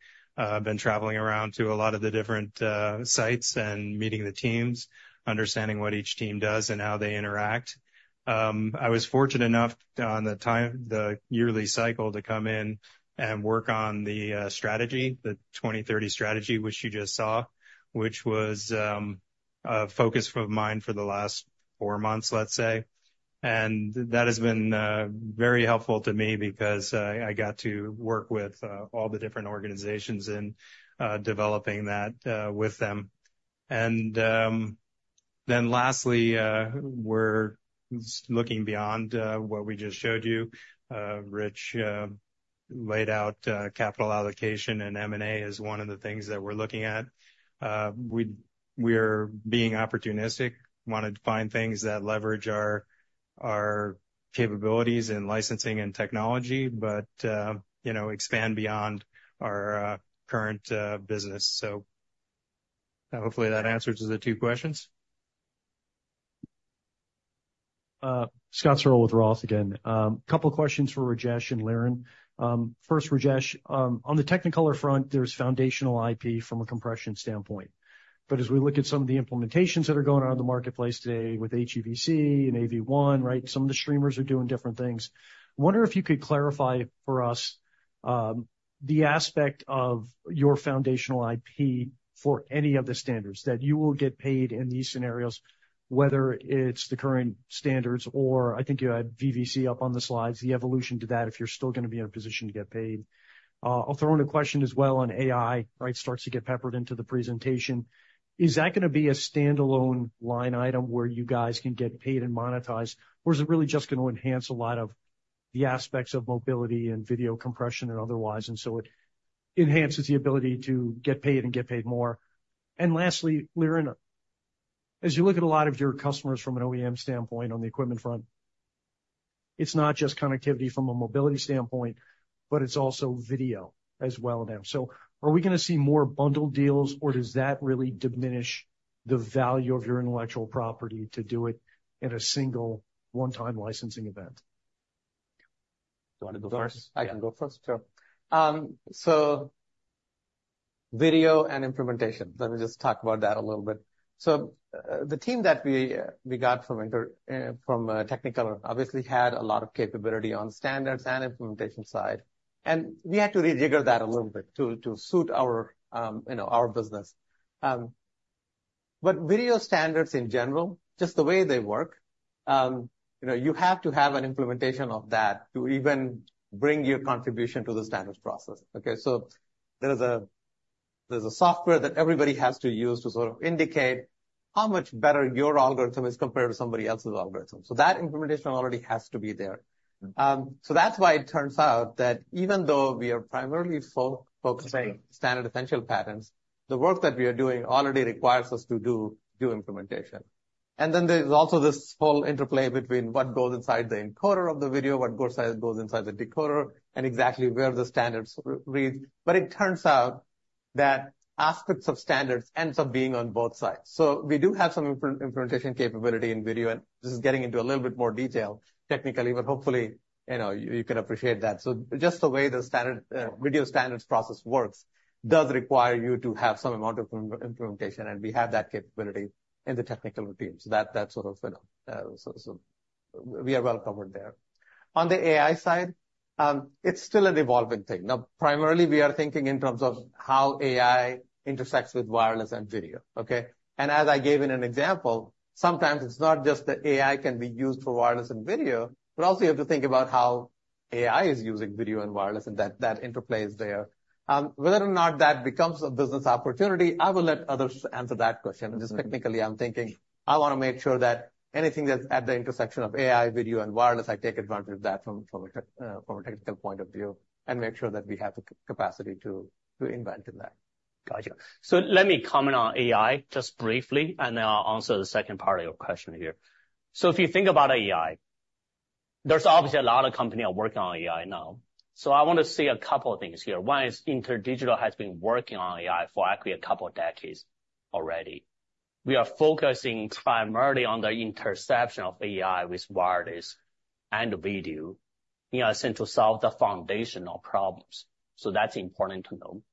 I've been traveling around to a lot of the different sites and meeting the teams, understanding what each team does and how they interact. I was fortunate enough on the time, the yearly cycle, to come in and work on the strategy, the 2030 strategy, which you just saw, which was a focus of mine for the last four months, let's say. That has been very helpful to me because I got to work with all the different organizations in developing that with them. Lastly, we're looking beyond what we just showed you. Rich laid out capital allocation, and M&A is one of the things that we're looking at. We're being opportunistic, wanted to find things that leverage our capabilities in licensing and technology, but you know, expand beyond our current business. Hopefully that answers the two questions. Scott Searle with Roth again. Couple questions for Rajesh and Liren. First, Rajesh, on the Technicolor front, there's foundational IP from a compression standpoint. But as we look at some of the implementations that are going on in the marketplace today with HEVC and AV1, right, some of the streamers are doing different things. I wonder if you could clarify for us, the aspect of your foundational IP for any of the standards that you will get paid in these scenarios, whether it's the current standards or I think you had VVC up on the slides, the evolution to that, if you're still gonna be in a position to get paid. I'll throw in a question as well on AI, right? Starts to get peppered into the presentation. Is that gonna be a standalone line item where you guys can get paid and monetized, or is it really just gonna enhance a lot of the aspects of mobility and video compression and otherwise, and so it enhances the ability to get paid and get paid more? And lastly, Liren, as you look at a lot of your customers from an OEM standpoint on the equipment front, it's not just connectivity from a mobility standpoint, but it's also video as well now. So are we gonna see more bundled deals, or does that really diminish the value of your intellectual property to do it in a single, one-time licensing event? Do you want to go first? I can go first, sure. So video and implementation, let me just talk about that a little bit. So the team that we got from Technicolor obviously had a lot of capability on standards and implementation side, and we had to rejigger that a little bit to suit our, you know, our business. But video standards in general, just the way they work, you know, you have to have an implementation of that to even bring your contribution to the standards process. Okay, so there's a software that everybody has to use to sort of indicate how much better your algorithm is compared to somebody else's algorithm. So that implementation already has to be there. So that's why it turns out that even though we are primarily focusing on standard essential patents, the work that we are doing already requires us to do implementation. And then there's also this whole interplay between what goes inside the encoder of the video, what goes inside the decoder, and exactly where the standards end. But it turns out that aspects of standards end up being on both sides. So we do have some implementation capability in video, and this is getting into a little bit more detail technically, but hopefully, you know, you can appreciate that. So just the way the standard video standards process works does require you to have some amount of implementation, and we have that capability in the technical team. So that's sort of, you know, so we are well covered there. On the AI side, it's still an evolving thing. Now, primarily, we are thinking in terms of how AI intersects with wireless and video, okay, and as I gave in an example, sometimes it's not just that AI can be used for wireless and video, but also you have to think about how AI is using video and wireless, and that interplay is there. Whether or not that becomes a business opportunity, I will let others answer that question. Just technically, I'm thinking I want to make sure that anything that's at the intersection of AI, video, and wireless, I take advantage of that from a technical point of view, and make sure that we have the capacity to invent in that. Got it. So let me comment on AI just briefly, and then I'll answer the second part of your question here. So if you think about AI, there's obviously a lot of company are working on AI now, so I want to say a couple of things here. One is InterDigital has been working on AI for actually a couple of decades already. We are focusing primarily on the intersection of AI with wireless and video, in a sense, to solve the foundational problems. So that's important to know.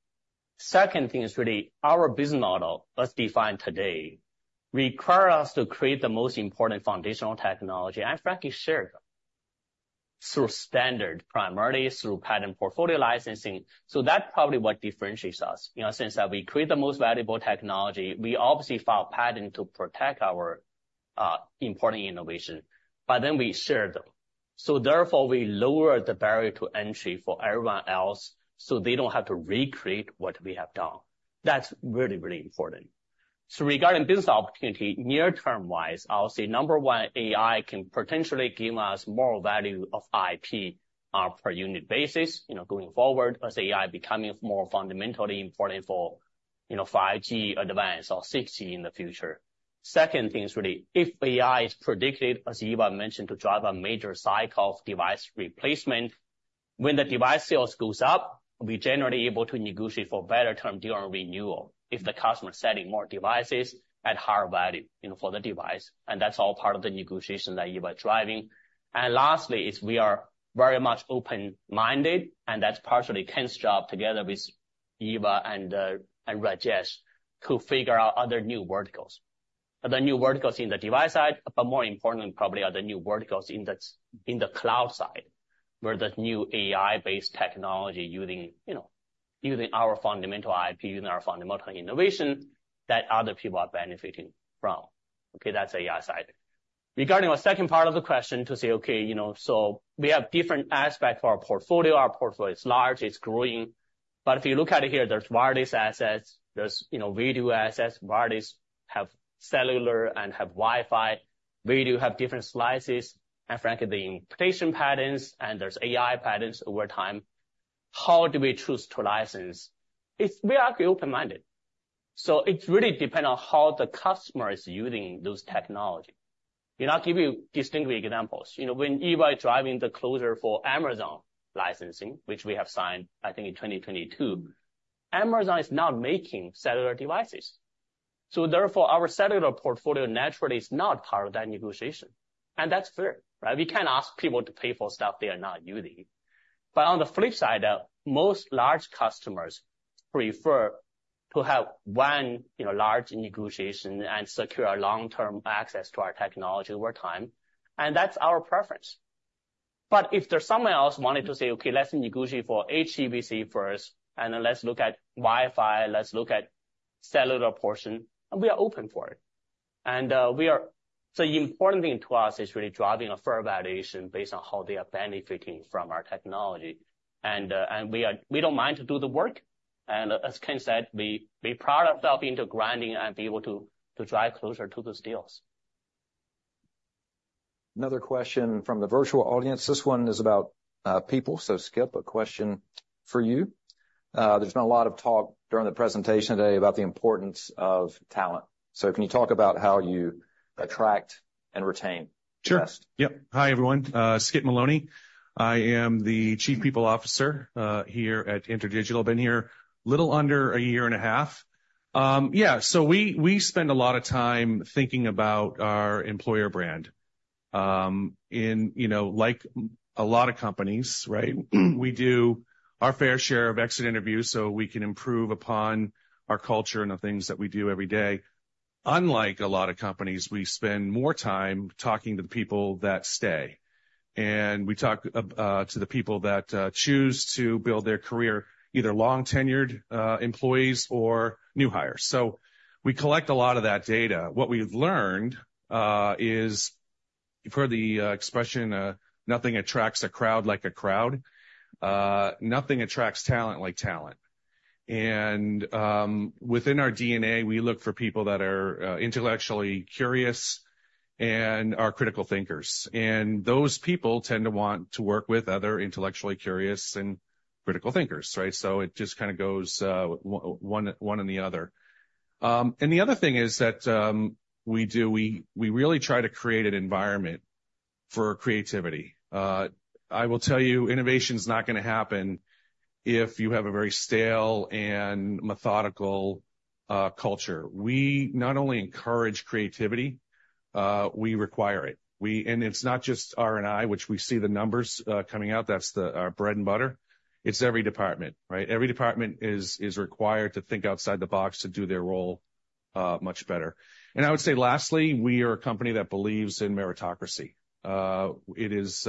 Second thing is really our business model, as defined today, require us to create the most important foundational technology and frankly, share them through standards, primarily through patent portfolio licensing. So that's probably what differentiates us, you know, since that we create the most valuable technology, we obviously file patents to protect our important innovation, but then we share them. So therefore, we lower the barrier to entry for everyone else, so they don't have to recreate what we have done. That's really, really important. So regarding business opportunity, near-term wise, I'll say, number one, AI can potentially give us more value of IP on per unit basis, you know, going forward, as AI becoming more fundamentally important for, you know, for 5G Advanced or 6G in the future. Second thing is, really, if AI is predicted, as Eeva mentioned, to drive a major cycle of device replacement. When the device sales goes up, we're generally able to negotiate for better term during renewal. If the customer is selling more devices at higher value, you know, for the device, and that's all part of the negotiation that Eeva is driving. And lastly, we are very much open-minded, and that's partially Ken's job, together with Eeva and Rajesh, to figure out other new verticals. The new verticals in the device side, but more importantly, probably are the new verticals in the cloud side, where the new AI-based technology using, you know, using our fundamental IP, using our fundamental innovation, that other people are benefiting from. Okay, that's AI side. Regarding the second part of the question, to say, okay, you know, so we have different aspects for our portfolio. Our portfolio is large, it's growing, but if you look at it here, there's wireless assets, there's, you know, video assets. Wireless have cellular and have Wi-Fi. We do have different slices, and frankly, the implementation patterns and there are AI patterns over time. How do we choose to license? We are open-minded, so it really depend on how the customer is using those technology. And I'll give you distinguished examples. You know, when Eeva is driving the closure for Amazon licensing, which we have signed, I think, in 2022, Amazon is not making cellular devices. So therefore, our cellular portfolio naturally is not part of that negotiation. And that's fair, right? We can't ask people to pay for stuff they are not using. But on the flip side, most large customers prefer to have one, you know, large negotiation and secure long-term access to our technology over time, and that's our preference. But if there's someone else wanted to say, "Okay, let's negotiate for HEVC first, and then let's look at Wi-Fi, let's look at cellular portion," and we are open for it. The important thing to us is really driving a fair valuation based on how they are benefiting from our technology. And we are. We don't mind to do the work, and as Ken said, we pride ourselves into grinding and be able to drive closure to those deals. Another question from the virtual audience. This one is about, people. So Skip, a question for you. There's been a lot of talk during the presentation today about the importance of talent. So can you talk about how you attract and retain talent? Sure. Yep. Hi, everyone, Skip Maloney. I am the Chief People Officer here at InterDigital. Been here a little under a year and a half. Yeah, so we spend a lot of time thinking about our employer brand. And, you know, like a lot of companies, right, we do our fair share of exit interviews so we can improve upon our culture and the things that we do every day. Unlike a lot of companies, we spend more time talking to the people that stay, and we talk to the people that choose to build their career, either long-tenured employees or new hires. So we collect a lot of that data. What we've learned is, you've heard the expression, nothing attracts a crowd like a crowd? Nothing attracts talent like talent. And within our DNA, we look for people that are intellectually curious and are critical thinkers, and those people tend to want to work with other intellectually curious and critical thinkers, right? So it just kind of goes one and the other. And the other thing is that we really try to create an environment for creativity. I will tell you, innovation's not gonna happen if you have a very stale and methodical culture. We not only encourage creativity, we require it. And it's not just R&I, which we see the numbers coming out, that's our bread and butter. It's every department, right? Every department is required to think outside the box to do their role much better. And I would say, lastly, we are a company that believes in meritocracy. It is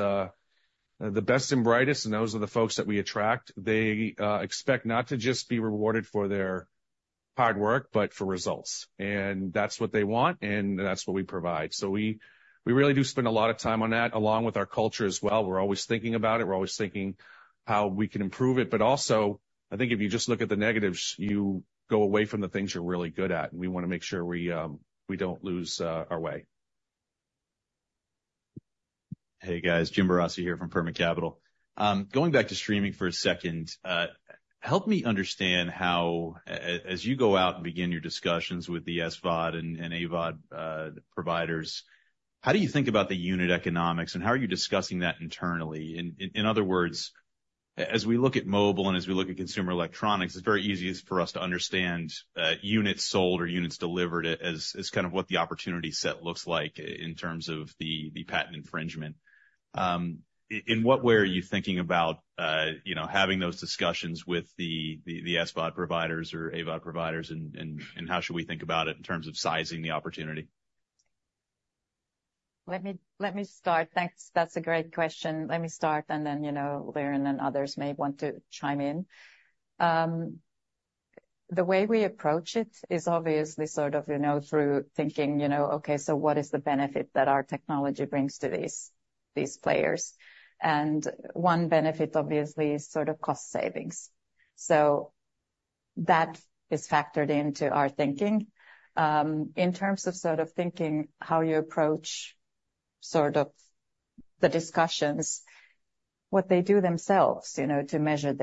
the best and brightest, and those are the folks that we attract. They expect not to just be rewarded for their hard work, but for results, and that's what they want, and that's what we provide, so we really do spend a lot of time on that, along with our culture as well. We're always thinking about it. We're always thinking how we can improve it, but also, I think if you just look at the negatives, you go away from the things you're really good at, and we wanna make sure we don't lose our way. Hey, guys. Jim Barresi here from Permit Capital. Going back to streaming for a second, help me understand how as you go out and begin your discussions with the SVOD and AVOD providers, how do you think about the unit economics and how are you discussing that internally? In other words, as we look at mobile and as we look at consumer electronics, it's very easy for us to understand units sold or units delivered as kind of what the opportunity set looks like in terms of the patent infringement. In what way are you thinking about, you know, having those discussions with the SVOD providers or AVOD providers and how should we think about it in terms of sizing the opportunity? Let me start. Thanks. That's a great question. Let me start, and then, you know, Liren and others may want to chime in. The way we approach it is obviously sort of, you know, through thinking, you know, okay, so what is the benefit that our technology brings to these players? And one benefit, obviously, is sort of cost savings. So that is factored into our thinking. In terms of sort of thinking how you approach sort of the discussions, what they do themselves, you know, to measure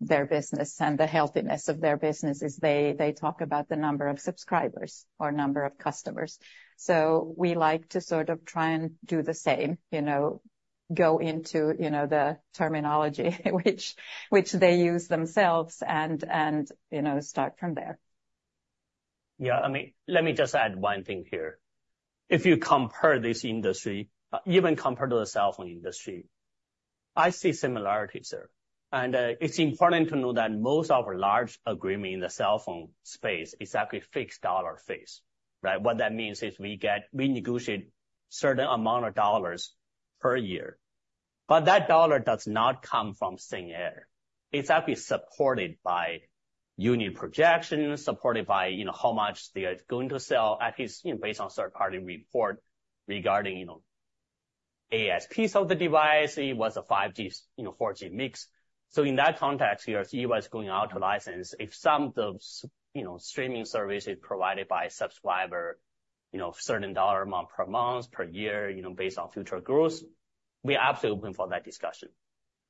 their business and the healthiness of their business is they talk about the number of subscribers or number of customers. So we like to sort of try and do the same, you know. Go into, you know, the terminology which they use themselves and, you know, start from there. Yeah, I mean, let me just add one thing here. If you compare this industry, even compared to the cell phone industry, I see similarities there. And it's important to know that most of our large agreement in the cell phone space is actually fixed dollar fees, right? What that means is we negotiate certain amount of dollars per year, but that dollar does not come from thin air. It's actually supported by unit projections, supported by, you know, how much they are going to sell, at least, you know, based on third-party report regarding, you know, ASPs of the device. It was a 5G, you know, 4G mix. So in that context, here, if Eeva is going out to license, if some of those, you know, streaming service is provided by subscriber, you know, certain dollar amount per month, per year, you know, based on future growth, we are absolutely open for that discussion.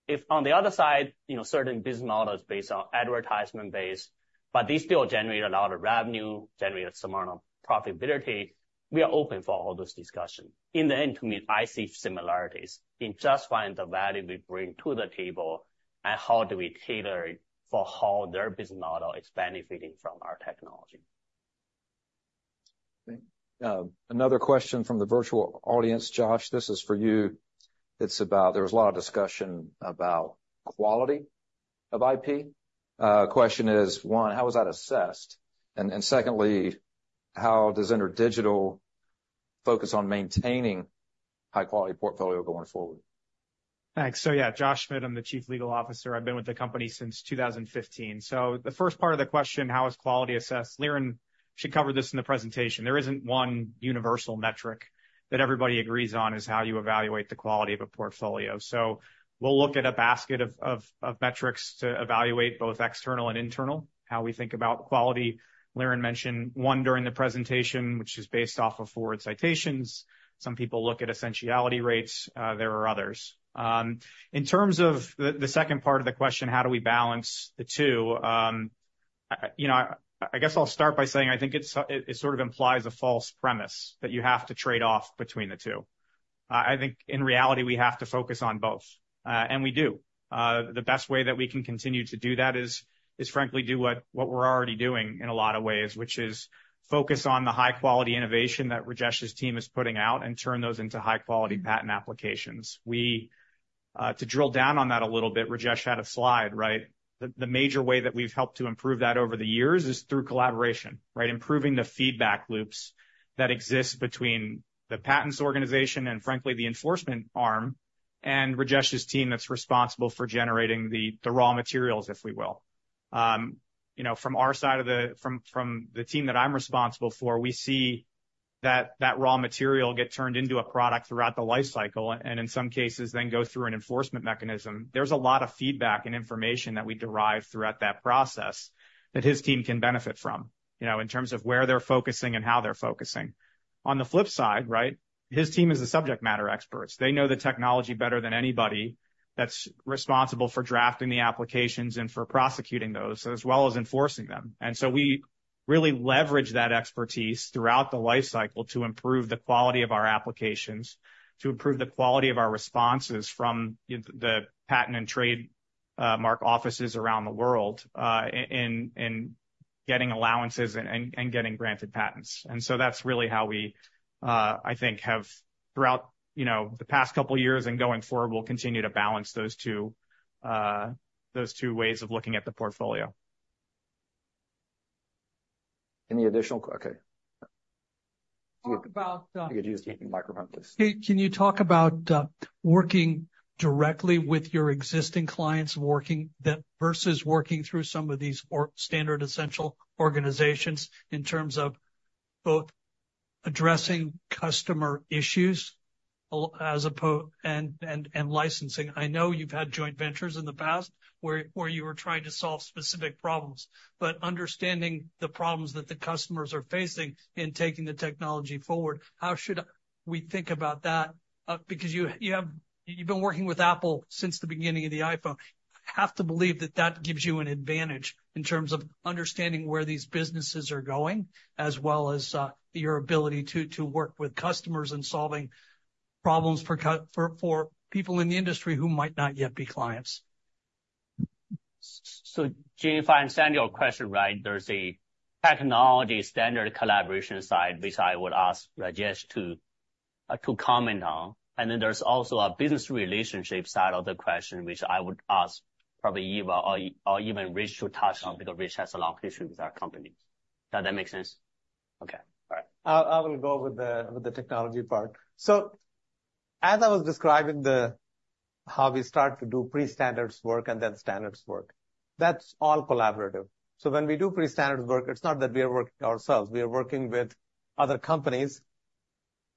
If on the other side, you know, certain business models based on advertisement-based, but they still generate a lot of revenue, generate some amount of profitability, we are open for all those discussion. In the end, to me, I see similarities in just finding the value we bring to the table and how do we tailor it for how their business model is benefiting from our technology. Another question from the virtual audience. Josh, this is for you. It's about, there was a lot of discussion about quality of IP. Question is, one, how is that assessed? And secondly, how does InterDigital focus on maintaining high-quality portfolio going forward? Thanks. So yeah, Josh Schmidt, I'm the Chief Legal Officer. I've been with the company since 2015. So the first part of the question: How is quality assessed? Liren, she covered this in the presentation. There isn't one universal metric that everybody agrees on, is how you evaluate the quality of a portfolio. So we'll look at a basket of metrics to evaluate both external and internal, how we think about quality. Liren mentioned one during the presentation, which is based off of forward citations. Some people look at essentiality rates, there are others. In terms of the second part of the question, how do we balance the two? You know, I guess I'll start by saying, I think it's sort of implies a false premise that you have to trade off between the two. I think in reality, we have to focus on both, and we do. The best way that we can continue to do that is frankly do what we're already doing in a lot of ways, which is focus on the high-quality innovation that Rajesh's team is putting out and turn those into high-quality patent applications. We to drill down on that a little bit, Rajesh had a slide, right? The major way that we've helped to improve that over the years is through collaboration, right? Improving the feedback loops that exist between the patents organization and frankly the enforcement arm, and Rajesh's team that's responsible for generating the raw materials, if we will. You know, from our side, from the team that I'm responsible for, we see that raw material get turned into a product throughout the life cycle, and in some cases, then go through an enforcement mechanism. There's a lot of feedback and information that we derive throughout that process, that his team can benefit from, you know, in terms of where they're focusing and how they're focusing. On the flip side, right, his team is the subject matter experts. They know the technology better than anybody that's responsible for drafting the applications and for prosecuting those, as well as enforcing them. And so we really leverage that expertise throughout the life cycle to improve the quality of our applications, to improve the quality of our responses from the patent and trademark offices around the world, in getting allowances and getting granted patents. And so that's really how we, I think, have throughout, you know, the past couple of years and going forward, we'll continue to balance those two ways of looking at the portfolio. Okay. Could you just take the microphone, please? Can you talk about working directly with your existing clients, working them versus working through some of these or standard essential organizations, in terms of both addressing customer issues, as opposed to and licensing? I know you've had joint ventures in the past where you were trying to solve specific problems, but understanding the problems that the customers are facing in taking the technology forward, how should we think about that? Because you, you've been working with Apple since the beginning of the iPhone. I have to believe that that gives you an advantage in terms of understanding where these businesses are going, as well as your ability to work with customers and solving problems for customers for people in the industry who might not yet be clients. So, Gene, if I understand your question, right, there's a technology standard collaboration side, which I would ask Rajesh to comment on, and then there's also a business relationship side of the question, which I would ask probably Eeva or even Rich to touch on because Rich has a long history with our company. Does that make sense? Okay. All right. I will go with the technology part. So as I was describing how we start to do pre-standards work and then standards work, that's all collaborative. So when we do pre-standards work, it's not that we are working ourselves, we are working with other companies,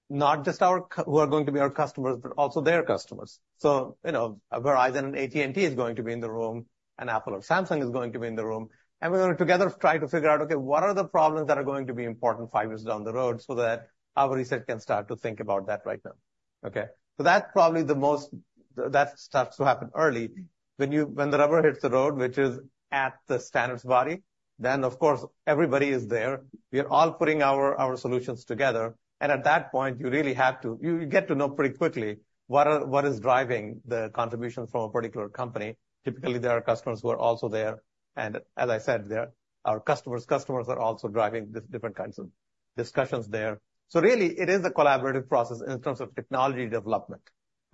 not just our customers, but also their customers. So, you know, Verizon and AT&T is going to be in the room, and Apple or Samsung is going to be in the room, and we're going to together try to figure out, okay, what are the problems that are going to be important five years down the road so that our research can start to think about that right now, okay? So that's probably the most. That starts to happen early. When the rubber hits the road, which is at the standards body, then, of course, everybody is there. We are all putting our solutions together, and at that point, you really have to, you get to know pretty quickly what is driving the contribution from a particular company. Typically, there are customers who are also there, and as I said, they're, our customers' customers are also driving the different kinds of discussions there. So really, it is a collaborative process in terms of technology development,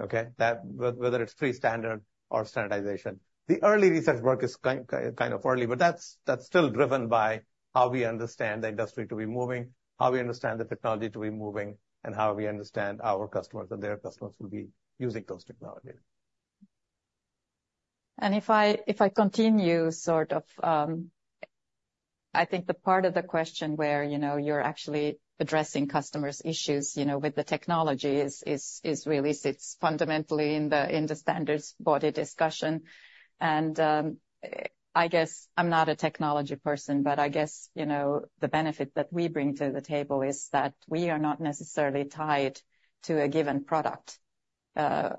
okay? That, whether it's pre-standard or standardization. The early research work is kind of early, but that's still driven by how we understand the industry to be moving, how we understand the technology to be moving, and how we understand our customers and their customers will be using those technologies. And if I continue, sort of, I think the part of the question where, you know, you're actually addressing customers' issues, you know, with the technology is really sits fundamentally in the standards body discussion. And I guess I'm not a technology person, but I guess, you know, the benefit that we bring to the table is that we are not necessarily tied to a given product.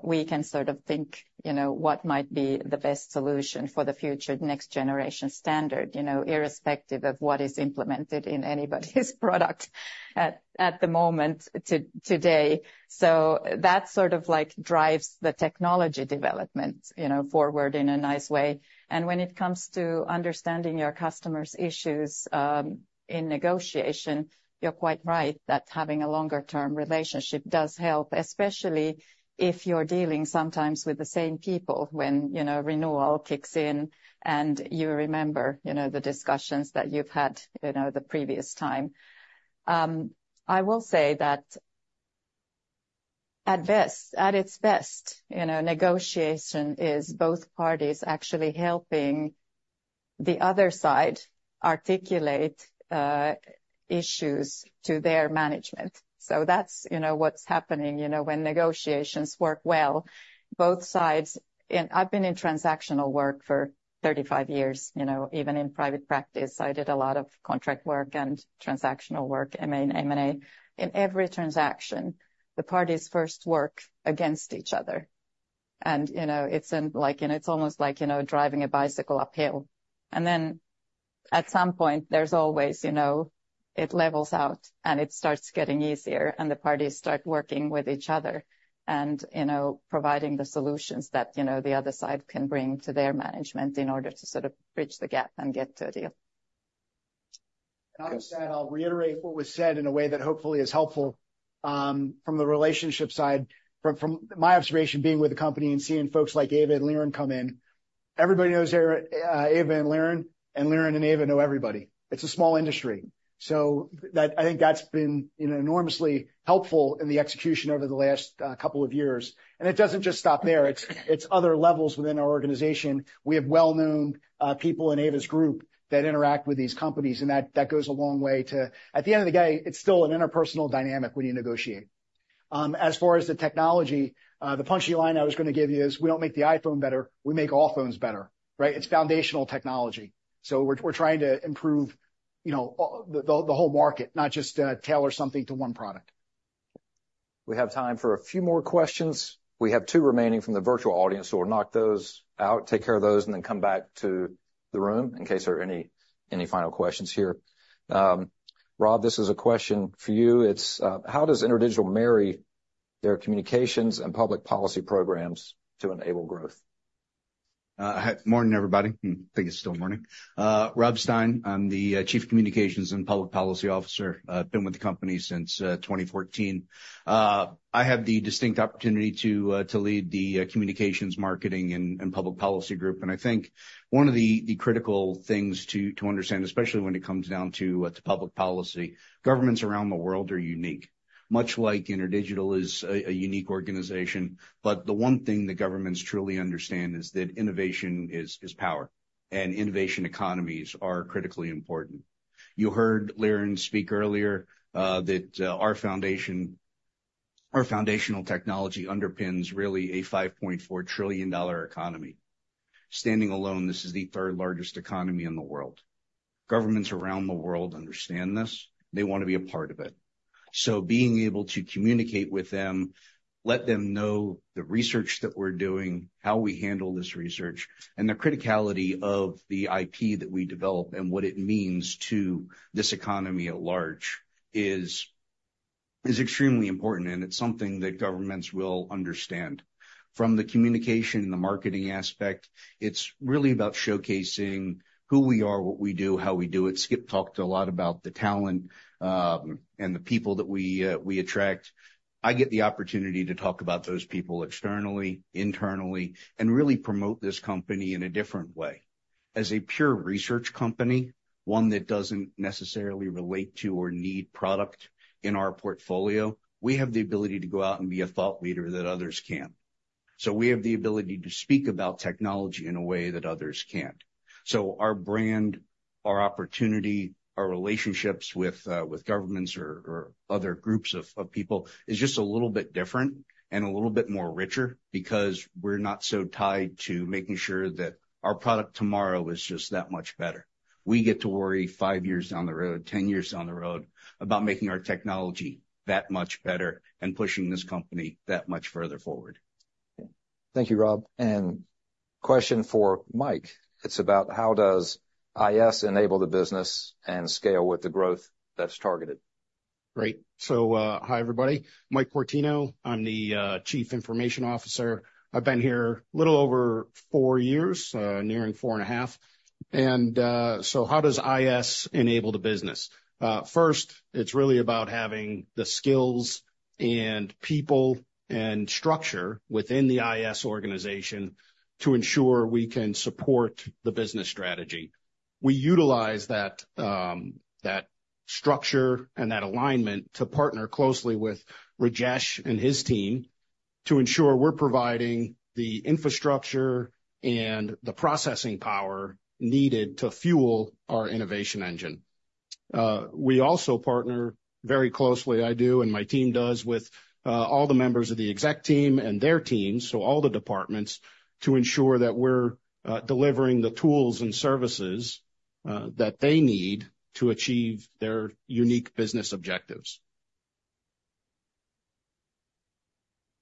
We can sort of think, you know, what might be the best solution for the future, next generation standard, you know, irrespective of what is implemented in anybody's product at the moment today. So that sort of, like, drives the technology development, you know, forward in a nice way. And when it comes to understanding your customers' issues, in negotiation, you're quite right that having a longer-term relationship does help, especially if you're dealing sometimes with the same people when, you know, renewal kicks in and you remember, you know, the discussions that you've had, you know, the previous time. I will say that at best, at its best, you know, negotiation is both parties actually helping the other side articulate, issues to their management. So that's, you know, what's happening, you know, when negotiations work well, both sides. And I've been in transactional work for 35 years, you know. Even in private practice, I did a lot of contract work and transactional work, M&A. In every transaction, the parties first work against each other. And, you know, it's in like, you know, it's almost like, you know, driving a bicycle uphill. And then at some point, there's always, you know, it levels out, and it starts getting easier, and the parties start working with each other and, you know, providing the solutions that, you know, the other side can bring to their management in order to sort of bridge the gap and get to a deal. And on that, I'll reiterate what was said in a way that hopefully is helpful, from the relationship side. From my observation, being with the company and seeing folks like Eeva and Liren come in, everybody knows Eeva and Liren, and Liren and Eeva know everybody. It's a small industry. So that I think that's been, you know, enormously helpful in the execution over the last couple of years. And it doesn't just stop there, it's other levels within our organization. We have well-known people in Eeva's group that interact with these companies, and that goes a long way to. At the end of the day, it's still an interpersonal dynamic when you negotiate. As far as the technology, the punchy line I was gonna give you is: We don't make the iPhone better, we make all phones better, right? It's foundational technology, so we're trying to improve, you know, the whole market, not just tailor something to one product. We have time for a few more questions. We have two remaining from the virtual audience, so we'll knock those out, take care of those, and then come back to the room in case there are any final questions here. Rob, this is a question for you. It's: How does InterDigital marry their communications and public policy programs to enable growth? Hi. Morning, everybody. I think it's still morning. Rob Stien, I'm the Chief Communications and Public Policy Officer. I've been with the company since 2014. I have the distinct opportunity to lead the Communications, Marketing, and Public Policy group. I think one of the critical things to understand, especially when it comes down to public policy, governments around the world are unique, much like InterDigital is a unique organization. But the one thing the governments truly understand is that innovation is power, and innovation economies are critically important. You heard Liren speak earlier, that our foundation, our foundational technology underpins really a $5.4 trillion economy. Standing alone, this is the third largest economy in the world. Governments around the world understand this. They want to be a part of it. So being able to communicate with them, let them know the research that we're doing, how we handle this research, and the criticality of the IP that we develop and what it means to this economy at large, is extremely important, and it's something that governments will understand. From the communication and the marketing aspect, it's really about showcasing who we are, what we do, how we do it. Skip talked a lot about the talent, and the people that we attract. I get the opportunity to talk about those people externally, internally, and really promote this company in a different way. As a pure research company, one that doesn't necessarily relate to or need product in our portfolio, we have the ability to go out and be a thought leader that others can't. So we have the ability to speak about technology in a way that others can't. So our brand, our opportunity, our relationships with governments or other groups of people is just a little bit different and a little bit more richer because we're not so tied to making sure that our product tomorrow is just that much better. We get to worry five years down the road, 10 years down the road, about making our technology that much better and pushing this company that much further forward. Thank you, Rob. And question for Mike. It's about how does IT enable the business and scale with the growth that's targeted? Great. So, hi, everybody. Mike Cortino, I'm the Chief Information Officer. I've been here a little over four years, nearing four and a half. How does IS enable the business? First, it's really about having the skills and people and structure within the IS organization to ensure we can support the business strategy. We utilize that structure and that alignment to partner closely with Rajesh and his team to ensure we're providing the infrastructure and the processing power needed to fuel our innovation engine. We also partner very closely, I do, and my team does, with all the members of the exec team and their teams, so all the departments, to ensure that we're delivering the tools and services that they need to achieve their unique business objectives.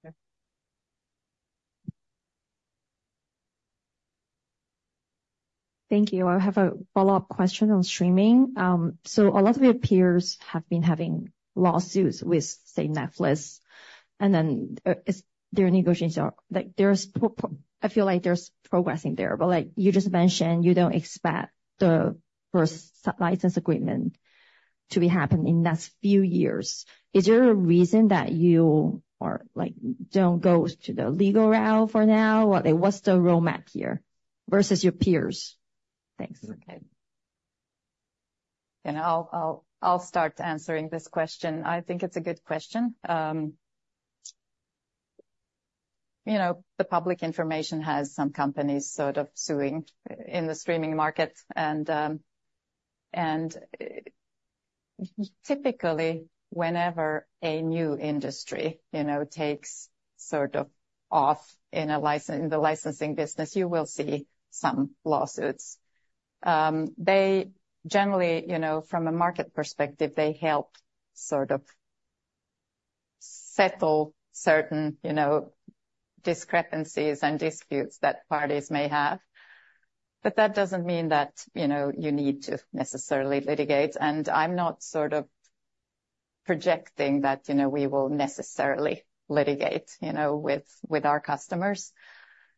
Okay. Thank you. I have a follow-up question on streaming. So a lot of your peers have been having lawsuits with, say, Netflix, and then they're negotiating, like, there's progress there. I feel like there's progress there. But like you just mentioned, you don't expect the first license agreement to be happening in the next few years. Is there a reason that you are, like, don't go to the legal route for now? What, like, what's the roadmap here versus your peers? Thanks. Okay, and I'll start answering this question. I think it's a good question. You know, the public information has some companies sort of suing in the streaming market, and typically, whenever a new industry, you know, takes sort of off in a license, in the licensing business, you will see some lawsuits. They generally, you know, from a market perspective, they help sort of settle certain, you know, discrepancies and disputes that parties may have. But that doesn't mean that, you know, you need to necessarily litigate, and I'm not sort of projecting that, you know, we will necessarily litigate, you know, with our customers.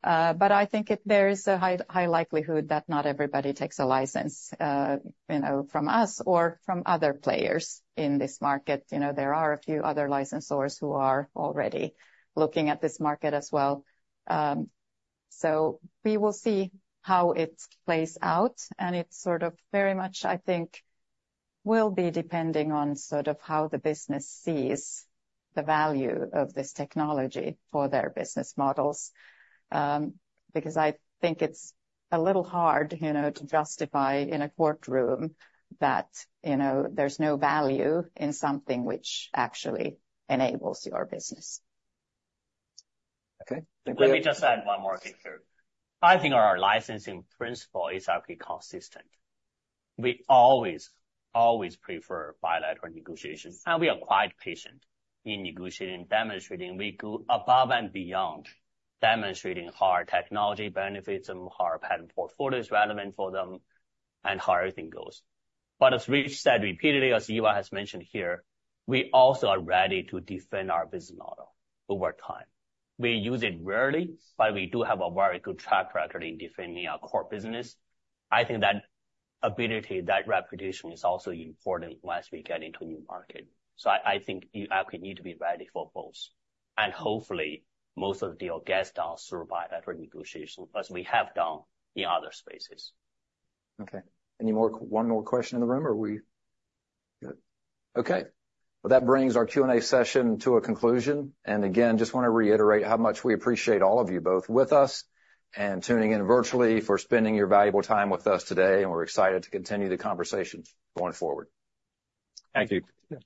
But I think it, there is a high likelihood that not everybody takes a license, you know, from us or from other players in this market. You know, there are a few other licensors who are already looking at this market as well, so we will see how it plays out, and it sort of very much, I think, will be depending on sort of how the business sees the value of this technology for their business models, because I think it's a little hard, you know, to justify in a courtroom that, you know, there's no value in something which actually enables your business. Okay. Let me just add one more thing here. I think our licensing principle is actually consistent. We always, always prefer bilateral negotiations, and we are quite patient in negotiating and demonstrating. We go above and beyond, demonstrating how our technology benefits them, how our patent portfolio is relevant for them, and how everything goes. But as Rich said repeatedly, as Eeva has mentioned here, we also are ready to defend our business model over time. We use it rarely, but we do have a very good track record in defending our core business. I think that ability, that reputation, is also important as we get into a new market. I think you actually need to be ready for both, and hopefully, most of the guests does survive that negotiation, as we have done in other spaces. Okay. Any more, one more question in the room, or are we--good. Okay. Well, that brings our Q&A session to a conclusion, and again, just wanna reiterate how much we appreciate all of you, both with us and tuning in virtually, for spending your valuable time with us today, and we're excited to continue the conversation going forward. Thank you.